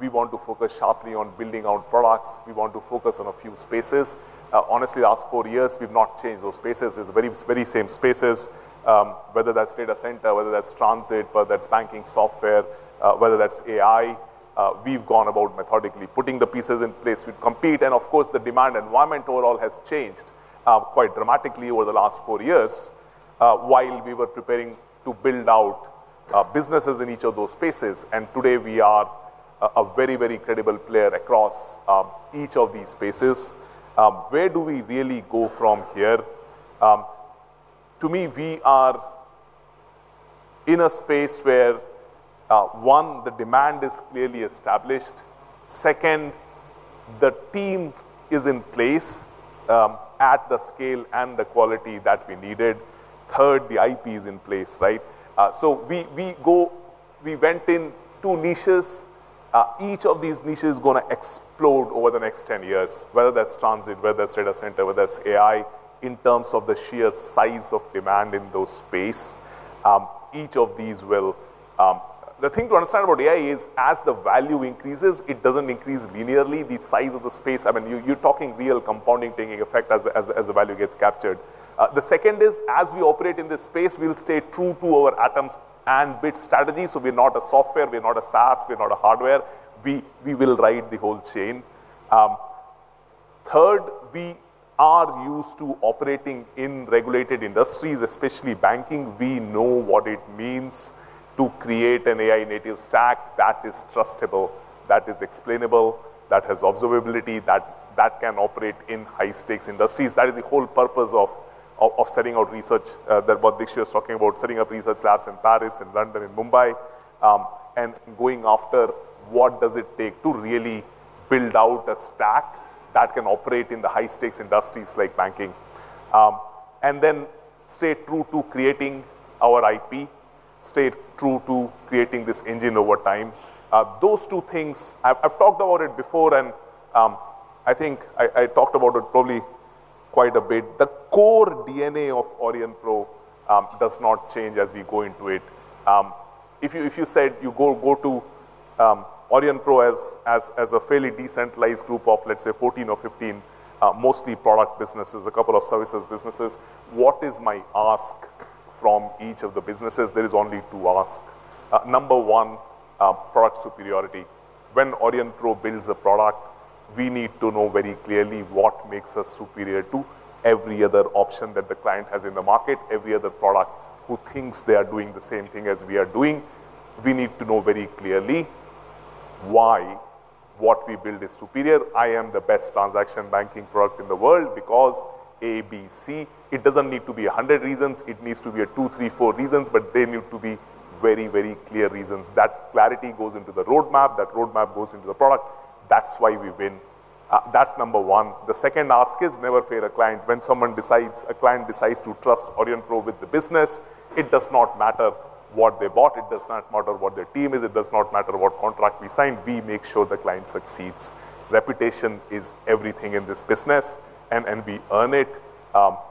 We want to focus sharply on building out products. We want to focus on a few spaces. Honestly, last 4 years, we've not changed those spaces. It's very same spaces, whether that's data center, whether that's transit, whether that's banking software, whether that's AI. We've gone about methodically putting the pieces in place. Of course, the demand environment overall has changed quite dramatically over the last 4 years, while we were preparing to build out businesses in each of those spaces. Today we are a very, very credible player across each of these spaces. Where do we really go from here? To me, we are in a space where, 1, the demand is clearly established. Second, the team is in place, at the scale and the quality that we needed. Third, the IP is in place, right? We went in 2 niches. Each of these niches is going to explode over the next 10 years, whether that's transit, whether that's data center, whether that's AI, in terms of the sheer size of demand in those space. The thing to understand about AI is as the value increases, it doesn't increase linearly the size of the space. I mean, you're talking real compounding taking effect as the value gets captured. The second is, as we operate in this space, we'll stay true to our atoms and bits strategy. We're not a software, we're not a SaaS, we're not a hardware. We will ride the whole chain. Third, we are used to operating in regulated industries, especially banking. We know what it means to create an AI native stack that is trustable, that is explainable, that has observability, that can operate in high stakes industries. That is the whole purpose of setting out research, that what Deekshith was talking about, setting up research labs in Paris and London and Mumbai, and going after what does it take to really build out a stack that can operate in the high stakes industries like banking. Then stay true to creating our IP, stay true to creating this engine over time. Those 2 things, I've talked about it before, I think I talked about it probably quite a bit. The core DNA of Aurionpro does not change as we go into it. If you said you go to Aurionpro as a fairly decentralized group of, let's say, 14 or 15, mostly product businesses, a couple of services businesses. What is my ask from each of the businesses? There is only 2 asks. Number 1, product superiority. When Aurionpro builds a product, we need to know very clearly what makes us superior to every other option that the client has in the market, every other product who thinks they are doing the same thing as we are doing. We need to know very clearly why what we build is superior. I am the best transaction banking product in the world because A, B, C. It doesn't need to be 100 reasons. It needs to be 2, 3, 4 reasons. They need to be very clear reasons. That clarity goes into the roadmap. That roadmap goes into the product. That's why we win. That's number 1. The second ask is never fail a client. When a client decides to trust Aurionpro with the business, it does not matter what they bought, it does not matter what their team is, it does not matter what contract we sign, we make sure the client succeeds. Reputation is everything in this business, and we earn it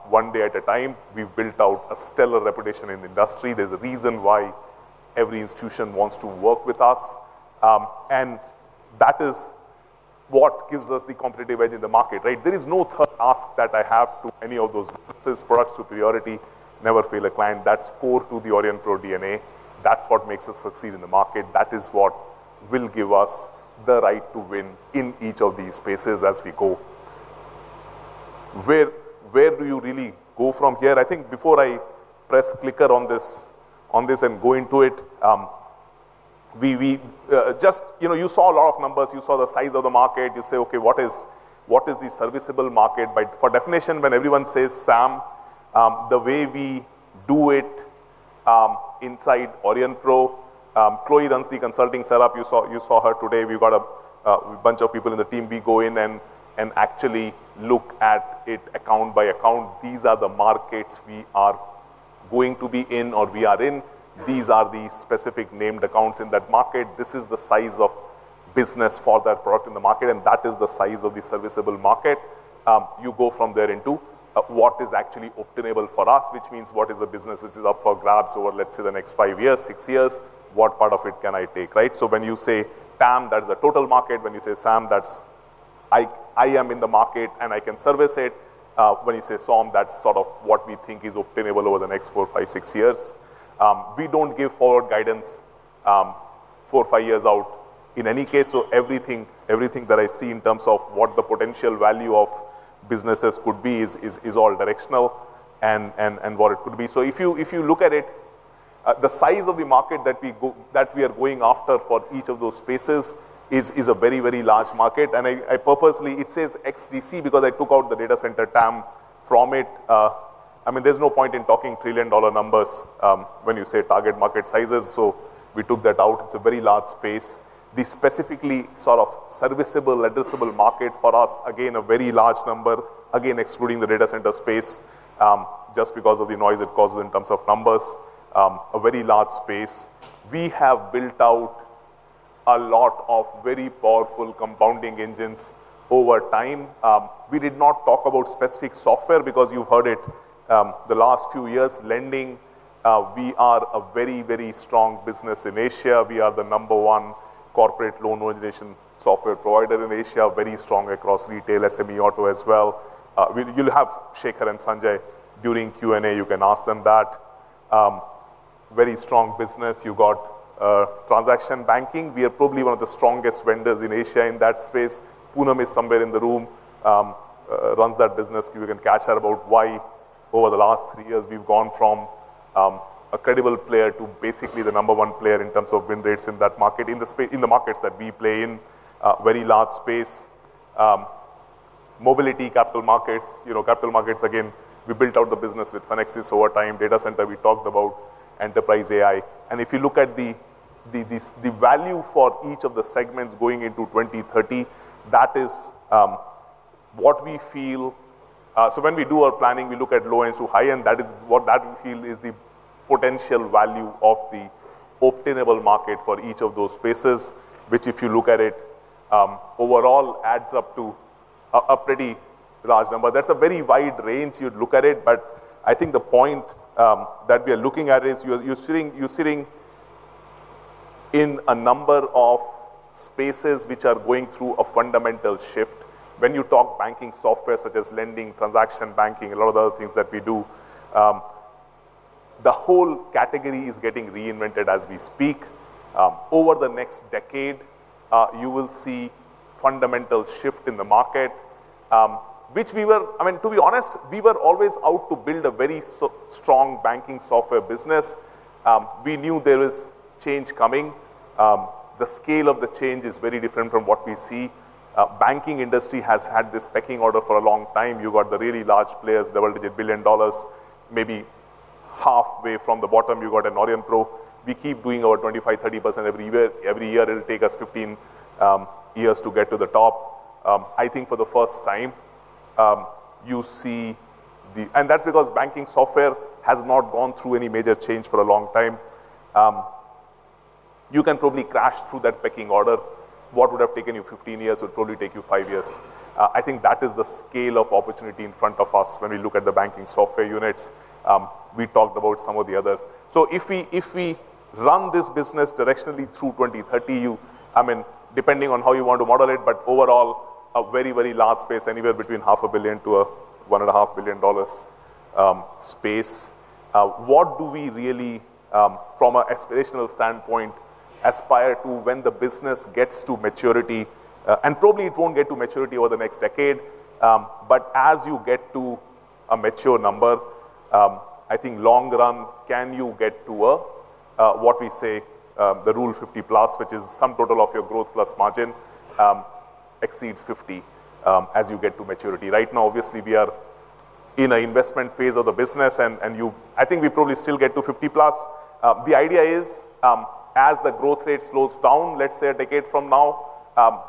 one day at a time. We've built out a stellar reputation in the industry. There's a reason why every institution wants to work with us, and that is what gives us the competitive edge in the market, right? There is no third ask that I have to any of those businesses. Product superiority, never fail a client. That's core to the Aurionpro DNA. That's what makes us succeed in the market. That is what will give us the right to win in each of these spaces as we go. Where do you really go from here? I think before I press clicker on this and go into it, you saw a lot of numbers. You saw the size of the market. You say, "Okay, what is the serviceable available market?" For definition, when everyone says SAM, the way we do it inside Aurionpro, Chloe runs the consulting set up. You saw her today. We've got a bunch of people in the team. We go in and actually look at it account by account. These are the markets we are going to be in or we are in. These are the specific named accounts in that market. This is the size of business for that product in the market, and that is the size of the serviceable market. You go from there into what is actually obtainable for us, which means what is the business which is up for grabs over, let's say, the next five years, six years, what part of it can I take, right? When you say TAM, that is the total market. When you say SAM, that's I am in the market and I can service it. When you say SOM, that's sort of what we think is obtainable over the next four, five, six years. We don't give forward guidance four or five years out in any case. Everything that I see in terms of what the potential value of businesses could be is all directional and what it could be. If you look at it, the size of the market that we are going after for each of those spaces is a very large market. It says XDC because I took out the data center TAM from it. There's no point in talking trillion U.S. dollar numbers when you say target market sizes. We took that out. It's a very large space. The specifically sort of serviceable addressable market for us, again, a very large number, again, excluding the data center space, just because of the noise it causes in terms of numbers. A very large space. We have built out a lot of very powerful compounding engines over time. We did not talk about specific software because you've heard it. The last few years, lending, we are a very strong business in Asia. We are the number 1 corporate loan origination software provider in Asia. Very strong across retail, SME, auto as well. You'll have Shekhar and Sanjay during Q&A. You can ask them that. Very strong business. You got transaction banking. We are probably one of the strongest vendors in Asia in that space. Poonam is somewhere in the room, runs that business. You can ask her about why over the last three years, we've gone from a credible player to basically the number one player in terms of win rates in that market, in the markets that we play in. V`ery large space. Mobility, capital markets. Capital markets, again, we built out the business with Fenixys over time. Data center, we talked about. Enterprise AI. And if you look at the value for each of the segments going into 2030, that is what we feel. When we do our planning, we look at low end to high end. That is what that we feel is the potential value of the obtainable market for each of those spaces. If you look at it, overall adds up to a pretty large number. That's a very wide range you'd look at it. I think the point that we are looking at is you're sitting in a number of spaces which are going through a fundamental shift. When you talk banking software such as lending, transaction banking, a lot of the other things that we do, the whole category is getting reinvented as we speak. Over the next decade, you will see fundamental shift in the market which. To be honest, we were always out to build a very strong banking software business. We knew there is change coming. The scale of the change is very different from what we see. Banking industry has had this pecking order for a long time. You got the really large players, they're worth $1 billion. Maybe halfway from the bottom, you got an Aurionpro. We keep doing our 25%, 30% every year. It'll take us 15 years to get to the top. I think for the first time, you see. That's because banking software has not gone through any major change for a long time. You can probably crash through that pecking order. What would have taken you 15 years will probably take you five years. I think that is the scale of opportunity in front of us when we look at the banking software units. We talked about some of the others. If we run this business directionally through 2030, depending on how you want to model it, overall, a very large space, anywhere between half a billion to a one and a half billion dollars space. What do we really, from an aspirational standpoint, aspire to when the business gets to maturity? Probably it won't get to maturity over the next decade. As you get to a mature number, I think long run, can you get to what we say, the rule 50 plus, which is sum total of your growth plus margin exceeds 50 as you get to maturity. Right now, obviously, we are in an investment phase of the business, and I think we probably still get to 50 plus. The idea is, as the growth rate slows down, let's say a decade from now,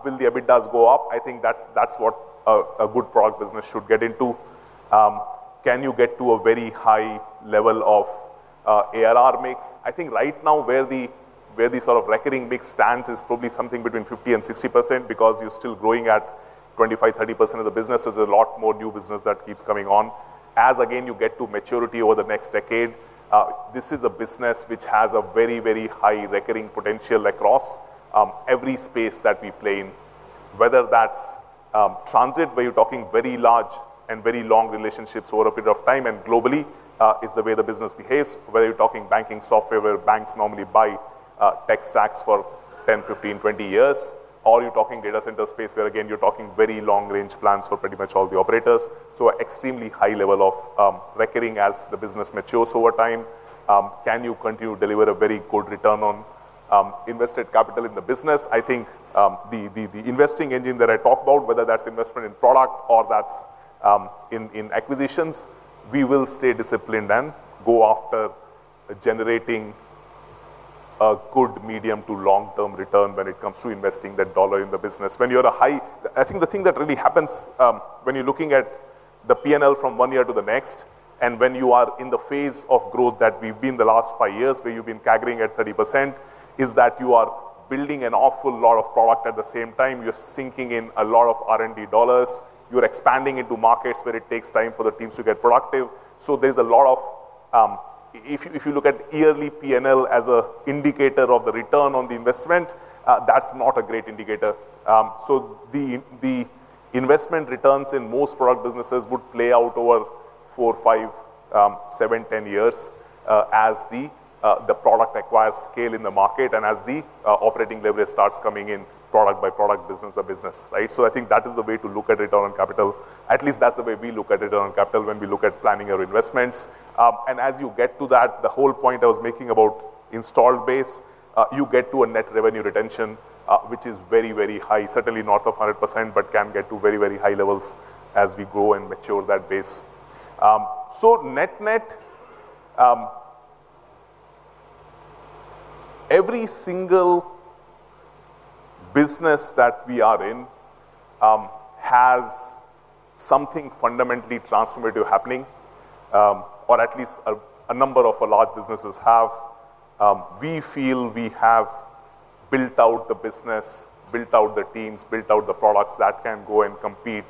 will the EBITDAs go up? I think that's what a good product business should get into. Can you get to a very high level of ARR mix? I think right now where the sort of recurring mix stands is probably something between 50%-60%, because you're still growing at 25%-30% of the business. There's a lot more new business that keeps coming on. As again, you get to maturity over the next decade, this is a business which has a very high recurring potential across every space that we play in, whether that's transit, where you're talking very large and very long relationships over a period of time and globally, is the way the business behaves. Whether you're talking banking software, where banks normally buy tech stacks for 10, 15, 20 years, or you're talking data center space, where again, you're talking very long-range plans for pretty much all the operators. Extremely high level of recurring as the business matures over time. Can you continue to deliver a very good return on invested capital in the business? I think the investing engine that I talked about, whether that's investment in product or that's in acquisitions, we will stay disciplined and go after generating a good medium to long-term return when it comes to investing that dollar in the business. I think the thing that really happens when you're looking at the P&L from one year to the next and when you are in the phase of growth that we've been the last five years, where you've been CAGR-ing at 30%, is that you are building an awful lot of product at the same time. You're sinking in a lot of R&D dollars. You're expanding into markets where it takes time for the teams to get productive. If you look at yearly P&L as an indicator of the return on the investment, that's not a great indicator. The investment returns in most product businesses would play out over four, five, seven, 10 years as the product acquires scale in the market and as the operating leverage starts coming in product by product, business by business. Right? I think that is the way to look at return on capital. At least that's the way we look at return on capital when we look at planning our investments. As you get to that, the whole point I was making about installed base, you get to a net revenue retention which is very high, certainly not of 100%, but can get to very high levels as we go and mature that base. Net, every single business that we are in has something fundamentally transformative happening. At least a number of our large businesses have. We feel we have built out the business, built out the teams, built out the products that can go and compete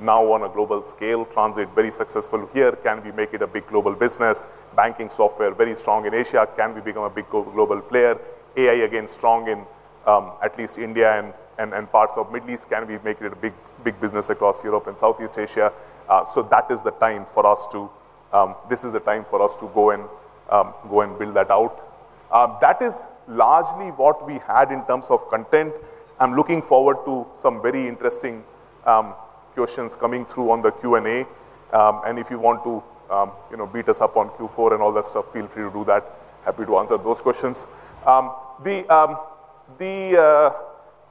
now on a global scale. Transit, very successful here. Can we make it a big global business? Banking software, very strong in Asia. Can we become a big global player? AI, again, strong in at least India and parts of Middle East. Can we make it a big business across Europe and Southeast Asia? This is the time for us to go and build that out. That is largely what we had in terms of content. I'm looking forward to some very interesting questions coming through on the Q&A. If you want to beat us up on Q4 and all that stuff, feel free to do that. Happy to answer those questions. The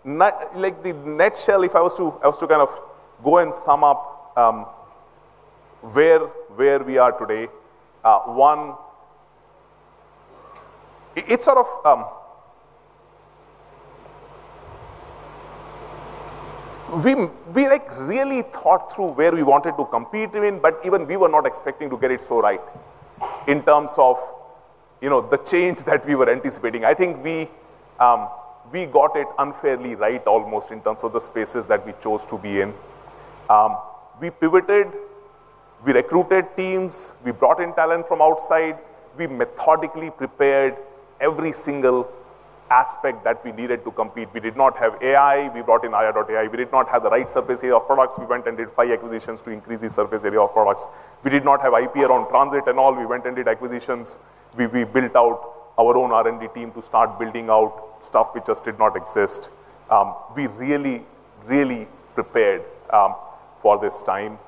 nutshell, if I was to go and sum up where we are today. One, we really thought through where we wanted to compete in, even we were not expecting to get it so right in terms of the change that we were anticipating. I think we got it unfairly right almost in terms of the spaces that we chose to be in. We pivoted, we recruited teams, we brought in talent from outside. We methodically prepared every single aspect that we needed to compete. We did not have AI. We brought in Arya.ai. We did not have the right surface area of products. We went and did five acquisitions to increase the surface area of products. We did not have IP around transit and all. We went and did acquisitions. We built out our own R&D team to start building out stuff which just did not exist. We really prepared for this time.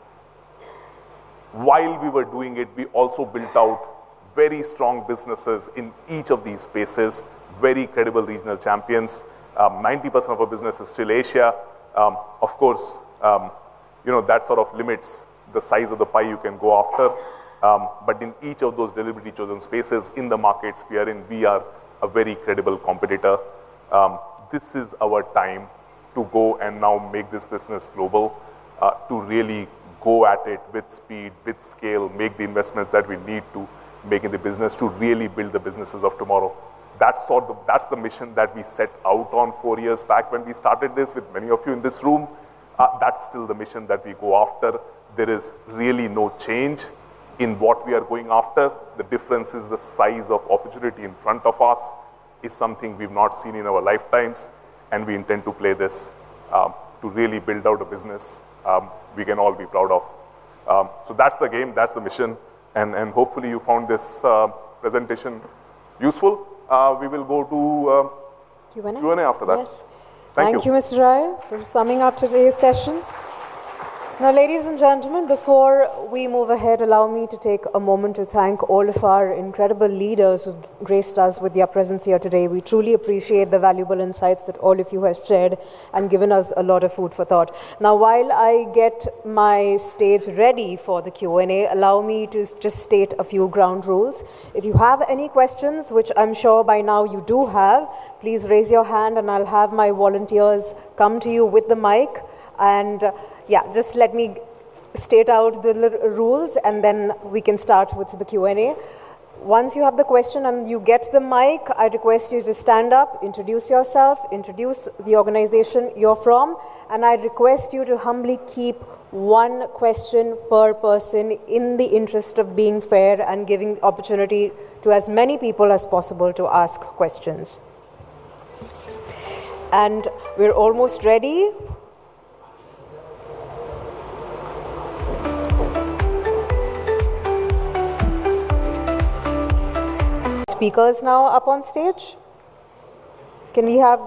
While we were doing it, we also built out very strong businesses in each of these spaces, very credible regional champions. 90% of our business is still Asia. Of course, that sort of limits the size of the pie you can go after. In each of those deliberately chosen spaces in the markets we are in, we are a very credible competitor. This is our time to go and now make this business global. To really go at it with speed, with scale, make the investments that we need to make in the business to really build the businesses of tomorrow. That's the mission that we set out on four years back when we started this with many of you in this room. That's still the mission that we go after. There is really no change in what we are going after. The difference is the size of opportunity in front of us is something we've not seen in our lifetimes, we intend to play this to really build out a business we can all be proud of. That's the game, that's the mission, hopefully you found this presentation useful. We will go to- Q&A Q&A after that. Yes. Thank you. Thank you, Mr. Rai, for summing up today's sessions. Ladies and gentlemen, before we move ahead, allow me to take a moment to thank all of our incredible leaders who've graced us with their presence here today. We truly appreciate the valuable insights that all of you have shared and given us a lot of food for thought. While I get my stage ready for the Q&A, allow me to just state a few ground rules. If you have any questions, which I'm sure by now you do have, please raise your hand and I'll have my volunteers come to you with the mic. Yeah, just let me state out the rules and then we can start with the Q&A. Once you have the question and you get the mic, I request you to stand up, introduce yourself, introduce the organization you're from, and I request you to humbly keep one question per person in the interest of being fair and giving opportunity to as many people as possible to ask questions. We're almost ready. Speakers now up on stage. Can we have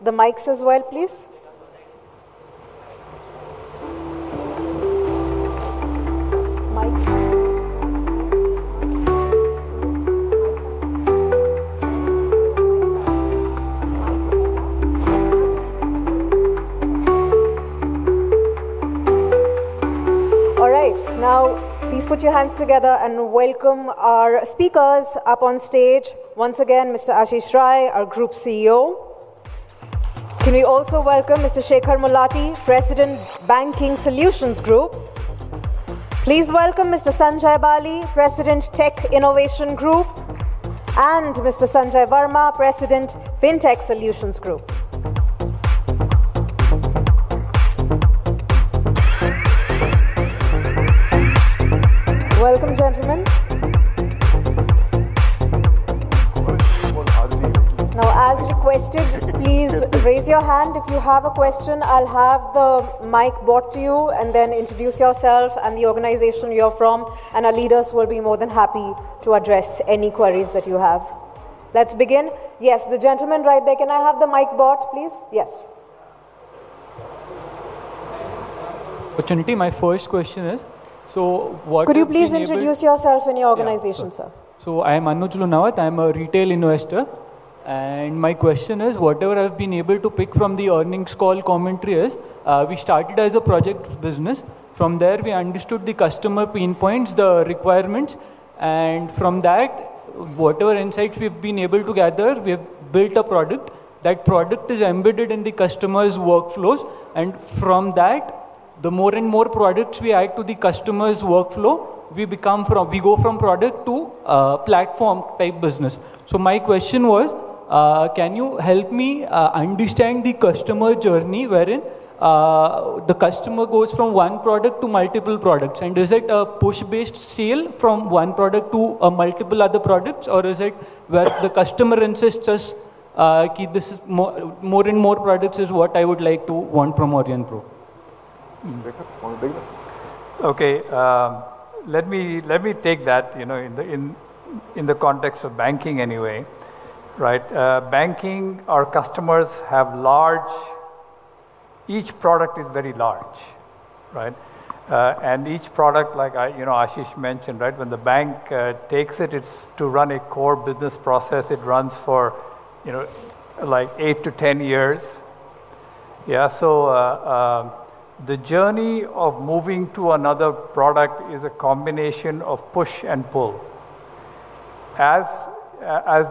the mics as well, please? Mics. All right. Please put your hands together and welcome our speakers up on stage. Once again, Mr. Ashish Rai, our Group CEO. Can we also welcome Mr. Shekhar Mullatti, President, Banking Solutions Group. Please welcome Mr. Sanjay Bali, President, Tech Innovation Group, and Mr. Sanjay Varma, President, Fintech Solutions Group. Welcome, gentlemen. As requested, please raise your hand if you have a question. I'll have the mic brought to you, then introduce yourself and the organization you're from, our leaders will be more than happy to address any queries that you have. Let's begin. Yes, the gentleman right there. Can I have the mic brought, please? Yes. opportunity. My first question is, what we've been able Could you please introduce yourself and your organization, sir? Yeah, sure. I am Anuj Lunawat. I am a retail investor, my question is, whatever I've been able to pick from the earnings call commentary is, we started as a project business. From there we understood the customer pain points, the requirements, from that, whatever insights we've been able to gather, we have built a product. That product is embedded in the customer's workflows, from that, the more and more products we add to the customer's workflow, we go from product to platform type business. My question was, can you help me understand the customer journey, wherein the customer goes from one product to multiple products, is it a push-based sale from one product to multiple other products, or is it where the customer insists us, "More and more products is what I would like to want from Aurionpro? Shekhar, want to begin? Okay. Let me take that in the context of banking anyway. Banking, each product is very large. Each product, like Ashish mentioned, when the bank takes it's to run a core business process. It runs for 8 to 10 years. Yeah, the journey of moving to another product is a combination of push and pull. As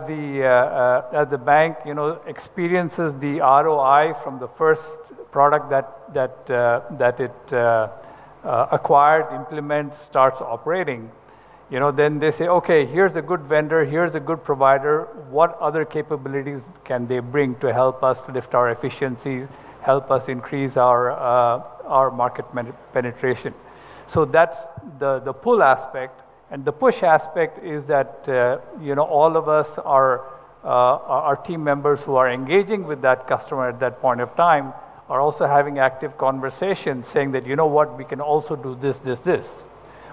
the bank experiences the ROI from the first product that it acquires, implements, starts operating, then they say, "Okay, here's a good vendor, here's a good provider. What other capabilities can they bring to help us lift our efficiencies, help us increase our market penetration?" That's the pull aspect, and the push aspect is that all of us are team members who are engaging with that customer at that point of time, are also having active conversations saying that, "You know what? We can also do this, this."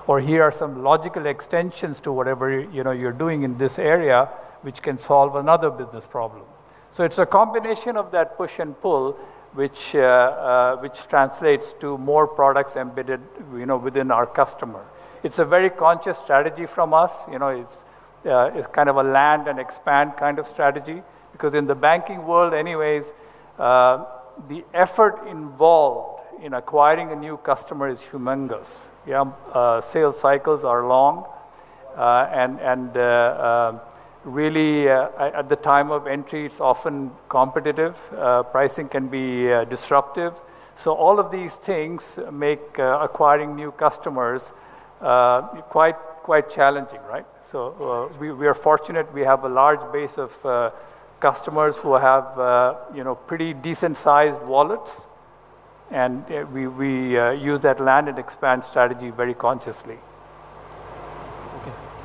"Here are some logical extensions to whatever you're doing in this area, which can solve another business problem." It's a combination of that push and pull which translates to more products embedded within our customer. It's a very conscious strategy from us. It's a land and expand kind of strategy, because in the banking world anyways, the effort involved in acquiring a new customer is humongous. Sales cycles are long really, at the time of entry, it's often competitive. Pricing can be disruptive. All of these things make acquiring new customers quite challenging. We are fortunate, we have a large base of customers who have pretty decent-sized wallets, and we use that land and expand strategy very consciously.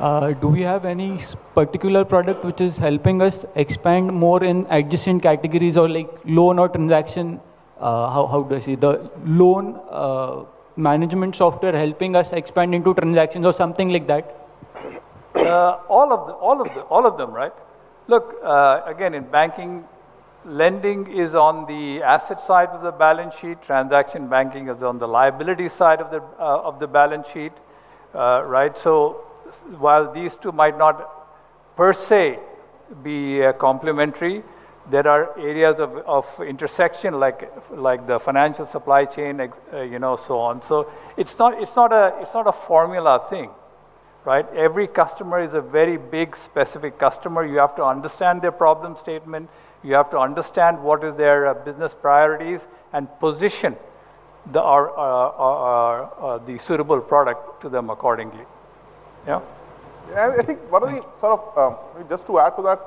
Okay. Do we have any particular product which is helping us expand more in adjacent categories or like loan or transaction? How do I say? The loan management software helping us expand into transactions or something like that? All of them. Look, again, in banking, lending is on the asset side of the balance sheet. Transaction banking is on the liability side of the balance sheet. While these two might not per se be complementary, there are areas of intersection like the financial supply chain, so on. It's not a formula thing. Every customer is a very big specific customer. You have to understand their problem statement. You have to understand what is their business priorities and position the suitable product to them accordingly. Yeah? I think just to add to that,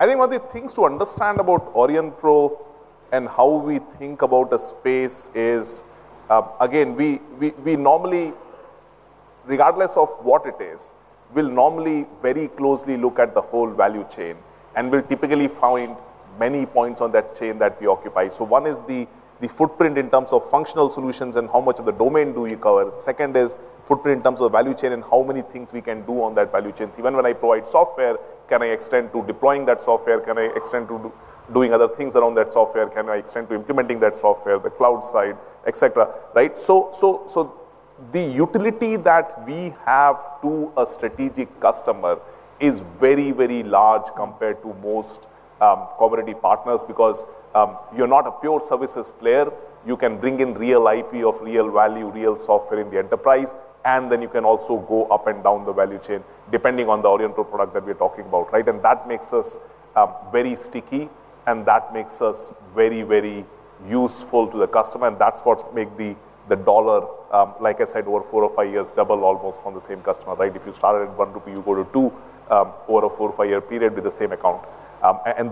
I think one of the things to understand about Aurionpro and how we think about a space is, regardless of what it is, we'll normally very closely look at the whole value chain, and we'll typically find many points on that chain that we occupy. So one is the footprint in terms of functional solutions and how much of the domain do we cover. Second is footprint in terms of value chain and how many things we can do on that value chain. So even when I provide software, can I extend to deploying that software? Can I extend to doing other things around that software? Can I extend to implementing that software, the cloud side, et cetera. The utility that we have to a strategic customer is very large compared to most commodity partners because you're not a pure services player. You can bring in real IP of real value, real software in the enterprise, and then you can also go up and down the value chain depending on the Aurionpro product that we're talking about. That makes us very sticky and that makes us very useful to the customer, and that's what make the dollar, like I said, over four or five years double almost from the same customer. If you started at one INR, you go to two, over a four or five year period with the same account.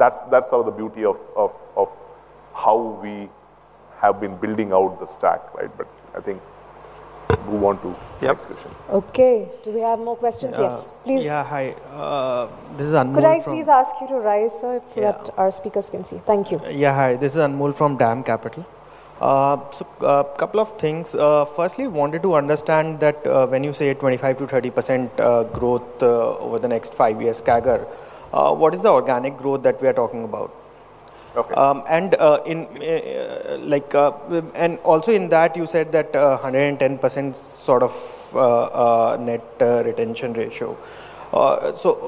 That's the beauty of how we have been building out the stack. I think move on to the next question. Okay. Do we have more questions? Yes, please. Yeah, hi. This is Anmol from. Could I please ask you to rise, sir? Yeah. That our speakers can see. Thank you. Hi. This is Anmol from DAM Capital. A couple of things. Firstly, wanted to understand that when you say 25%-30% growth over the next five years, CAGR, what is the organic growth that we are talking about? Okay. Also in that, you said that 110% net retention ratio.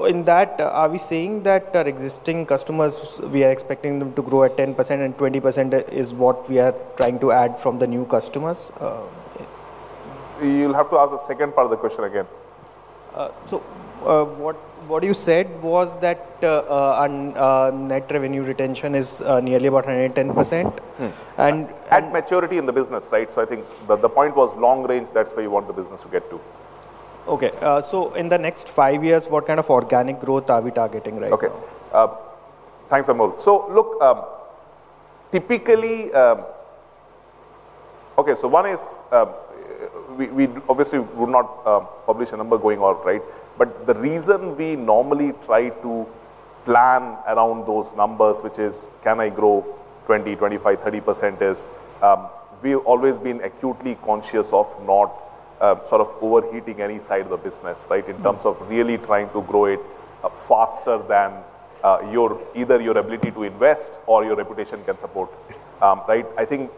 In that, are we saying that our existing customers, we are expecting them to grow at 10% and 20% is what we are trying to add from the new customers? You'll have to ask the second part of the question again. What you said was that net revenue retention is nearly about 110%. At maturity in the business. I think the point was long range, that's where you want the business to get to. Okay. In the next five years, what kind of organic growth are we targeting right now? Thanks, Anmol. Look, one is we obviously would not publish a number going out. The reason we normally try to plan around those numbers, which is can I grow 20%, 25%, 30%, is we've always been acutely conscious of not overheating any side of the business in terms of really trying to grow it faster than either your ability to invest or your reputation can support. I think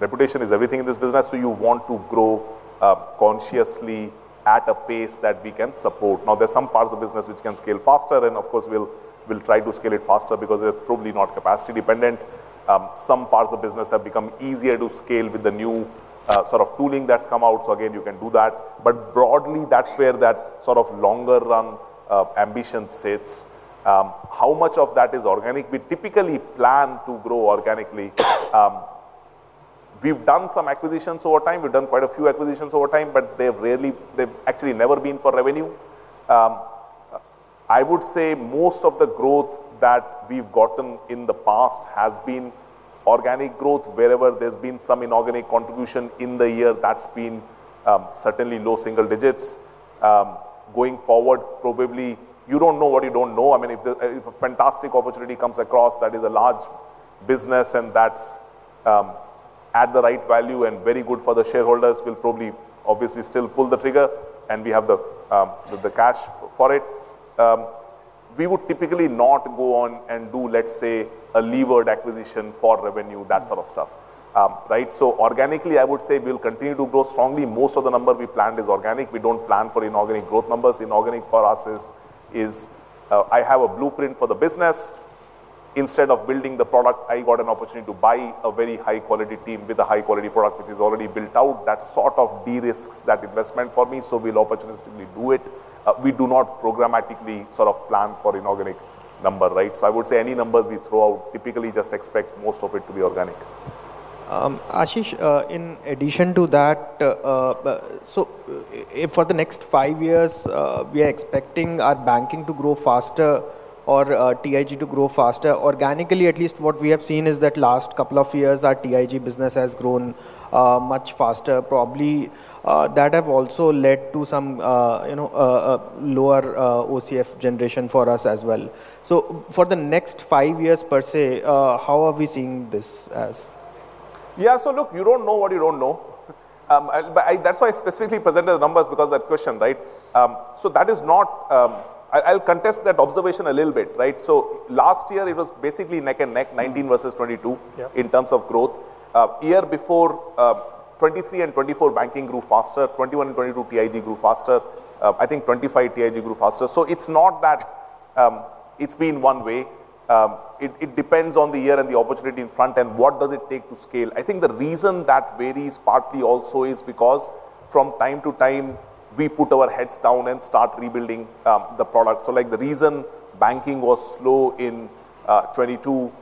reputation is everything in this business, so you want to grow consciously at a pace that we can support. There's some parts of business which can scale faster, and of course, we'll try to scale it faster because it's probably not capacity dependent. Some parts of business have become easier to scale with the new tooling that's come out. Again, you can do that. Broadly, that's where that longer run ambition sits. How much of that is organic? We typically plan to grow organically. We've done some acquisitions over time. We've done quite a few acquisitions over time, they've actually never been for revenue. I would say most of the growth that we've gotten in the past has been organic growth. Wherever there's been some inorganic contribution in the year, that's been certainly low single digits. Going forward, probably you don't know what you don't know. If a fantastic opportunity comes across that is a large business and that's at the right value and very good for the shareholders, we'll probably obviously still pull the trigger, and we have the cash for it. We would typically not go on and do, let's say, a levered acquisition for revenue, that sort of stuff. Organically, I would say we'll continue to grow strongly. Most of the number we planned is organic. We don't plan for inorganic growth numbers. Inorganic for us is I have a blueprint for the business. Instead of building the product, I got an opportunity to buy a very high-quality team with a high-quality product, which is already built out. That sort of de-risks that investment for me, we'll opportunistically do it. We do not programmatically sort of plan for inorganic number. I would say any numbers we throw out, typically just expect most of it to be organic. Ashish, in addition to that, for the next five years, we are expecting our banking to grow faster or TIG to grow faster organically. At least what we have seen is that last couple of years, our TIG business has grown much faster. Probably, that have also led to some lower OCF generation for us as well. For the next five years per se, how are we seeing this as? Yeah. Look, you don't know what you don't know. That's why I specifically presented the numbers because of that question, right? I'll contest that observation a little bit. Last year it was basically neck and neck, 19 versus 22- Yeah in terms of growth. Year before, 2023 and 2024, banking grew faster. 2021 and 2022, TIG grew faster. I think 2025, TIG grew faster. It's not that it's been one way. It depends on the year and the opportunity in front, and what does it take to scale. I think the reason that varies partly also is because from time to time, we put our heads down and start rebuilding the product. The reason banking was slow in 2022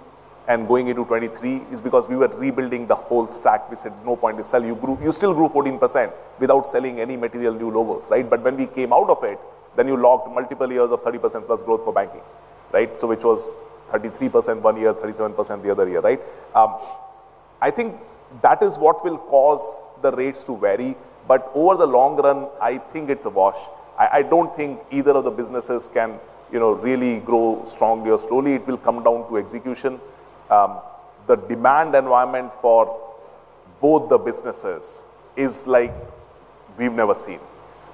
and going into 2023 is because we were rebuilding the whole stack. We said, "No point to sell you grew." You still grew 14% without selling any material new logos, right? When we came out of it, then you logged multiple years of 30% plus growth for banking. Which was 33% one year, 37% the other year. I think that is what will cause the rates to vary, but over the long run, I think it's a wash. I don't think either of the businesses can really grow strongly or slowly. It will come down to execution. The demand environment for both the businesses is like we've never seen.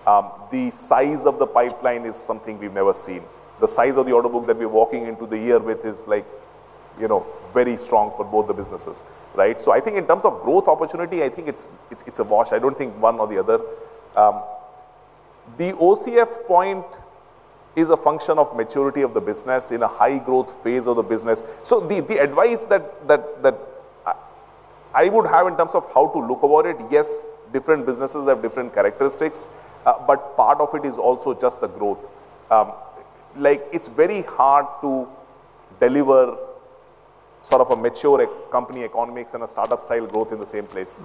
The size of the pipeline is something we've never seen. The size of the order book that we're walking into the year with is very strong for both the businesses. I think in terms of growth opportunity, I think it's a wash. I don't think one or the other. The OCF point is a function of maturity of the business in a high growth phase of the business. The advice that I would have in terms of how to look about it, yes, different businesses have different characteristics. Part of it is also just the growth. It's very hard to deliver sort of a mature company economics and a startup style growth in the same place.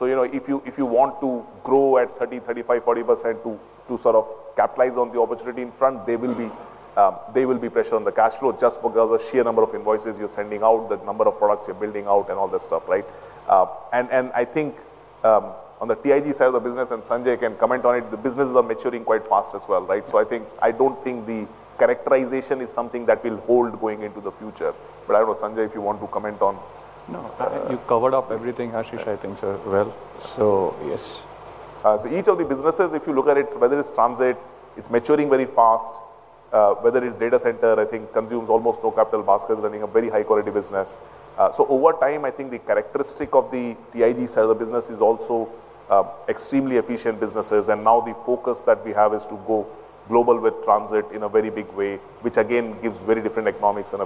If you want to grow at 30%, 35%, 40% to sort of capitalize on the opportunity in front, there will be pressure on the cash flow just because the sheer number of invoices you're sending out, the number of products you're building out and all that stuff. I think, on the TIG side of the business, and Sanjay can comment on it, the businesses are maturing quite fast as well. I don't think the characterization is something that will hold going into the future. I don't know, Sanjay, if you want to comment on? I think you covered up everything, Ashish, I think so. Yes. Each of the businesses, if you look at it, whether it's Transit, it's maturing very fast. Whether it's data center, I think consumes almost no capital. Bhaskar's running a very high-quality business. Over time, I think the characteristic of the TIG side of the business is also extremely efficient businesses. Now the focus that we have is to go global with Transit in a very big way, which again, gives very different economics and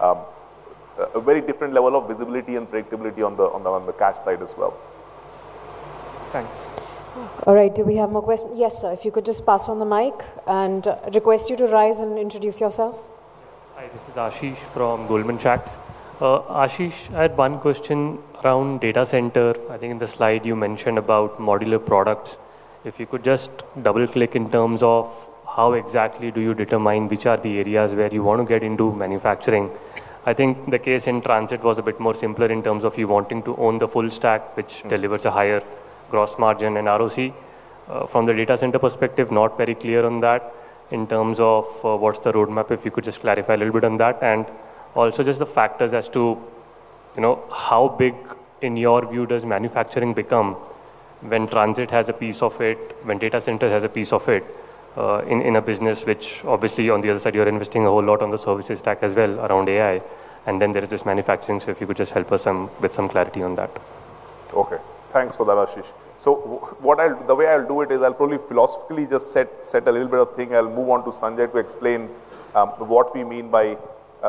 a very different level of visibility and predictability on the cash side as well. Thanks. All right. Do we have more questions? Yes, sir. If you could just pass on the mic and request you to rise and introduce yourself. Hi, this is Ashish from Goldman Sachs. Ashish, I had one question around data center. I think in the slide you mentioned about modular products. If you could just double-click in terms of how exactly do you determine which are the areas where you want to get into manufacturing? I think the case in Transit was a bit more simpler in terms of you wanting to own the full stack, which delivers a higher gross margin and ROC. From the data center perspective, not very clear on that in terms of what's the roadmap, if you could just clarify a little bit on that. Also just the factors as to how big in your view does manufacturing become when Transit has a piece of it, when data center has a piece of it, in a business which obviously on the other side, you're investing a whole lot on the services stack as well around AI, and then there is this manufacturing. If you could just help us with some clarity on that. Okay. Thanks for that, Ashish. The way I'll do it is I'll probably philosophically just set a little bit of thing. I'll move on to Sanjay to explain what we mean by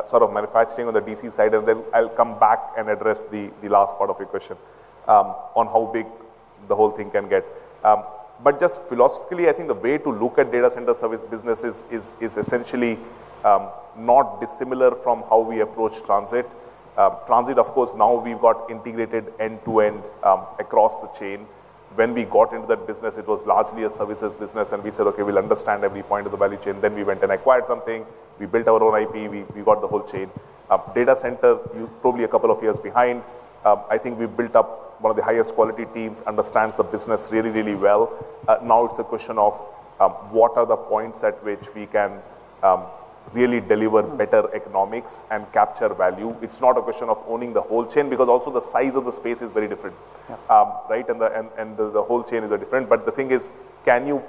sort of manufacturing on the DC side, and then I'll come back and address the last part of your question on how big the whole thing can get. Just philosophically, I think the way to look at data center service business is essentially, not dissimilar from how we approach Transit. Transit, of course, now we've got integrated end-to-end across the chain. When we got into that business, it was largely a services business and we said, "Okay, we'll understand every point of the value chain." We went and acquired something. We built our own IP. We got the whole chain. Data center, probably a couple of years behind. I think we've built up one of the highest quality teams, understands the business really, really well. Now it's a question of what are the points at which we can really deliver better economics and capture value. It's not a question of owning the whole chain because also the size of the space is very different. Yeah. The whole chain is different. The thing is, can you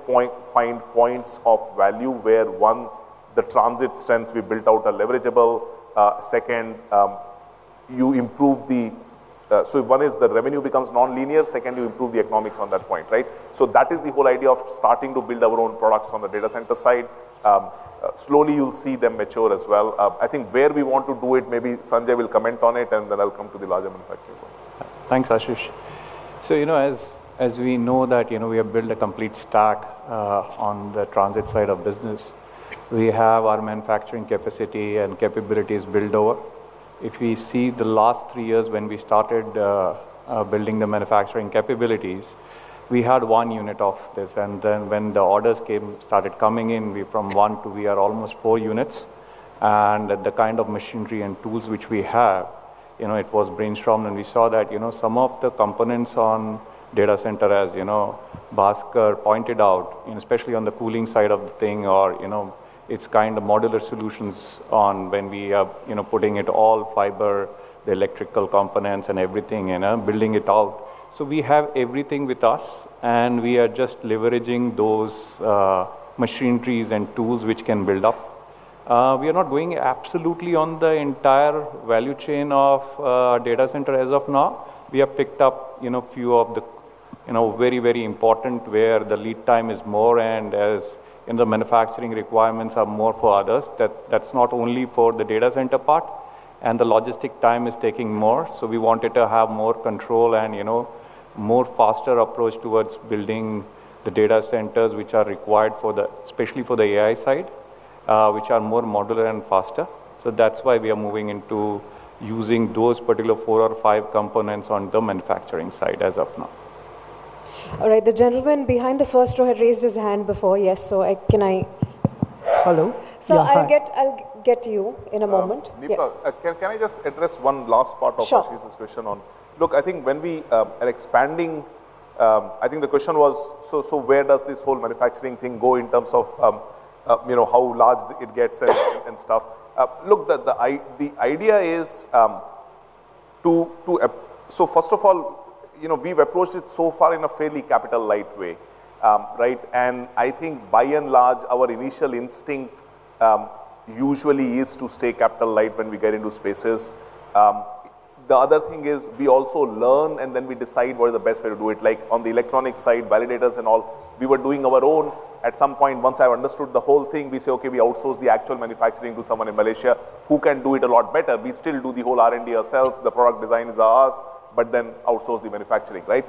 find points of value where, one, the Transit strengths we built out are leverageable. One is the revenue becomes nonlinear. Second, you improve the economics on that point, right? That is the whole idea of starting to build our own products on the data center side. Slowly you'll see them mature as well. I think where we want to do it, maybe Sanjay will comment on it, I'll come to the larger manufacturing point. Thanks, Ashish. As we know that we have built a complete stack on the transit side of business. We have our manufacturing capacity and capabilities built out. If we see the last 3 years when we started building the manufacturing capabilities, we had 1 unit of this, then when the orders started coming in, we from 1 to we are almost 4 units. The kind of machinery and tools which we have, it was brainstormed, and we saw that some of the components on data center, as Bhaskar pointed out, especially on the cooling side of the thing or it's kind of modular solutions on when we are putting it all fiber, the electrical components and everything, and building it out. We have everything with us, and we are just leveraging those machineries and tools which can build up. We are not going absolutely on the entire value chain of data center as of now. We have picked up a few of the very important where the lead time is more, as the manufacturing requirements are more for others, that's not only for the data center part. The logistic time is taking more, we wanted to have more control and more faster approach towards building the data centers, which are required especially for the AI side, which are more modular and faster. That's why we are moving into using those particular 4 or 5 components on the manufacturing side as of now. All right. The gentleman behind the first row had raised his hand before. Yes. Hello. Sir, I'll get to you in a moment. Yeah. Nipa, can I just address one last part of Sure Ashish's question on Look, I think when we are expanding, I think the question was, where does this whole manufacturing thing go in terms of how large it gets and stuff? Look, the idea is. First of all, we've approached it so far in a fairly capital-light way. Right? I think by and large, our initial instinct usually is to stay capital-light when we get into spaces. The other thing is we also learn, then we decide what is the best way to do it. Like on the electronic side, validators and all, we were doing our own. At some point, once I understood the whole thing, we say, okay, we outsource the actual manufacturing to someone in Malaysia who can do it a lot better. We still do the whole R&D ourselves. The product designs are ours, then outsource the manufacturing, right?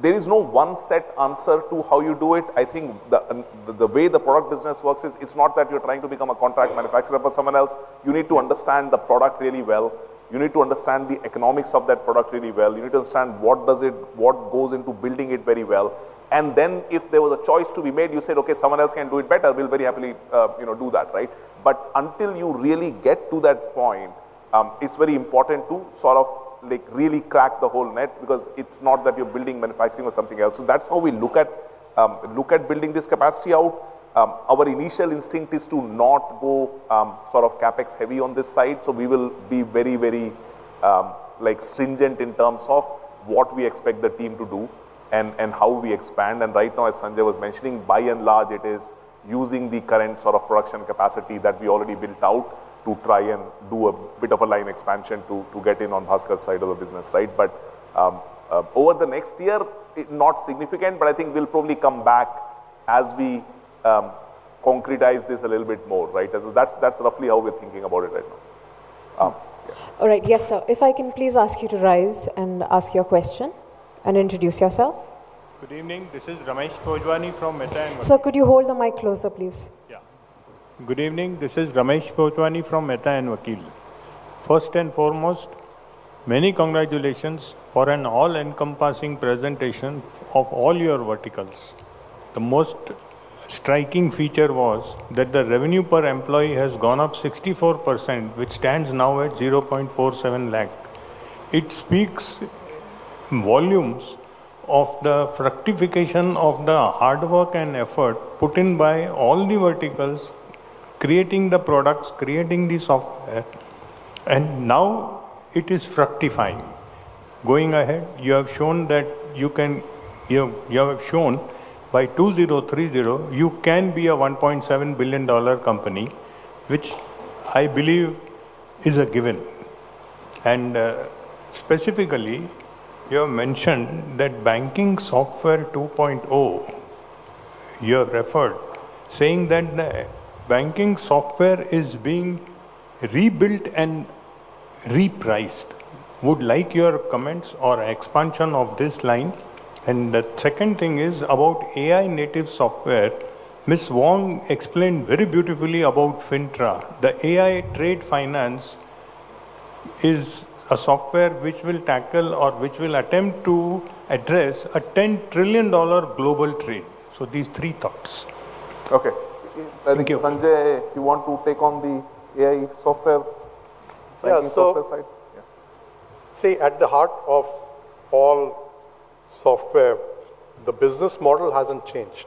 There is no one set answer to how you do it. I think the way the product business works is, it's not that you're trying to become a contract manufacturer for someone else. You need to understand the product really well. You need to understand the economics of that product really well. You need to understand what goes into building it very well. Then if there was a choice to be made, you said, okay, someone else can do it better. We'll very happily do that, right? Until you really get to that point, it's very important to sort of really crack the whole nut because it's not that you're building manufacturing or something else. That's how we look at building this capacity out. Our initial instinct is to not go CapEx heavy on this side. We will be very stringent in terms of what we expect the team to do and how we expand. Right now, as Sanjay was mentioning, by and large, it is using the current sort of production capacity that we already built out to try and do a bit of a line expansion to get in on Bhaskar's side of the business, right. Over the next year, not significant, but I think we'll probably come back as we concretize this a little bit more, right. That's roughly how we're thinking about it right now. All right. Yes, sir. If I can please ask you to rise and ask your question and introduce yourself. Good evening. This is Ramesh Pojwani from Mehta and- Sir, could you hold the mic closer, please? Good evening. This is Ramesh Pojwani from Mehta & Vakil. First and foremost, many congratulations for an all-encompassing presentation of all your verticals. The most striking feature was that the revenue per employee has gone up 64%, which stands now at 0.47 lakh. It speaks volumes of the fructification of the hard work and effort put in by all the verticals, creating the products, creating the software, and now it is fructifying. Going ahead, you have shown by 2030, you can be a $1.7 billion company, which I believe is a given. Specifically, you have mentioned that banking software 2.0, you have referred, saying that banking software is being rebuilt and repriced. Would like your comments or expansion of this line. The second thing is about AI-native software. Ms. Wang explained very beautifully about Fintra. The AI trade finance is a software which will tackle or which will attempt to address a $10 trillion global trade. These three thoughts. Okay. Thank you. Sanjay, you want to take on the AI software- Yeah banking software side? Yeah. See, at the heart of all software, the business model hasn't changed.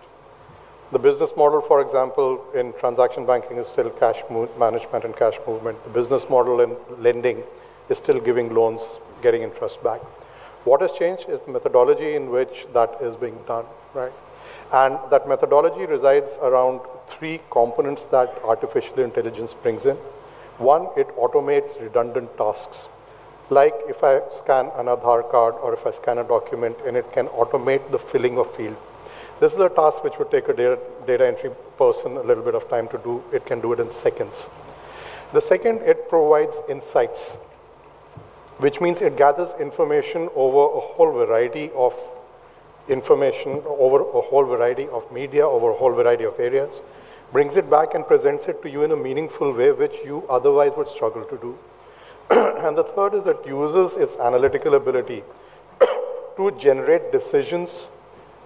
The business model, for example, in transaction banking is still cash management and cash movement. The business model in lending is still giving loans, getting interest back. What has changed is the methodology in which that is being done. That methodology resides around three components that artificial intelligence brings in. One, it automates redundant tasks, like if I scan an Aadhaar card or if I scan a document and it can automate the filling of fields. This is a task which would take a data entry person a little bit of time to do. It can do it in seconds. The second, it provides insights, which means it gathers information over a whole variety of information, over a whole variety of media, over a whole variety of areas, brings it back and presents it to you in a meaningful way, which you otherwise would struggle to do. The third is it uses its analytical ability to generate decisions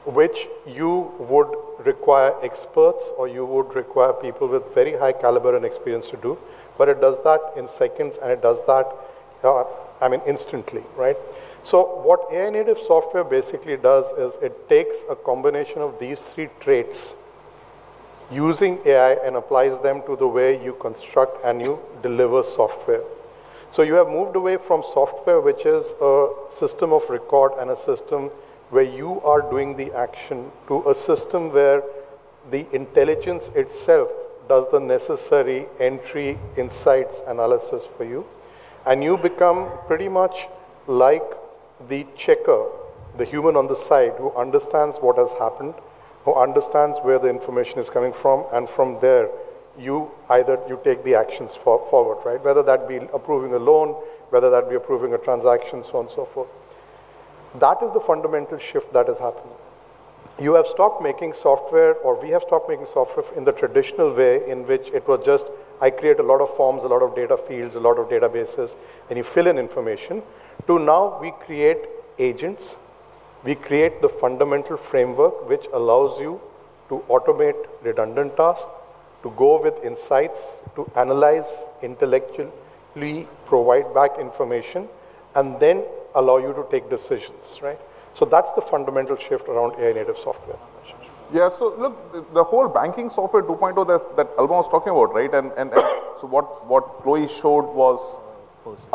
which you would require experts or you would require people with very high caliber and experience to do. It does that in seconds, and it does that instantly. What AI native software basically does is it takes a combination of these three traits using AI and applies them to the way you construct and you deliver software. You have moved away from software, which is a system of record and a system where you are doing the action, to a system where the intelligence itself does the necessary entry, insights, analysis for you. You become pretty much like the checker, the human on the side who understands what has happened, who understands where the information is coming from, and from there, either you take the actions forward. Whether that be approving a loan, whether that be approving a transaction, so on and so forth. That is the fundamental shift that has happened. You have stopped making software, or we have stopped making software in the traditional way in which it was just, I create a lot of forms, a lot of data fields, a lot of databases, and you fill in information. Now we create agents, we create the fundamental framework which allows you to automate redundant tasks, to go with insights, to analyze intellectually, provide back information, and allow you to take decisions. That's the fundamental shift around AI native software. Look, the whole banking software 2.0 that Alban was talking about, what Chloe showed was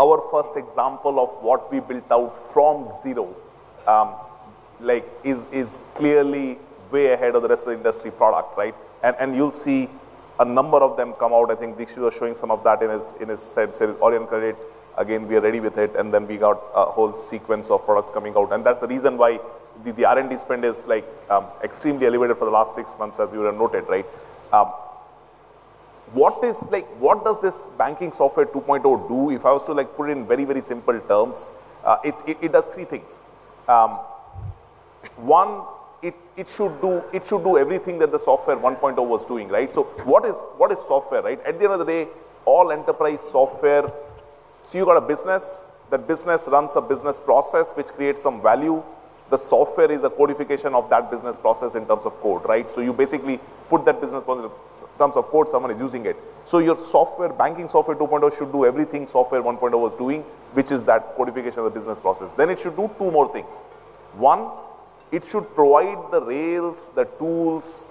our first example of what we built out from zero, is clearly way ahead of the rest of the industry product. You'll see a number of them come out. I think Deekshith was showing some of that in his sense. Aurion Credit, again, we are ready with it, we got a whole sequence of products coming out. That's the reason why the R&D spend is extremely elevated for the last 6 months, as you would have noted. What does this banking software 2.0 do? If I was to put it in very simple terms, it does three things. One, it should do everything that the software 1.0 was doing. What is software? At the end of the day, all enterprise software. You got a business. That business runs a business process, which creates some value. The software is a codification of that business process in terms of code. You basically put that business process in terms of code, someone is using it. Your banking software 2.0 should do everything software 1.0 was doing, which is that codification of a business process. It should do two more things. One, it should provide the rails, the tools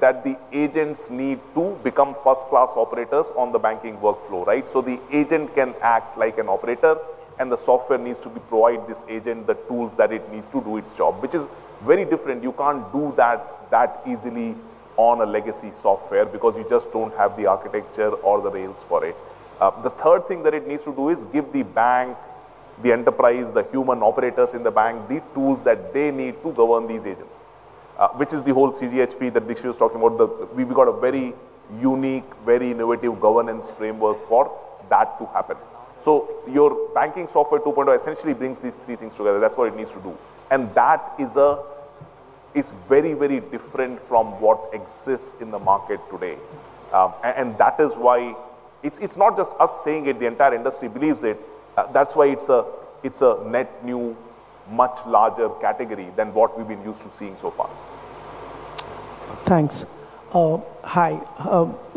that the agents need to become first-class operators on the banking workflow. The agent can act like an operator, and the software needs to provide this agent the tools that it needs to do its job, which is very different. You can't do that easily on a legacy software because you just don't have the architecture or the rails for it. The third thing that it needs to do is give the bank, the enterprise, the human operators in the bank, the tools that they need to govern these agents, which is the whole CGHP that Deekshith was talking about. We've got a very unique, very innovative governance framework for that to happen. Your banking software 2.0 essentially brings these three things together. That's what it needs to do. That is very different from what exists in the market today. That is why it's not just us saying it, the entire industry believes it. That's why it's a net new, much larger category than what we've been used to seeing so far. Thanks. Hi,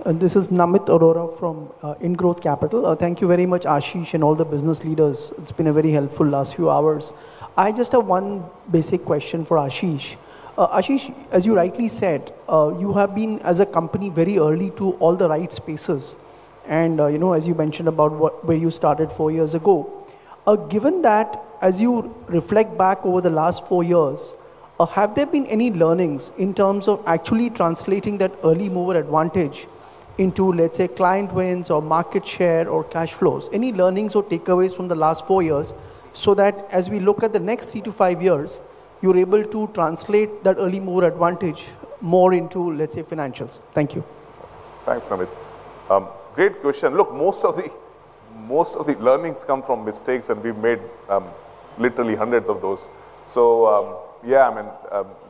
this is Namit Arora from Ingrowth Capital. Thank you very much, Ashish, and all the business leaders. It's been very helpful last few hours. I just have one basic question for Ashish. Ashish, as you rightly said, you have been as a company very early to all the right spaces, and as you mentioned about where you started four years ago. Given that as you reflect back over the last four years, have there been any learnings in terms of actually translating that early mover advantage into, let's say, client wins or market share or cash flows? Any learnings or takeaways from the last four years so that as we look at the next three to five years, you're able to translate that early mover advantage more into, let's say, financials? Thank you. Thanks, Namit. Great question. Look, most of the learnings come from mistakes, and we've made literally hundreds of those. Yeah,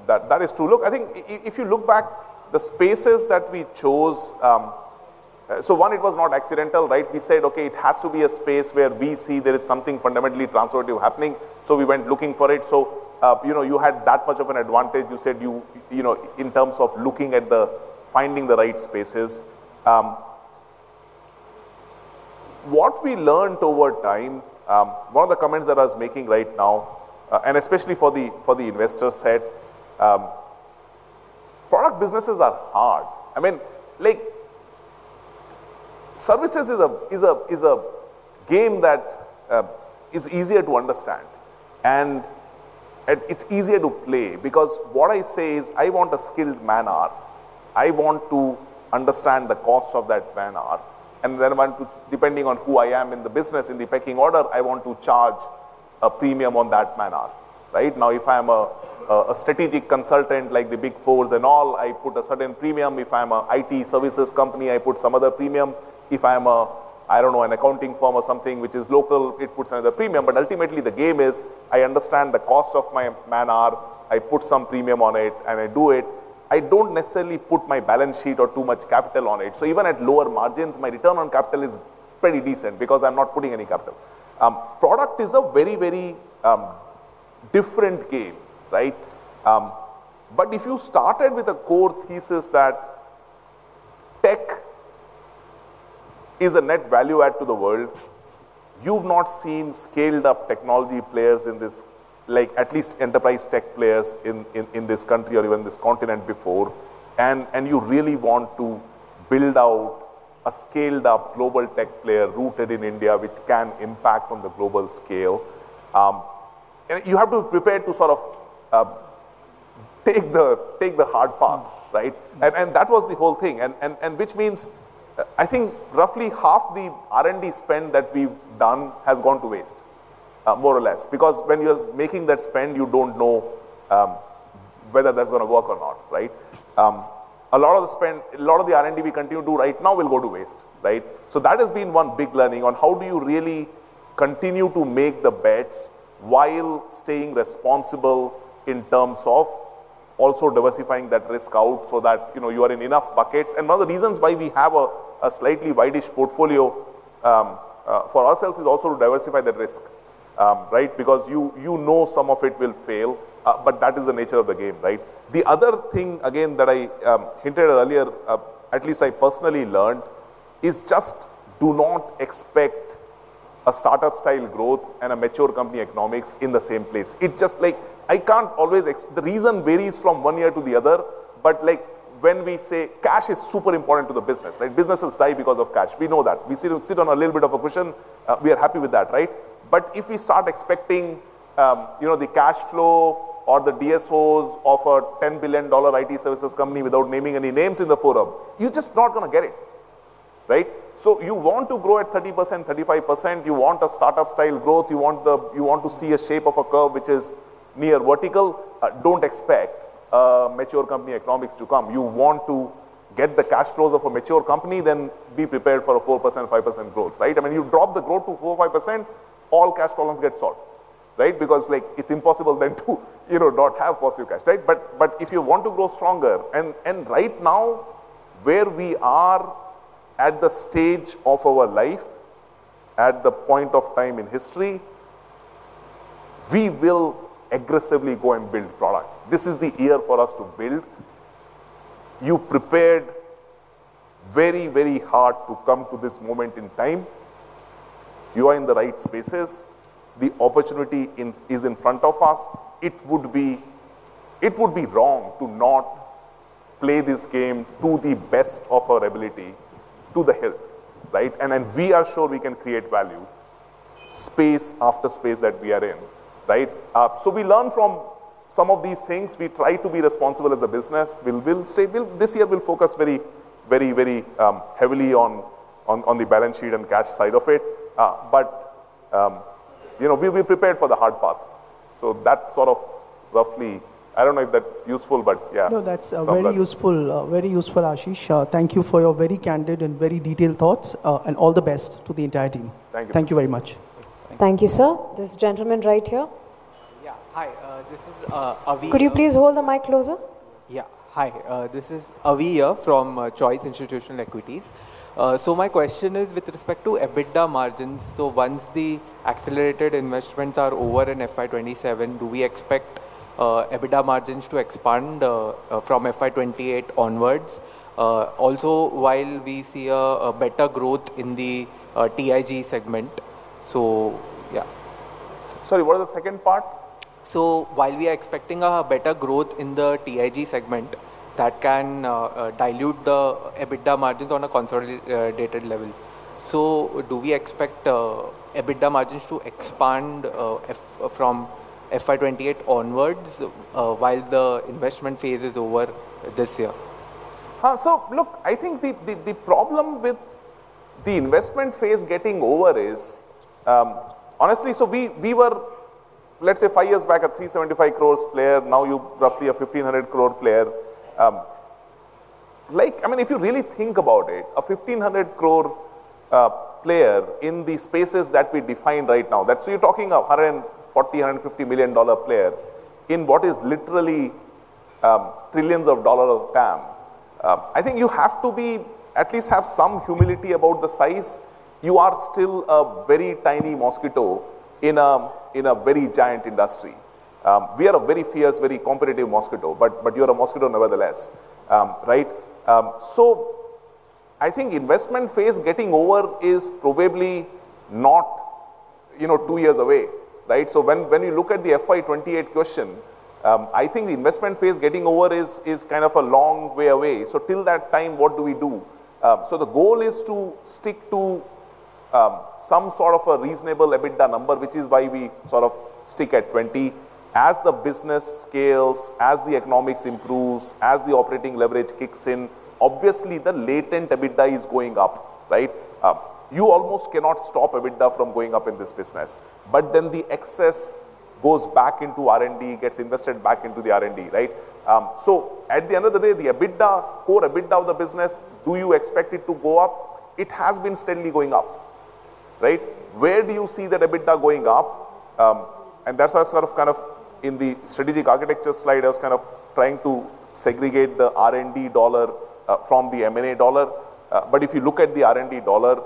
that is true. Look, I think if you look back, the spaces that we chose, one, it was not accidental. We said, okay, it has to be a space where we see there is something fundamentally transformative happening. We went looking for it. You had that much of an advantage you said in terms of looking at finding the right spaces. What we learned over time, one of the comments that I was making right now, and especially for the investor set, product businesses are hard. Services is a game that is easier to understand and it's easier to play because what I say is, I want a skilled man-hour. I want to understand the cost of that man-hour, depending on who I am in the business in the pecking order, I want to charge a premium on that man-hour. Right? Now, if I am a strategic consultant like the Big Fours and all, I put a certain premium. If I'm a IT services company, I put some other premium. If I'm a, I don't know, an accounting firm or something, which is local, it puts another premium. Ultimately the game is, I understand the cost of my man-hour, I put some premium on it, and I do it. I don't necessarily put my balance sheet or too much capital on it. Even at lower margins, my return on capital is pretty decent because I'm not putting any capital. Product is a very different game, right? If you started with a core thesis that tech is a net value add to the world, you've not seen scaled-up technology players in this, at least enterprise tech players in this country or even this continent before. You really want to build out a scaled-up global tech player rooted in India, which can impact on the global scale, you have to prepare to sort of take the hard path, right? That was the whole thing. Which means, I think roughly half the R&D spend that we've done has gone to waste, more or less. Because when you're making that spend, you don't know whether that's going to work or not, right? A lot of the R&D we continue to do right now will go to waste, right? That has been one big learning on how do you really continue to make the bets while staying responsible in terms of also diversifying that risk out so that you are in enough buckets. One of the reasons why we have a slightly wide-ish portfolio for ourselves is also to diversify that risk, right? Because you know some of it will fail. That is the nature of the game, right? The other thing, again, that I hinted at earlier, at least I personally learned, is just do not expect a startup-style growth and a mature company economics in the same place. The reason varies from one year to the other, but when we say cash is super important to the business, right? Businesses die because of cash. We know that. We sit on a little bit of a cushion. We are happy with that, right? If we start expecting the cash flow or the DSOs of an INR 10 billion IT services company without naming any names in the forum, you're just not going to get it. Right? You want to grow at 30%-35%. You want a startup-style growth. You want to see a shape of a curve which is near vertical. Don't expect mature company economics to come. You want to get the cash flows of a mature company, then be prepared for a 4%-5% growth, right? You drop the growth to 4%-5%, all cash problems get solved, right? Because it's impossible then to not have positive cash, right? If you want to grow stronger, and right now, where we are at the stage of our life, at the point of time in history, we will aggressively go and build product. This is the year for us to build. You prepared very hard to come to this moment in time. You are in the right spaces. The opportunity is in front of us. It would be wrong to not play this game to the best of our ability, to the hilt, right? We are sure we can create value, space after space that we are in, right? We learn from some of these things. We try to be responsible as a business. This year, we'll focus very heavily on the balance sheet and cash side of it. We prepared for the hard path. That's sort of roughly I don't know if that's useful, but yeah. No, that's very useful, Ashish. Thank you for your very candid and very detailed thoughts. All the best to the entire team. Thank you. Thank you very much. Thank you, sir. This gentleman right here. Yeah. Hi, this is Avi- Could you please hold the mic closer? Yeah. Hi, this is Avi from Choice Institutional Equities. My question is with respect to EBITDA margins. Once the accelerated investments are over in FY 2027, do we expect EBITDA margins to expand from FY 2028 onwards? Also while we see a better growth in the TIG segment. Sorry, what was the second part? While we are expecting a better growth in the TIG segment that can dilute the EBITDA margins on a consolidated level. Do we expect EBITDA margins to expand from FY 2028 onwards, while the investment phase is over this year? Look, I think the problem with the investment phase getting over is, honestly, we were, let's say five years back, an 375 crore player. Now you're roughly an 1,500 crore player. If you really think about it, an 1,500 crore player in the spaces that we defined right now, you're talking a $140, $150 million player in what is literally trillions of dollar TAM. I think you have to at least have some humility about the size. You are still a very tiny mosquito in a very giant industry. We are a very fierce, very competitive mosquito, but you're a mosquito nevertheless. Right? I think investment phase getting over is probably not two years away, right? When you look at the FY 2028 question, I think the investment phase getting over is kind of a long way away. Till that time, what do we do? The goal is to stick to some sort of a reasonable EBITDA number, which is why we sort of stick at 20%. As the business scales, as the economics improves, as the operating leverage kicks in, obviously the latent EBITDA is going up, right? You almost cannot stop EBITDA from going up in this business. The excess goes back into R&D, gets invested back into the R&D, right? At the end of the day, the core EBITDA of the business, do you expect it to go up? It has been steadily going up, right? Where do you see that EBITDA going up? That's why in the strategic architecture slide, I was trying to segregate the R&D dollar from the M&A dollar. If you look at the R&D dollar,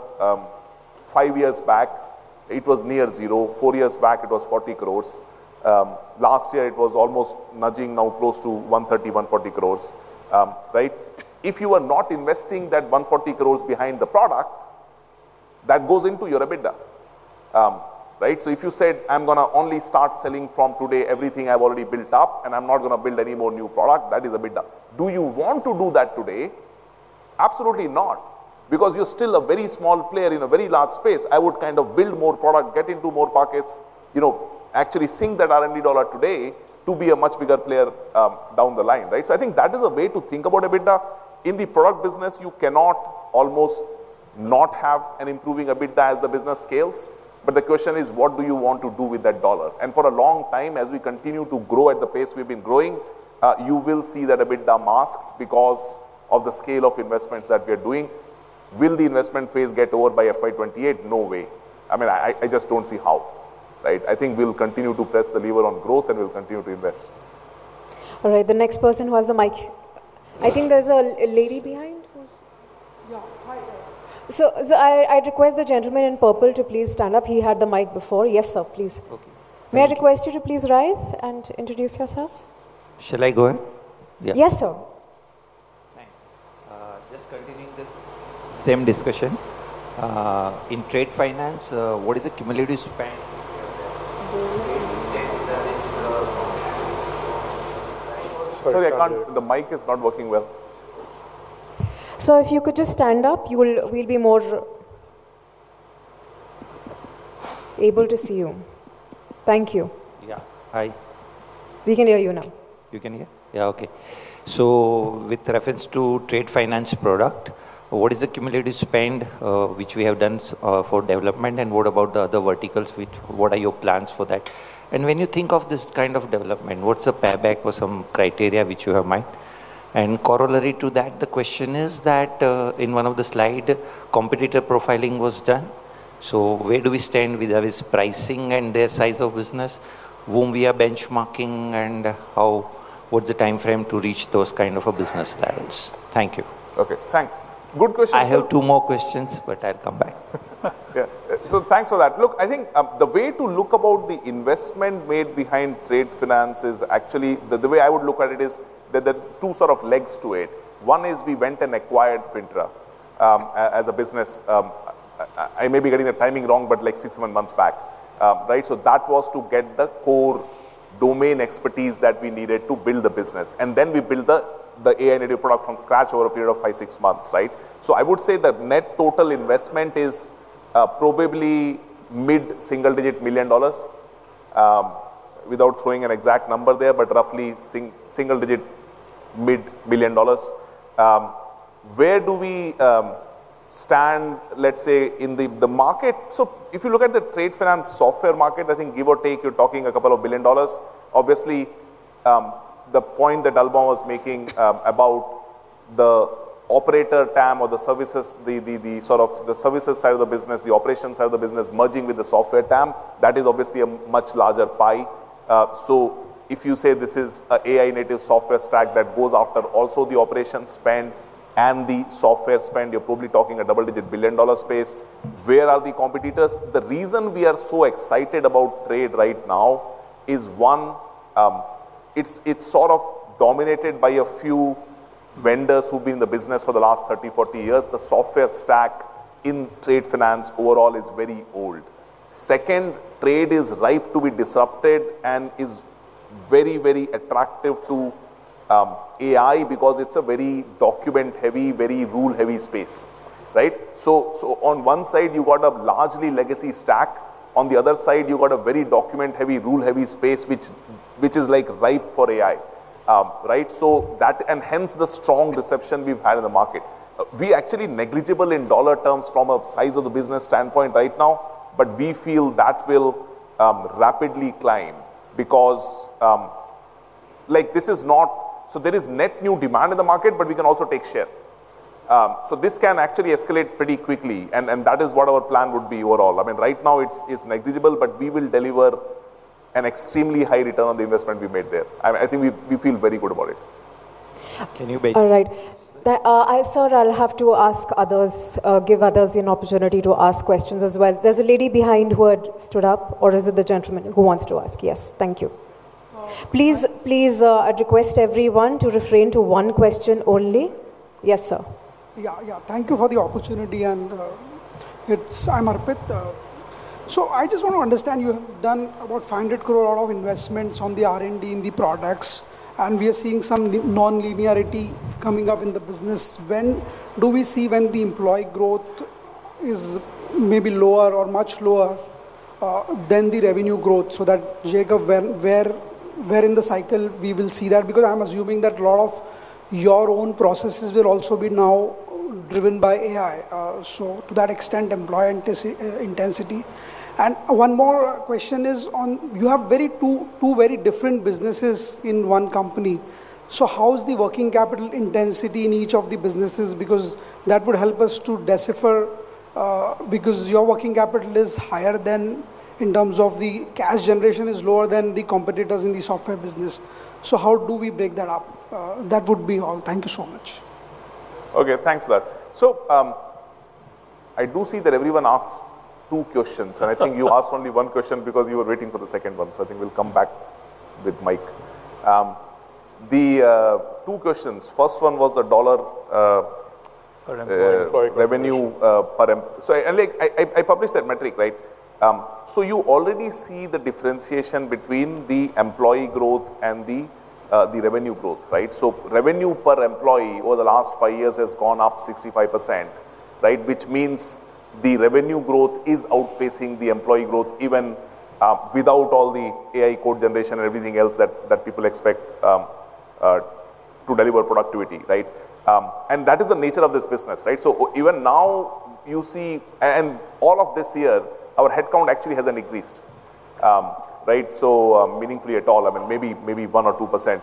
five years back it was near zero. Four years back it was 40 crore. Last year it was almost nudging now close to 130 crore, 140 crore. Right? If you are not investing that 140 crore behind the product, that goes into your EBITDA. Right? If you said, "I'm going to only start selling from today everything I've already built up, and I'm not going to build any more new product," that is EBITDA. Do you want to do that today? Absolutely not. Because you're still a very small player in a very large space. I would build more product, get into more pockets, actually sink that R&D dollar today to be a much bigger player down the line, right? I think that is a way to think about EBITDA. In the product business you cannot almost not have an improving EBITDA as the business scales. The question is, what do you want to do with that dollar? For a long time, as we continue to grow at the pace we've been growing, you will see that EBITDA masked because of the scale of investments that we are doing. Will the investment phase get over by FY 2028? No way. I just don't see how. Right? I think we'll continue to press the lever on growth and we'll continue to invest. All right, the next person who has the mic. I think there's a lady behind. Yeah. Hi there. I request the gentleman in purple to please stand up. He had the mic before. Yes, sir. Please. Okay. Thank you. May I request you to please rise and introduce yourself? Shall I go ahead? Yeah. Yes, sir. Thanks. Just continuing the same discussion. In trade finance, what is the cumulative spend- Sorry. The mic is not working well. Sir, if you could just stand up, we'll be more able to see you. Thank you. Yeah. Hi. We can hear you now. You can hear? Yeah. With reference to trade finance product, what is the cumulative spend which we have done for development, what about the other verticals? What are your plans for that? When you think of this kind of development, what's a payback or some criteria which you have mind? Corollary to that, the question is that, in one of the slide, competitor profiling was done. Where do we stand with their pricing and their size of business, whom we are benchmarking, and what's the timeframe to reach those kind of a business standards? Thank you. Thanks. Good question, sir. I have two more questions, I'll come back. Thanks for that. Look, I think the way to look about the investment made behind trade finance is actually, the way I would look at it is that there's two sort of legs to it. One is we went and acquired Fintra as a business, I may be getting the timing wrong, but six months back. Right? That was to get the core domain expertise that we needed to build the business, and then we build the AI native product from scratch over a period of five, six months. Right? I would say the net total investment is probably mid-single digit million dollars. Without throwing an exact number there, but roughly single digit mid-million dollars. Where do we stand, let's say, in the market? If you look at the trade finance software market, I think give or take, you're talking a couple of billion dollars. Obviously, the point that Alban was making about the operator TAM or the services side of the business, the operations side of the business merging with the software TAM, that is obviously a much larger pie. If you say this is a AI native software stack that goes after also the operations spend and the software spend, you're probably talking a double-digit billion dollar space. Where are the competitors? The reason we are so excited about trade right now is, one, it's sort of dominated by a few vendors who've been in the business for the last 30, 40 years. The software stack in trade finance overall is very old. Second, trade is ripe to be disrupted and is very attractive to AI because it's a very document heavy, very rule heavy space, right? On one side you've got a largely legacy stack. On the other side, you've got a very document heavy, rule heavy space, which is ripe for AI. Right? Hence the strong reception we've had in the market. We're actually negligible in dollar terms from a size of the business standpoint right now, but we feel that will rapidly climb because there is net new demand in the market, but we can also take share. This can actually escalate pretty quickly, and that is what our plan would be overall. Right now it's negligible, but we will deliver an extremely high return on the investment we made there. I think we feel very good about it. Can you make- All right. Sir, I'll have to ask others, give others an opportunity to ask questions as well. There's a lady behind who had stood up or is it the gentleman who wants to ask? Yes. Thank you. Please, I request everyone to refrain to one question only. Yes, sir. Yeah. Thank you for the opportunity. I'm Arpit. I just want to understand, you have done about 500 crore of investments on the R&D in the products. We are seeing some non-linearity coming up in the business. When do we see when the employee growth is maybe lower or much lower than the revenue growth, j-curve, where in the cycle we will see that? I'm assuming that a lot of your own processes will also be now driven by AI. To that extent, employee intensity. One more question is on you have two very different businesses in one company. How is the working capital intensity in each of the businesses? That would help us to decipher, because your working capital is higher than in terms of the cash generation is lower than the competitors in the software business. How do we break that up? That would be all. Thank you so much. Okay. Thanks for that. I do see that everyone asks two questions. I think you asked only one question because you were waiting for the second one. I think we'll come back with Mike. The two questions. First one was the dollar- Per employee revenue per employee. I published that metric, right? You already see the differentiation between the employee growth and the revenue growth, right? Revenue per employee over the last five years has gone up 65%, which means the revenue growth is outpacing the employee growth even without all the AI code generation and everything else that people expect to deliver productivity. That is the nature of this business. Even now, all of this year, our headcount actually hasn't increased meaningfully at all. Maybe one or 2%.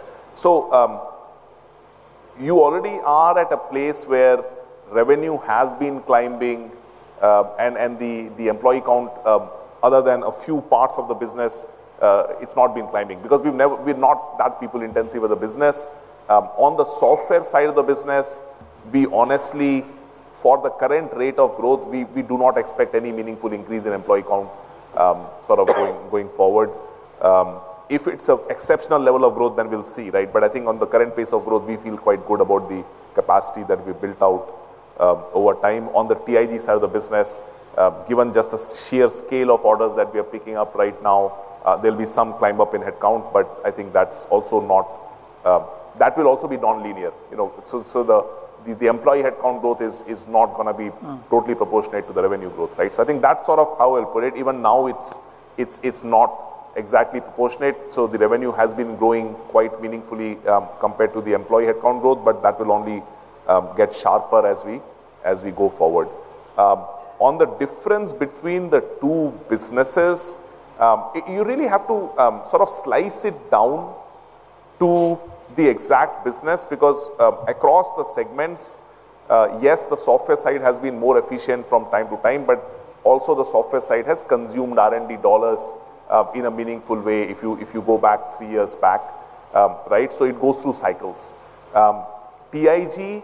You already are at a place where revenue has been climbing, and the employee count other than a few parts of the business, it's not been climbing because we're not that people intensive as a business. On the software side of the business, we honestly, for the current rate of growth, we do not expect any meaningful increase in employee count going forward. If it's an exceptional level of growth, then we'll see. I think on the current pace of growth, we feel quite good about the capacity that we built out over time. On the TIG side of the business, given just the sheer scale of orders that we are picking up right now, there'll be some climb up in headcount, but I think that will also be non-linear. The employee headcount growth is not going to be totally proportionate to the revenue growth. I think that's sort of how I'll put it. Even now, it's not exactly proportionate. The revenue has been growing quite meaningfully compared to the employee headcount growth, but that will only get sharper as we go forward. On the difference between the two businesses, you really have to sort of slice it down to the exact business, because, across the segments, yes, the software side has been more efficient from time to time, but also the software side has consumed R&D dollars in a meaningful way if you go back three years back. It goes through cycles. TIG,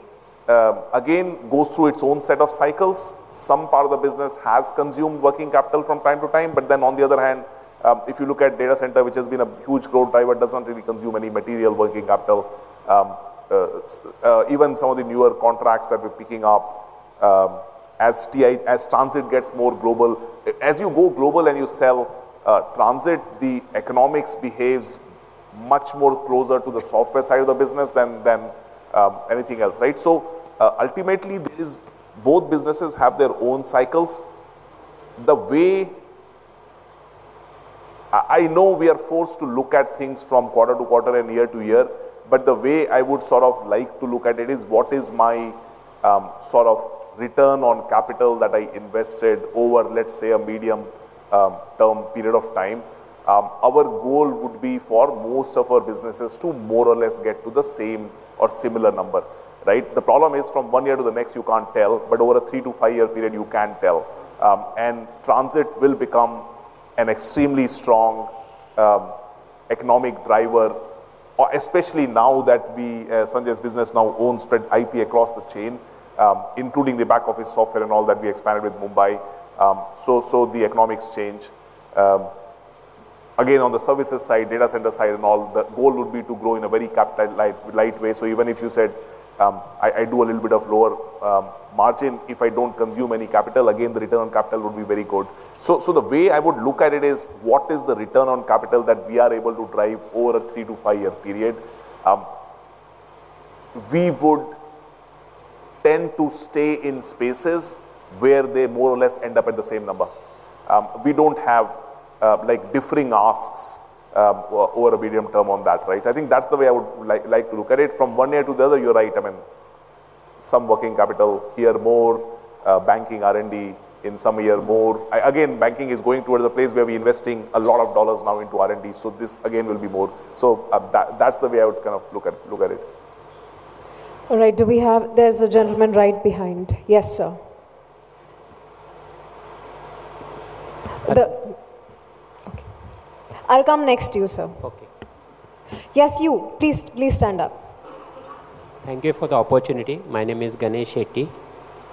again, goes through its own set of cycles. Some part of the business has consumed working capital from time to time. On the other hand, if you look at data center, which has been a huge growth driver, doesn't really consume any material working capital. Even some of the newer contracts that we're picking up as Transit gets more global. As you go global and you sell Transit, the economics behaves much more closer to the software side of the business than anything else. Ultimately, both businesses have their own cycles. I know we are forced to look at things from quarter-to-quarter and year-to-year, but the way I would sort of like to look at it is what is my return on capital that I invested over, let's say, a medium-term period of time. Our goal would be for most of our businesses to more or less get to the same or similar number. The problem is from one year to the next, you can't tell, but over a three to five year period, you can tell. Transit will become an extremely strong economic driver, especially now that Sanjay's business now owns spread IP across the chain, including the back office software and all that we expanded with Mumbai. The economics change. On the services side, data center side, and all, the goal would be to grow in a very capital-light way. Even if you said I do a little bit of lower margin, if I don't consume any capital, again, the return on capital would be very good. The way I would look at it is what is the return on capital that we are able to drive over a three to five year period? We would tend to stay in spaces where they more or less end up at the same number. We don't have differing asks over a medium term on that. I think that's the way I would like to look at it from one year to the other, you're right. Some working capital here more, banking R&D in some year more. Banking is going towards a place where we're investing a lot of dollars now into R&D. This again, will be more. That's the way I would kind of look at it. All right. There's a gentleman right behind. Yes, sir. Okay. I'll come next to you, sir. Okay. Yes, you. Please stand up. Thank you for the opportunity. My name is Ganesh Shetty.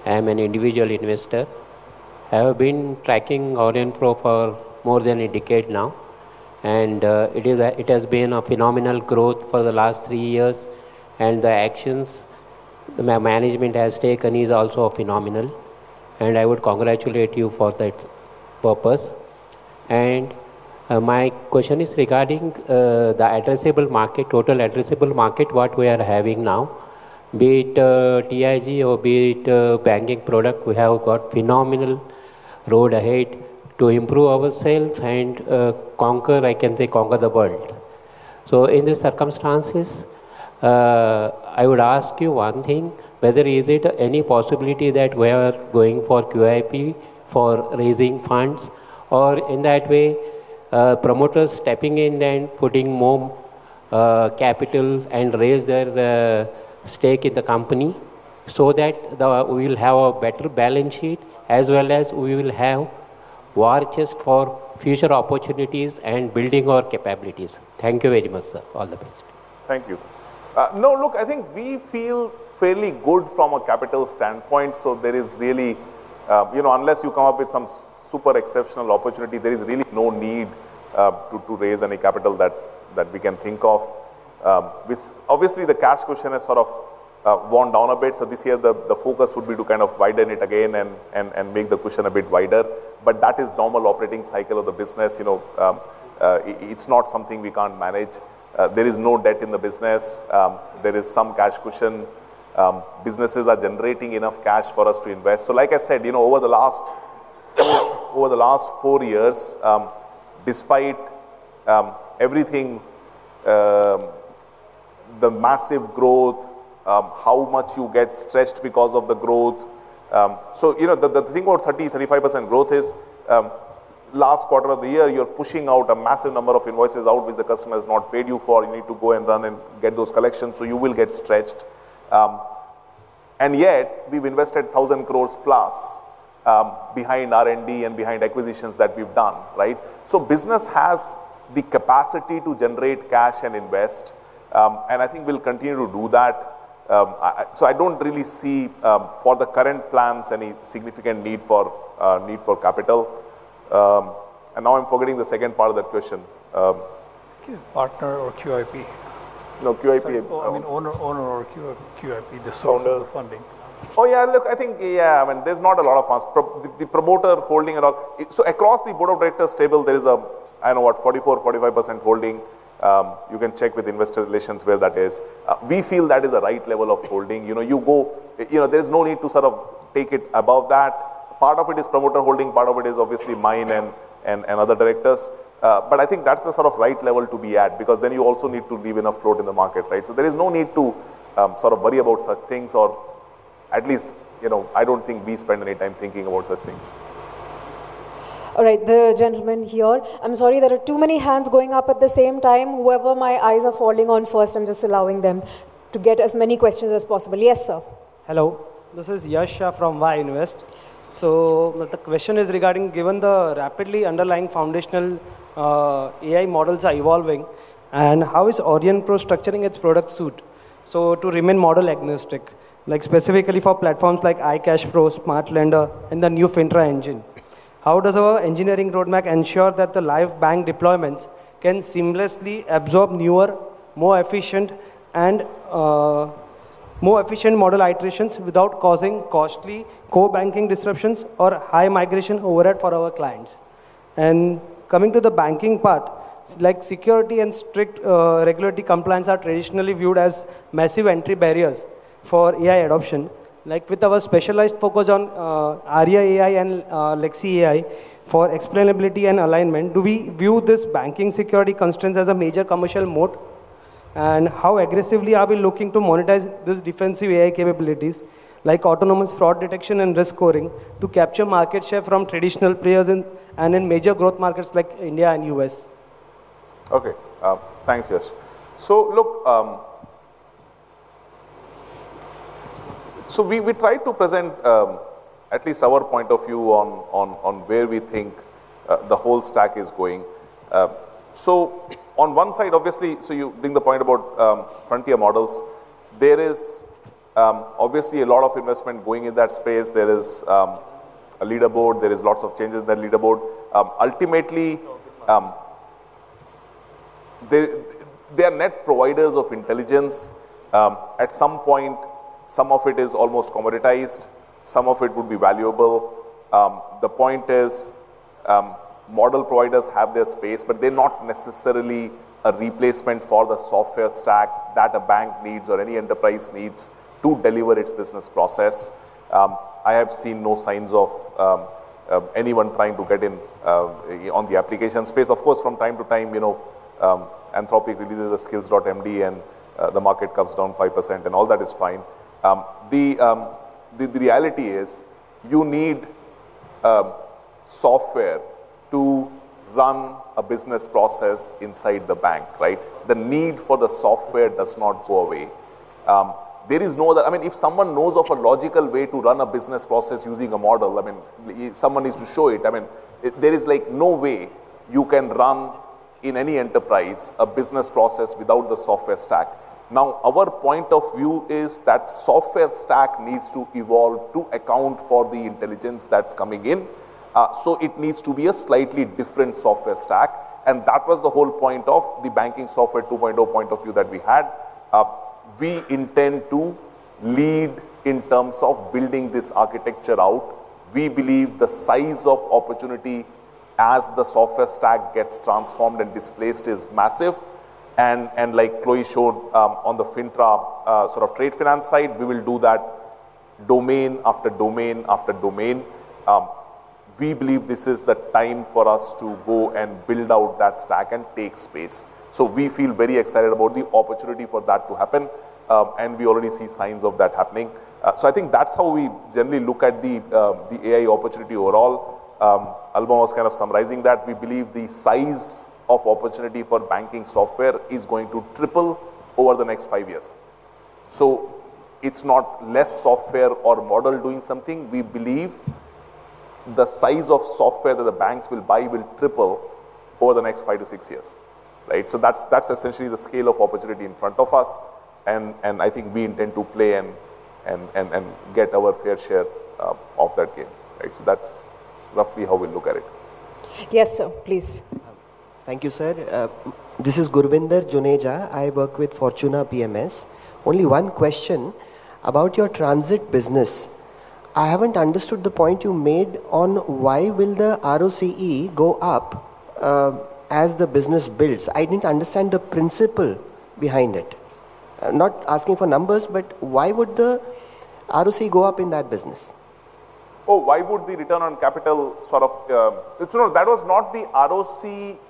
I am an individual investor. I have been tracking Aurionpro for more than a decade now. It has been a phenomenal growth for the last three years. The actions the management has taken is also phenomenal. I would congratulate you for that purpose. My question is regarding the total addressable market, what we are having now. Be it TIG or be it banking product, we have got phenomenal road ahead to improve ourselves and I can say, conquer the world. In these circumstances, I would ask you one thing, whether is it any possibility that we are going for QIP for raising funds, or in that way, promoters stepping in and putting more capital and raise their stake in the company so that we will have a better balance sheet as well as we will have war chest for future opportunities and building our capabilities. Thank you very much, sir. All the best. Thank you. No, look, I think we feel fairly good from a capital standpoint. Unless you come up with some super exceptional opportunity, there is really no need to raise any capital that we can think of. Obviously, the cash cushion has sort of worn down a bit. This year the focus would be to kind of widen it again and make the cushion a bit wider. That is normal operating cycle of the business. It's not something we can't manage. There is no debt in the business. There is some cash cushion. Businesses are generating enough cash for us to invest. Like I said, over the last four years, despite everything, the massive growth, how much you get stretched because of the growth. The thing about 30%-35% growth is, last quarter of the year, you're pushing out a massive number of invoices out which the customer has not paid you for. You need to go and run and get those collections, so you will get stretched. Yet, we've invested 1,000 crores plus behind R&D and behind acquisitions that we've done. Right? Business has the capacity to generate cash and invest, and I think we'll continue to do that. I don't really see, for the current plans, any significant need for capital. Now I'm forgetting the second part of that question. Partner or QIP. No QIP. I mean, owner or QIP. The source of funding. Oh, yeah. Look, I think, yeah, there's not a lot of us. The promoter holding around. Across the board of directors table, there is, I know, what? 44%, 45% holding. You can check with investor relations where that is. We feel that is the right level of holding. There's no need to sort of take it above that. Part of it is promoter holding, part of it is obviously mine and other directors. I think that's the sort of right level to be at, because then you also need to leave enough float in the market, right? There is no need to sort of worry about such things, or at least, I don't think we spend any time thinking about such things. All right. The gentleman here. I'm sorry there are too many hands going up at the same time. Whoever my eyes are falling on first, I'm just allowing them to get as many questions as possible. Yes, sir. Hello. This is Yash from VI Invest. The question is regarding, given the rapidly underlying foundational AI models are evolving, how is Aurionpro structuring its product suite to remain model agnostic? Like specifically for platforms like iCashpro+, SmartLender, and the new Fintra engine. How does our engineering roadmap ensure that the live bank deployments can seamlessly absorb newer, more efficient model iterations without causing costly core-banking disruptions or high migration overhead for our clients? Coming to the banking part, security and strict regulatory compliance are traditionally viewed as massive entry barriers for AI adoption. Like with our specialized focus on Arya.ai and Lexi AI for explainability and alignment, do we view this banking security constraints as a major commercial moat? How aggressively are we looking to monetize these defensive AI capabilities, like autonomous fraud detection and risk scoring, to capture market share from traditional players and in major growth markets like India and U.S.? Okay. Thanks, Yash. Look, we try to present at least our point of view on where we think the whole stack is going. On one side, obviously, you bring the point about frontier models. There is obviously a lot of investment going in that space. There is a leaderboard. There is lots of changes in that leaderboard. No, this one They are net providers of intelligence. At some point, some of it is almost commoditized. Some of it would be valuable. The point is, model providers have their space, but they are not necessarily a replacement for the software stack that a bank needs or any enterprise needs to deliver its business process. I have seen no signs of anyone trying to get in on the application space. Of course, from time to time, Anthropic releases a SKILLS.md and the market comes down 5%, and all that is fine. The reality is you need software to run a business process inside the bank, right? The need for the software does not go away. If someone knows of a logical way to run a business process using a model, someone needs to show it. There is no way you can run in any enterprise, a business process without the software stack. Our point of view is that software stack needs to evolve to account for the intelligence that's coming in. It needs to be a slightly different software stack, and that was the whole point of the banking software 2.0 point of view that we had. We intend to lead in terms of building this architecture out. We believe the size of opportunity as the software stack gets transformed and displaced is massive. Like Chloe showed on the Fintra sort of trade finance side, we will do that domain after domain after domain. We believe this is the time for us to go and build out that stack and take space. We feel very excited about the opportunity for that to happen, and we already see signs of that happening. I think that's how we generally look at the AI opportunity overall. Alban was kind of summarizing that. We believe the size of opportunity for banking software is going to triple over the next five years. It's not less software or model doing something. We believe the size of software that the banks will buy will triple over the next five to six years. Right. That's essentially the scale of opportunity in front of us, and I think we intend to play and get our fair share of that game. Right. That's roughly how we look at it. Yes, sir. Please. Thank you, sir. This is Gurvinder Juneja. I work with Fortuna PMS. Only one question about your transit business. I haven't understood the point you made on why will the ROCE go up as the business builds. I didn't understand the principle behind it. Not asking for numbers, but why would the ROC go up in that business? Oh, why would the return on capital. No. That was not the ROC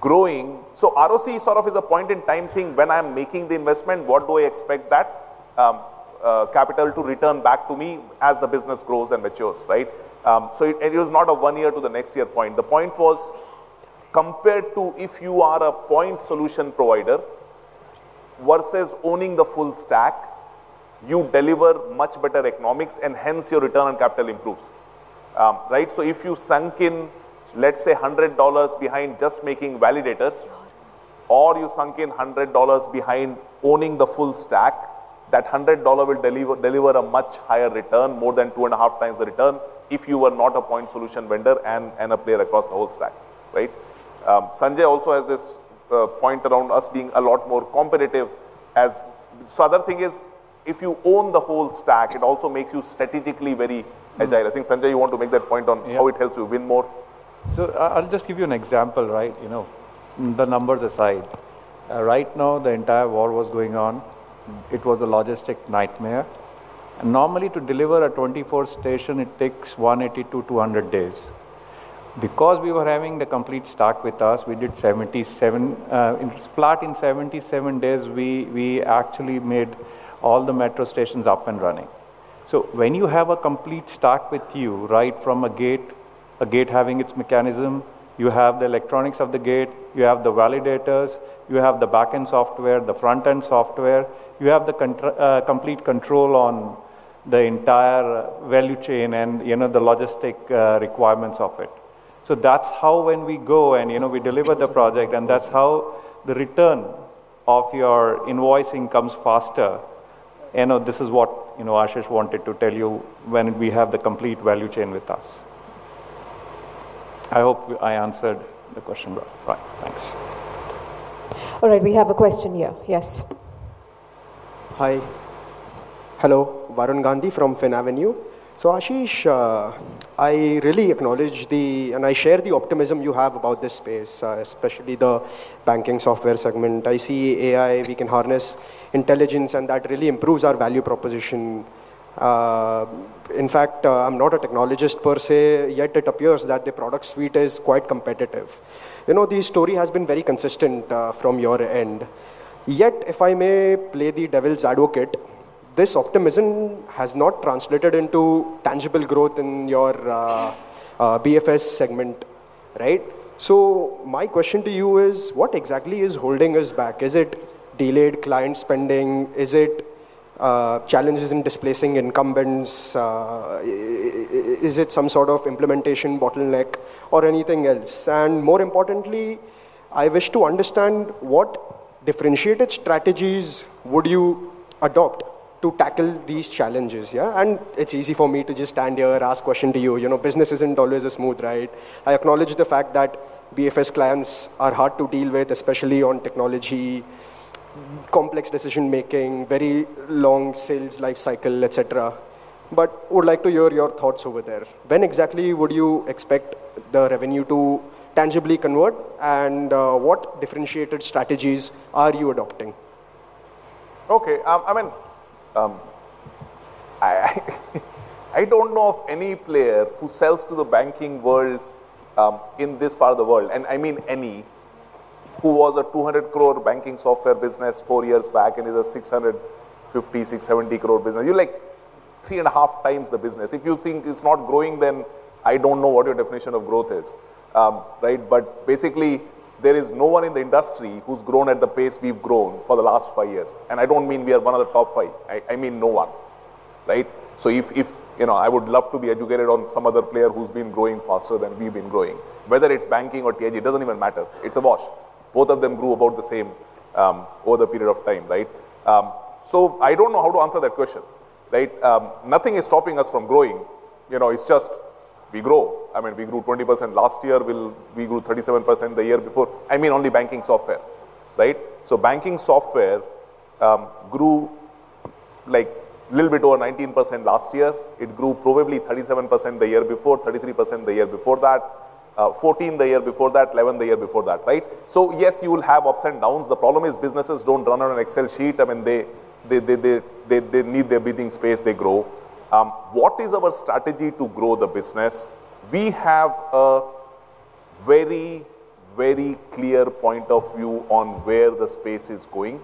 growing. ROC sort of is a point in time thing. When I'm making the investment, what do I expect that capital to return back to me as the business grows and matures, right. It was not a one year to the next year point. The point was compared to if you are a point solution provider versus owning the full stack, you deliver much better economics and hence your return on capital improves. Right. If you sunk in, let's say INR 100 behind just making validators, or you sunk in INR 100 behind owning the full stack, that INR 100 will deliver a much higher return, more than two and a half times the return if you were not a point solution vendor and a player across the whole stack. Right. Sanjay also has this point around us being a lot more competitive as. Other thing is, if you own the whole stack, it also makes you strategically very agile. I think, Sanjay, you want to make that point. Yeah how it helps you win more. I'll just give you an example. The numbers aside. Right now, the entire war was going on. It was a logistic nightmare. Normally, to deliver a 24 station, it takes 180 to 200 days. Because we were having the complete stack with us, we did 77. Flat in 77 days, we actually made all the metro stations up and running. When you have a complete stack with you, right from a gate, having its mechanism. You have the electronics of the gate, you have the validators, you have the back end software, the front end software. You have the complete control on the entire value chain and the logistic requirements of it. That's how when we go and we deliver the project, and that's how the return of your invoicing comes faster. This is what Ashish wanted to tell you when we have the complete value chain with us. I hope I answered the question well. Right. Thanks. All right. We have a question here. Yes. Hi. Hello. Varun Gandhi from Finavenue. Ashish, I really acknowledge and I share the optimism you have about this space, especially the banking software segment. I see AI, we can harness intelligence, and that really improves our value proposition. In fact, I'm not a technologist per se, yet it appears that the product suite is quite competitive. The story has been very consistent from your end. If I may play the devil's advocate, this optimism has not translated into tangible growth in your BFS segment. Right? My question to you is, what exactly is holding us back? Is it delayed client spending? Is it challenges in displacing incumbents? Is it some sort of implementation bottleneck or anything else? More importantly, I wish to understand what differentiated strategies would you adopt to tackle these challenges, yeah? It's easy for me to just stand here, ask question to you. Business isn't always a smooth ride. I acknowledge the fact that BFS clients are hard to deal with, especially on technology, complex decision making, very long sales life cycle, et cetera. Would like to hear your thoughts over there. When exactly would you expect the revenue to tangibly convert? What differentiated strategies are you adopting? Okay. I don't know of any player who sells to the banking world in this part of the world, I mean any, who was an 200 crore banking software business four years back and is an 650 crore, 670 crore business. You're like 3.5 times the business. If you think it's not growing, I don't know what your definition of growth is. Right? Basically, there is no one in the industry who's grown at the pace we've grown for the last five years. I don't mean we are one of the top five. I mean no one. Right? I would love to be educated on some other player who's been growing faster than we've been growing. Whether it's banking or TIG, it doesn't even matter. It's a wash. Both of them grew about the same over the period of time, right? I don't know how to answer that question, right? Nothing is stopping us from growing. It's just we grow. We grew 20% last year. We grew 37% the year before. Only banking software, right? Banking software grew a little bit over 19% last year. It grew probably 37% the year before, 33% the year before that, 14% the year before that, 11% the year before that. Right? Yes, you will have ups and downs. The problem is businesses don't run on an Excel sheet. They need their breathing space. They grow. What is our strategy to grow the business? We have a very, very clear point of view on where the space is going.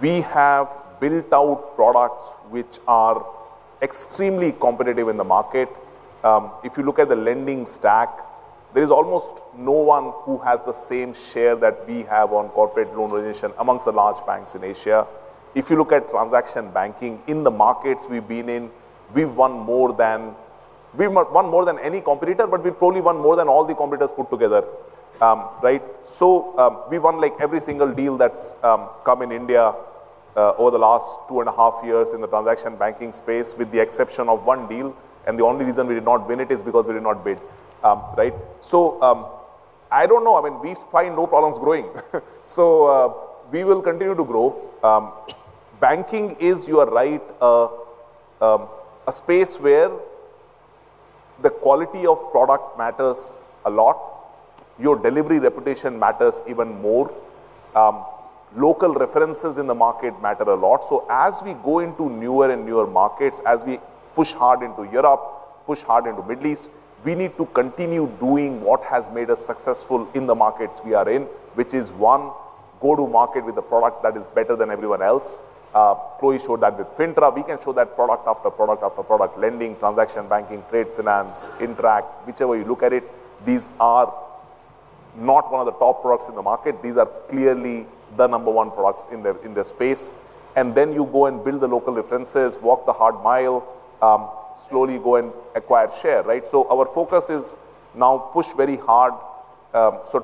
We have built out products which are extremely competitive in the market. If you look at the lending stack, there is almost no one who has the same share that we have on corporate loan origination amongst the large banks in Asia. If you look at transaction banking, in the markets we've been in, we've won more than any competitor, but we've probably won more than all the competitors put together. Right? We've won every single deal that's come in India over the last two and a half years in the transaction banking space, with the exception of one deal, and the only reason we did not win it is because we did not bid. Right? I don't know. We find no problems growing. We will continue to grow. Banking is, you are right, a space where the quality of product matters a lot. Your delivery reputation matters even more. Local references in the market matter a lot. As we go into newer and newer markets, as we push hard into Europe, push hard into Middle East, we need to continue doing what has made us successful in the markets we are in. Which is one, go to market with a product that is better than everyone else. Chloe showed that with Fintra. We can show that product after product after product. Lending, transaction banking, trade finance, Interact, whichever way you look at it, these are not one of the top products in the market. These are clearly the number one products in their space. Then you go and build the local references, walk the hard mile, slowly go and acquire share, right? Our focus is now push very hard.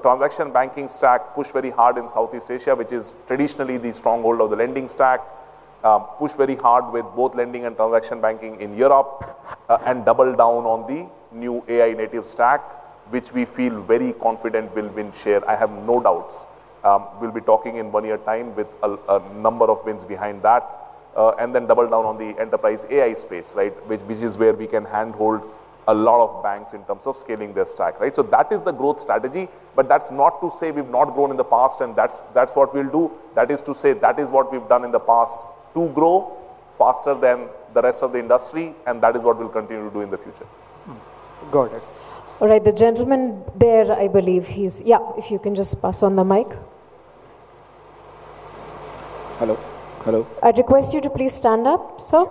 Transaction banking stack, push very hard in Southeast Asia, which is traditionally the stronghold of the lending stack. Push very hard with both lending and transaction banking in Europe. Double down on the new AI-native stack, which we feel very confident will win share. I have no doubts. We'll be talking in one year time with a number of wins behind that. Then double down on the enterprise AI space, right? Which is where we can hand-hold a lot of banks in terms of scaling their stack, right? That is the growth strategy. That's not to say we've not grown in the past, and that's what we'll do. That is to say that is what we've done in the past to grow faster than the rest of the industry, and that is what we'll continue to do in the future. Go ahead. All right. The gentleman there, I believe. If you can just pass on the mic. Hello? Hello. I'd request you to please stand up, sir.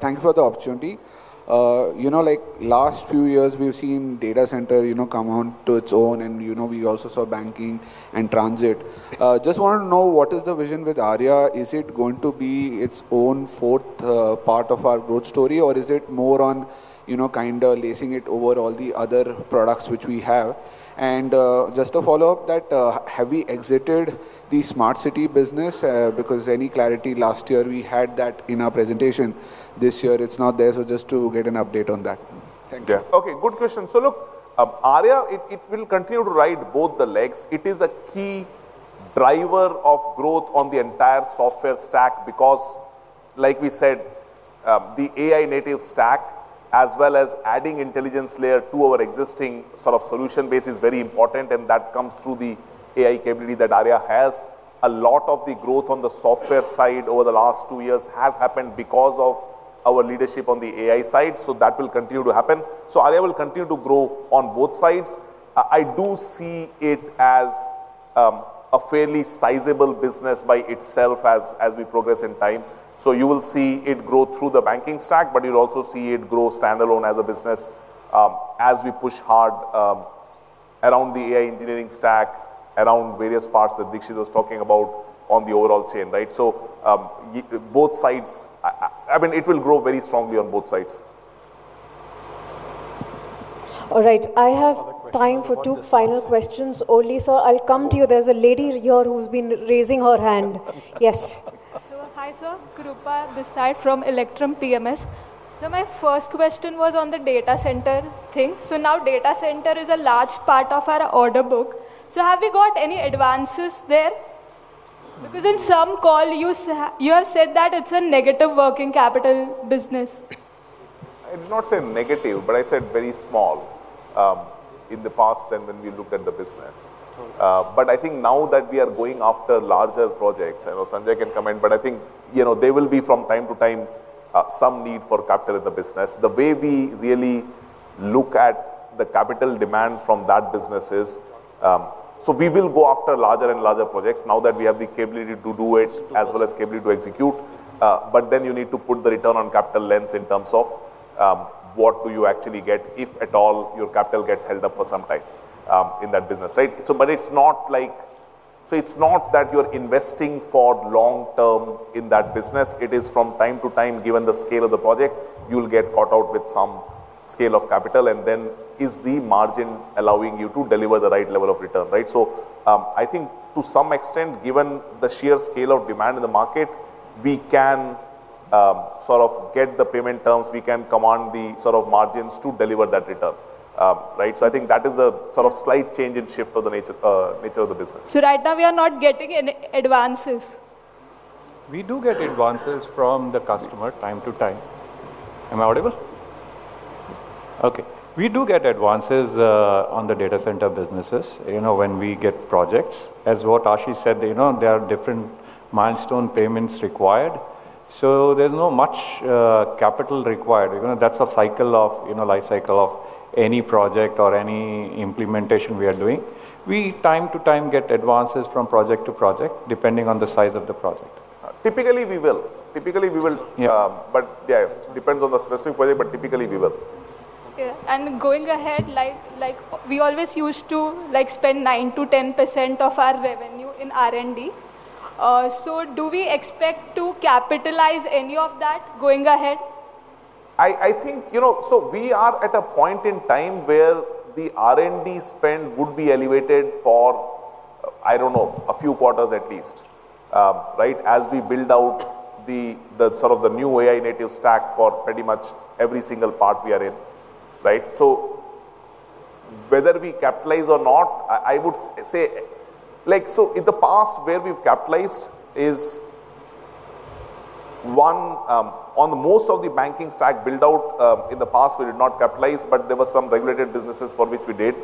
Thank you for the opportunity. Last few years, we've seen data center come on to its own, and we also saw banking and transit. Just want to know, what is the vision with Arya.ai? Is it going to be its own fourth part of our growth story, or is it more on lacing it over all the other products which we have? Just a follow-up that, have we exited the smart city business? Any clarity, last year we had that in our presentation. This year it's not there. Just to get an update on that. Thank you. Okay. Good question. Look, Arya.ai, it will continue to ride both the legs. It is a key driver of growth on the entire software stack because like we said, the AI native stack as well as adding intelligence layer to our existing solution base is very important, and that comes through the AI capability that Arya.ai has. A lot of the growth on the software side over the last two years has happened because of our leadership on the AI side. That will continue to happen. Arya.ai will continue to grow on both sides. I do see it as a fairly sizable business by itself as we progress in time. You will see it grow through the banking stack, but you'll also see it grow standalone as a business as we push hard around the AI engineering stack, around various parts that Deekshith was talking about on the overall chain. Right? It will grow very strongly on both sides. All right. I have time for two final questions only. Sir, I'll come to you. There's a lady here who's been raising her hand. Yes. Hi, sir. Krupa Desai from Electrum PMS. My first question was on the data center thing. Now data center is a large part of our order book. Have we got any advances there? Because in some call, you have said that it's a negative working capital business. I did not say negative, I said very small, in the past than when we looked at the business. True. I think now that we are going after larger projects, I know Sanjay can comment, but I think there will be from time to time some need for capital in the business. The way we really look at the capital demand from that business is. We will go after larger and larger projects now that we have the capability to do it as well as capability to execute. Then you need to put the return on capital lens in terms of what do you actually get, if at all your capital gets held up for some time in that business. Right? It's not that you're investing for long term in that business. It is from time to time, given the scale of the project, you'll get caught out with some scale of capital, then is the margin allowing you to deliver the right level of return, right? I think to some extent, given the sheer scale of demand in the market, we can sort of get the payment terms. We can command the sort of margins to deliver that return. Right? I think that is the sort of slight change in shift of the nature of the business. Right now we are not getting any advances? We do get advances from the customer time to time. Am I audible? Okay. We do get advances on the data center businesses when we get projects. As what Ashish said, there are different milestone payments required, so there's not much capital required. That's a life cycle of any project or any implementation we are doing. We time to time get advances from project to project depending on the size of the project. Typically we will. Yeah. Yeah, it depends on the specific project, typically we will. Okay. Going ahead, we always used to spend 9%-10% of our revenue in R&D. Do we expect to capitalize any of that going ahead? We are at a point in time where the R&D spend would be elevated for, I don't know, a few quarters at least. As we build out the sort of the new AI native stack for pretty much every single part we are in. In the past where we've capitalized is one, on the most of the banking stack buildout, in the past we did not capitalize, but there were some regulated businesses for which we did.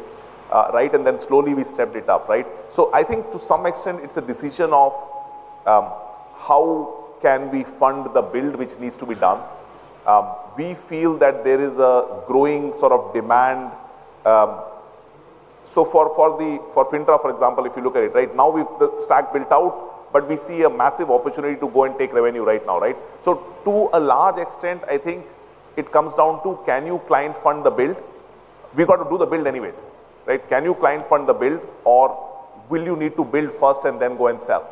Then slowly we stepped it up. I think to some extent it's a decision of how can we fund the build which needs to be done. We feel that there is a growing sort of demand. For Fintra, for example, if you look at it, right now the stack built out, but we see a massive opportunity to go and take revenue right now. To a large extent, I think it comes down to can you client fund the build? We've got to do the build anyways. Can you client fund the build or will you need to build first and then go and sell?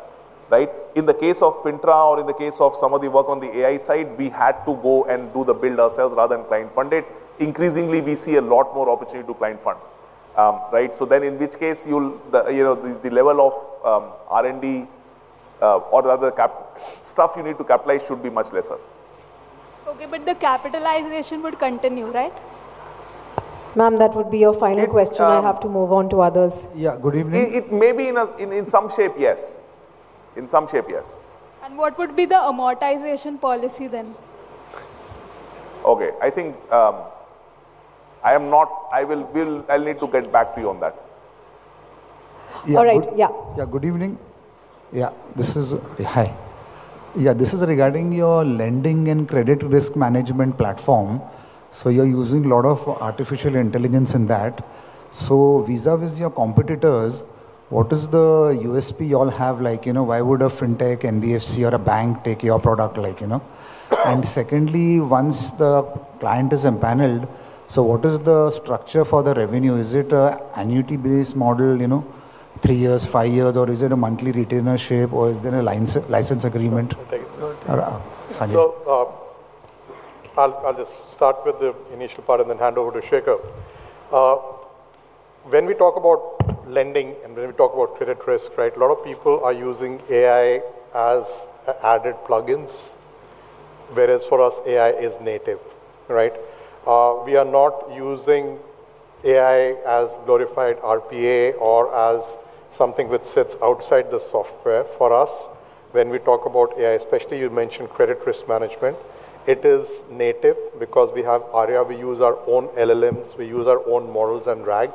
In the case of Fintra or in the case of some of the work on the AI side, we had to go and do the build ourselves rather than client fund it. Increasingly, we see a lot more opportunity to client fund. In which case, the level of R&D or other stuff you need to capitalize should be much lesser. The capitalization would continue, right? Ma'am, that would be your final question. We'll have to move on to others. Yeah. Good evening. Maybe in some shape, yes. In some shape, yes. What would be the amortization policy then? Okay. I'll need to get back to you on that. All right. Yeah. Yeah. Good evening. Hi. Yeah. This is regarding your lending and credit risk management platform. You're using a lot of artificial intelligence in that. Vis-à-vis your competitors, what is the USP you all have? Why would a fintech, NBFC or a bank take your product? Secondly, once the client is empaneled, what is the structure for the revenue? Is it an annuity-based model, three years, five years, or is it a monthly retainership, or is there a license agreement? I'll take it. Sanjay. I'll just start with the initial part and then hand over to Shekhar. When we talk about lending and when we talk about credit risk, right, a lot of people are using AI as added plugins. Whereas for us, AI is native. Right? We are not using AI as glorified RPA or as something which sits outside the software. For us, when we talk about AI, especially you mentioned credit risk management, it is native because we have Arya, we use our own LLMs, we use our own models and RAG,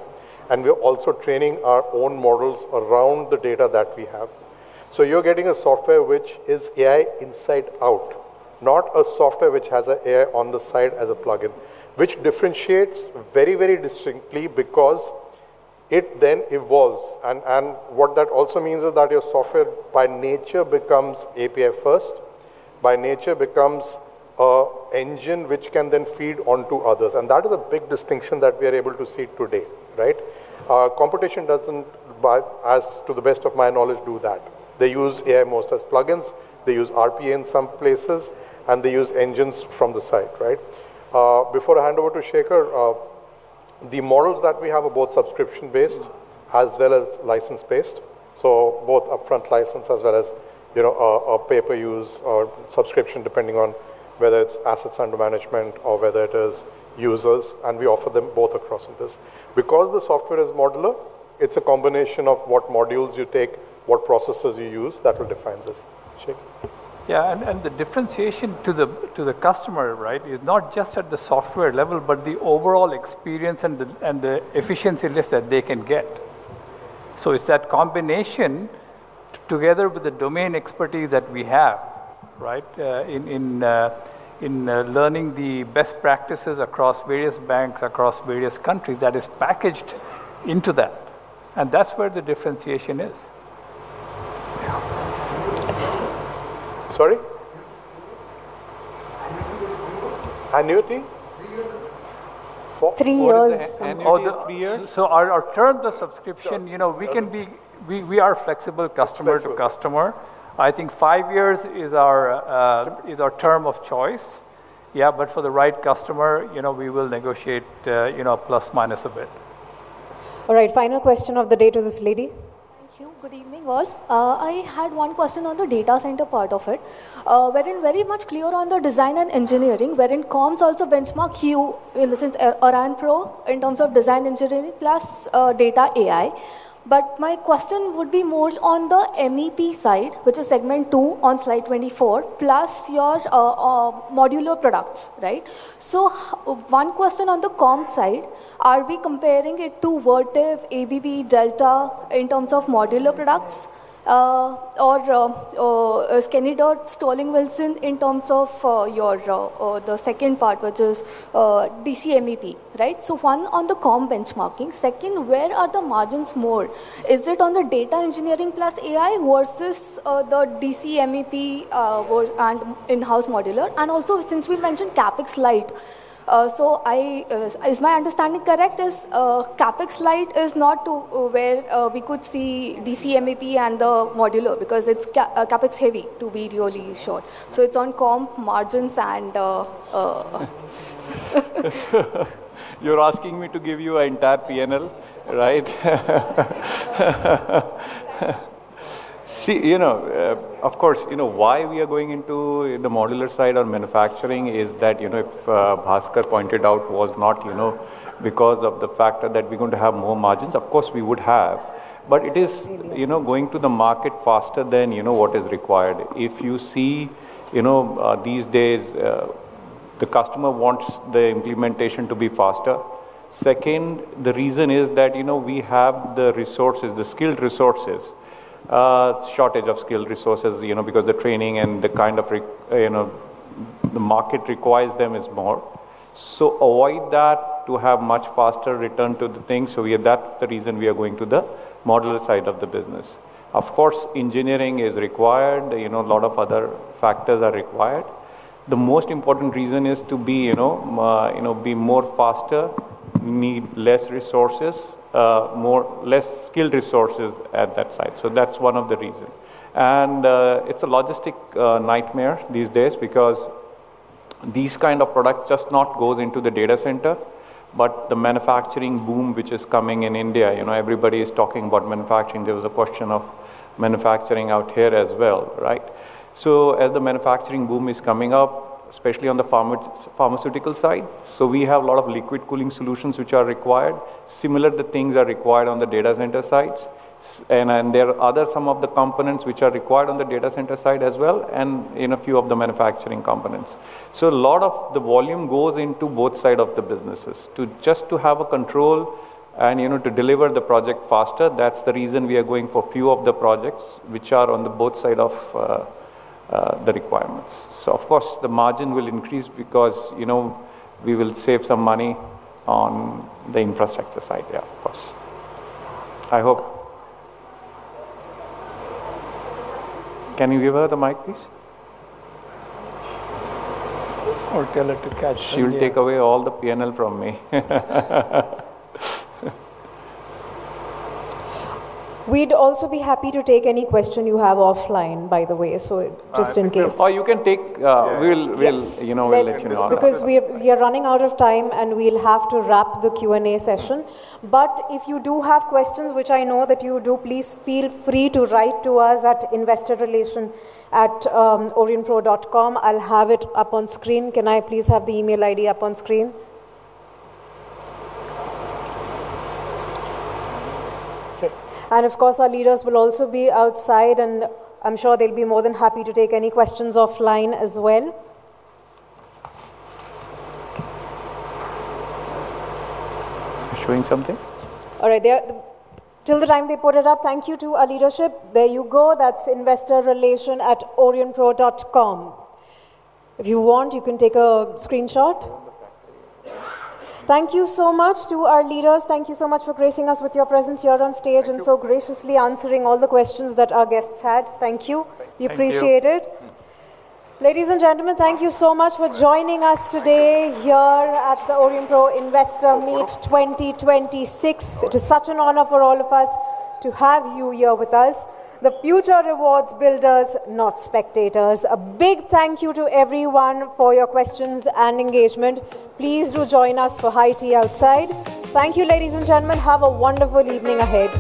and we are also training our own models around the data that we have. You're getting a software which is AI inside out, not a software which has AI on the side as a plugin, which differentiates very distinctly because it then evolves. What that also means is that your software, by nature, becomes API-first, by nature becomes a engine which can then feed onto others. That is a big distinction that we are able to see today, right? Competition doesn't, as to the best of my knowledge, do that. They use AI most as plugins. They use RPA in some places, and they use engines from the side, right? Before I hand over to Shekhar, the models that we have are both subscription-based as well as license-based. So both upfront license as well as pay-per-use or subscription, depending on whether it's assets under management or whether it is users, and we offer them both across this. Because the software is modular, it's a combination of what modules you take, what processes you use that will define this. Shekhar? Yeah. The differentiation to the customer, right, is not just at the software level, but the overall experience and the efficiency lift that they can get. It's that combination together with the domain expertise that we have, right, in learning the best practices across various banks, across various countries, that is packaged into that. That's where the differentiation is. Sorry? Annuity? Three years. For the annuity. Three years. Our term, the subscription, we are flexible customer to customer. Flexible. I think five years is our term of choice. Yeah. For the right customer, we will negotiate plus minus a bit. All right, final question of the day to this lady. Thank you. Good evening, all. I had one question on the data center part of it. We are very much clear on the design and engineering, wherein comps also benchmark you in the sense Aurionpro in terms of design engineering plus data AI. My question would be more on the MEP side, which is segment 2 on slide 24, plus your modular products, right? One question on the comp side, are we comparing it to Vertiv, ABB, Delta in terms of modular products? Can you do Sterling and Wilson in terms of the second part, which is DC MEP, right? One on the comp benchmarking. Second, where are the margins more? Is it on the data engineering plus AI versus the DC MEP and in-house modular? Also since we mentioned CapEx light. Is my understanding correct, is CapEx light is not to where we could see DC MEP and the modular, because it is CapEx heavy to be really sure. It is on comp margins and You are asking me to give you an entire P&L, right? Of course, why we are going into the modular side on manufacturing is that if Bhaskar pointed out was not because of the factor that we are going to have more margins. Of course we would have. It is going to the market faster than what is required. If you see, these days, the customer wants the implementation to be faster. Second, the reason is that we have the skilled resources. Shortage of skilled resources because the training and the market requires them is more. Avoid that to have much faster return to the things. That is the reason we are going to the modular side of the business. Of course, engineering is required, a lot of other factors are required. The most important reason is to be more faster, need less resources, less skilled resources at that site. That is one of the reason. It is a logistic nightmare these days because these kind of products just not goes into the data center, but the manufacturing boom, which is coming in India. Everybody is talking about manufacturing. There was a question of manufacturing out here as well, right? As the manufacturing boom is coming up, especially on the pharmaceutical side. We have a lot of liquid cooling solutions which are required. Similar the things are required on the data center sites. There are other some of the components which are required on the data center site as well and in a few of the manufacturing components. A lot of the volume goes into both side of the businesses. Just to have a control and to deliver the project faster, that's the reason we are going for few of the projects which are on the both side of the requirements. Of course, the margin will increase because we will save some money on the infrastructure side. Yeah, of course. I hope. Can you give her the mic, please? Tell her to catch. She will take away all the P&L from me. We'd also be happy to take any question you have offline, by the way. Just in case. Oh, you can take. Yeah. We'll let you know. We are running out of time, we'll have to wrap the Q&A session. If you do have questions, which I know that you do, please feel free to write to us at investorrelations@aurionpro.com. I'll have it up on screen. Can I please have the email ID up on screen? Sure. Of course, our leaders will also be outside, and I'm sure they'll be more than happy to take any questions offline as well. Showing something? All right. Till the time they put it up, thank you to our leadership. There you go. That's investorrelations@aurionpro.com. If you want, you can take a screenshot. Thank you so much to our leaders. Thank you so much for gracing us with your presence here on stage. Thank you. Graciously answering all the questions that our guests had. Thank you. We appreciate it. Thank you. Ladies and gentlemen, thank you so much for joining us today here at the Aurionpro Investor Meet 2026. It is such an honor for all of us to have you here with us. The future rewards builders, not spectators. A big thank you to everyone for your questions and engagement. Please do join us for high tea outside. Thank you, ladies and gentlemen. Have a wonderful evening ahead.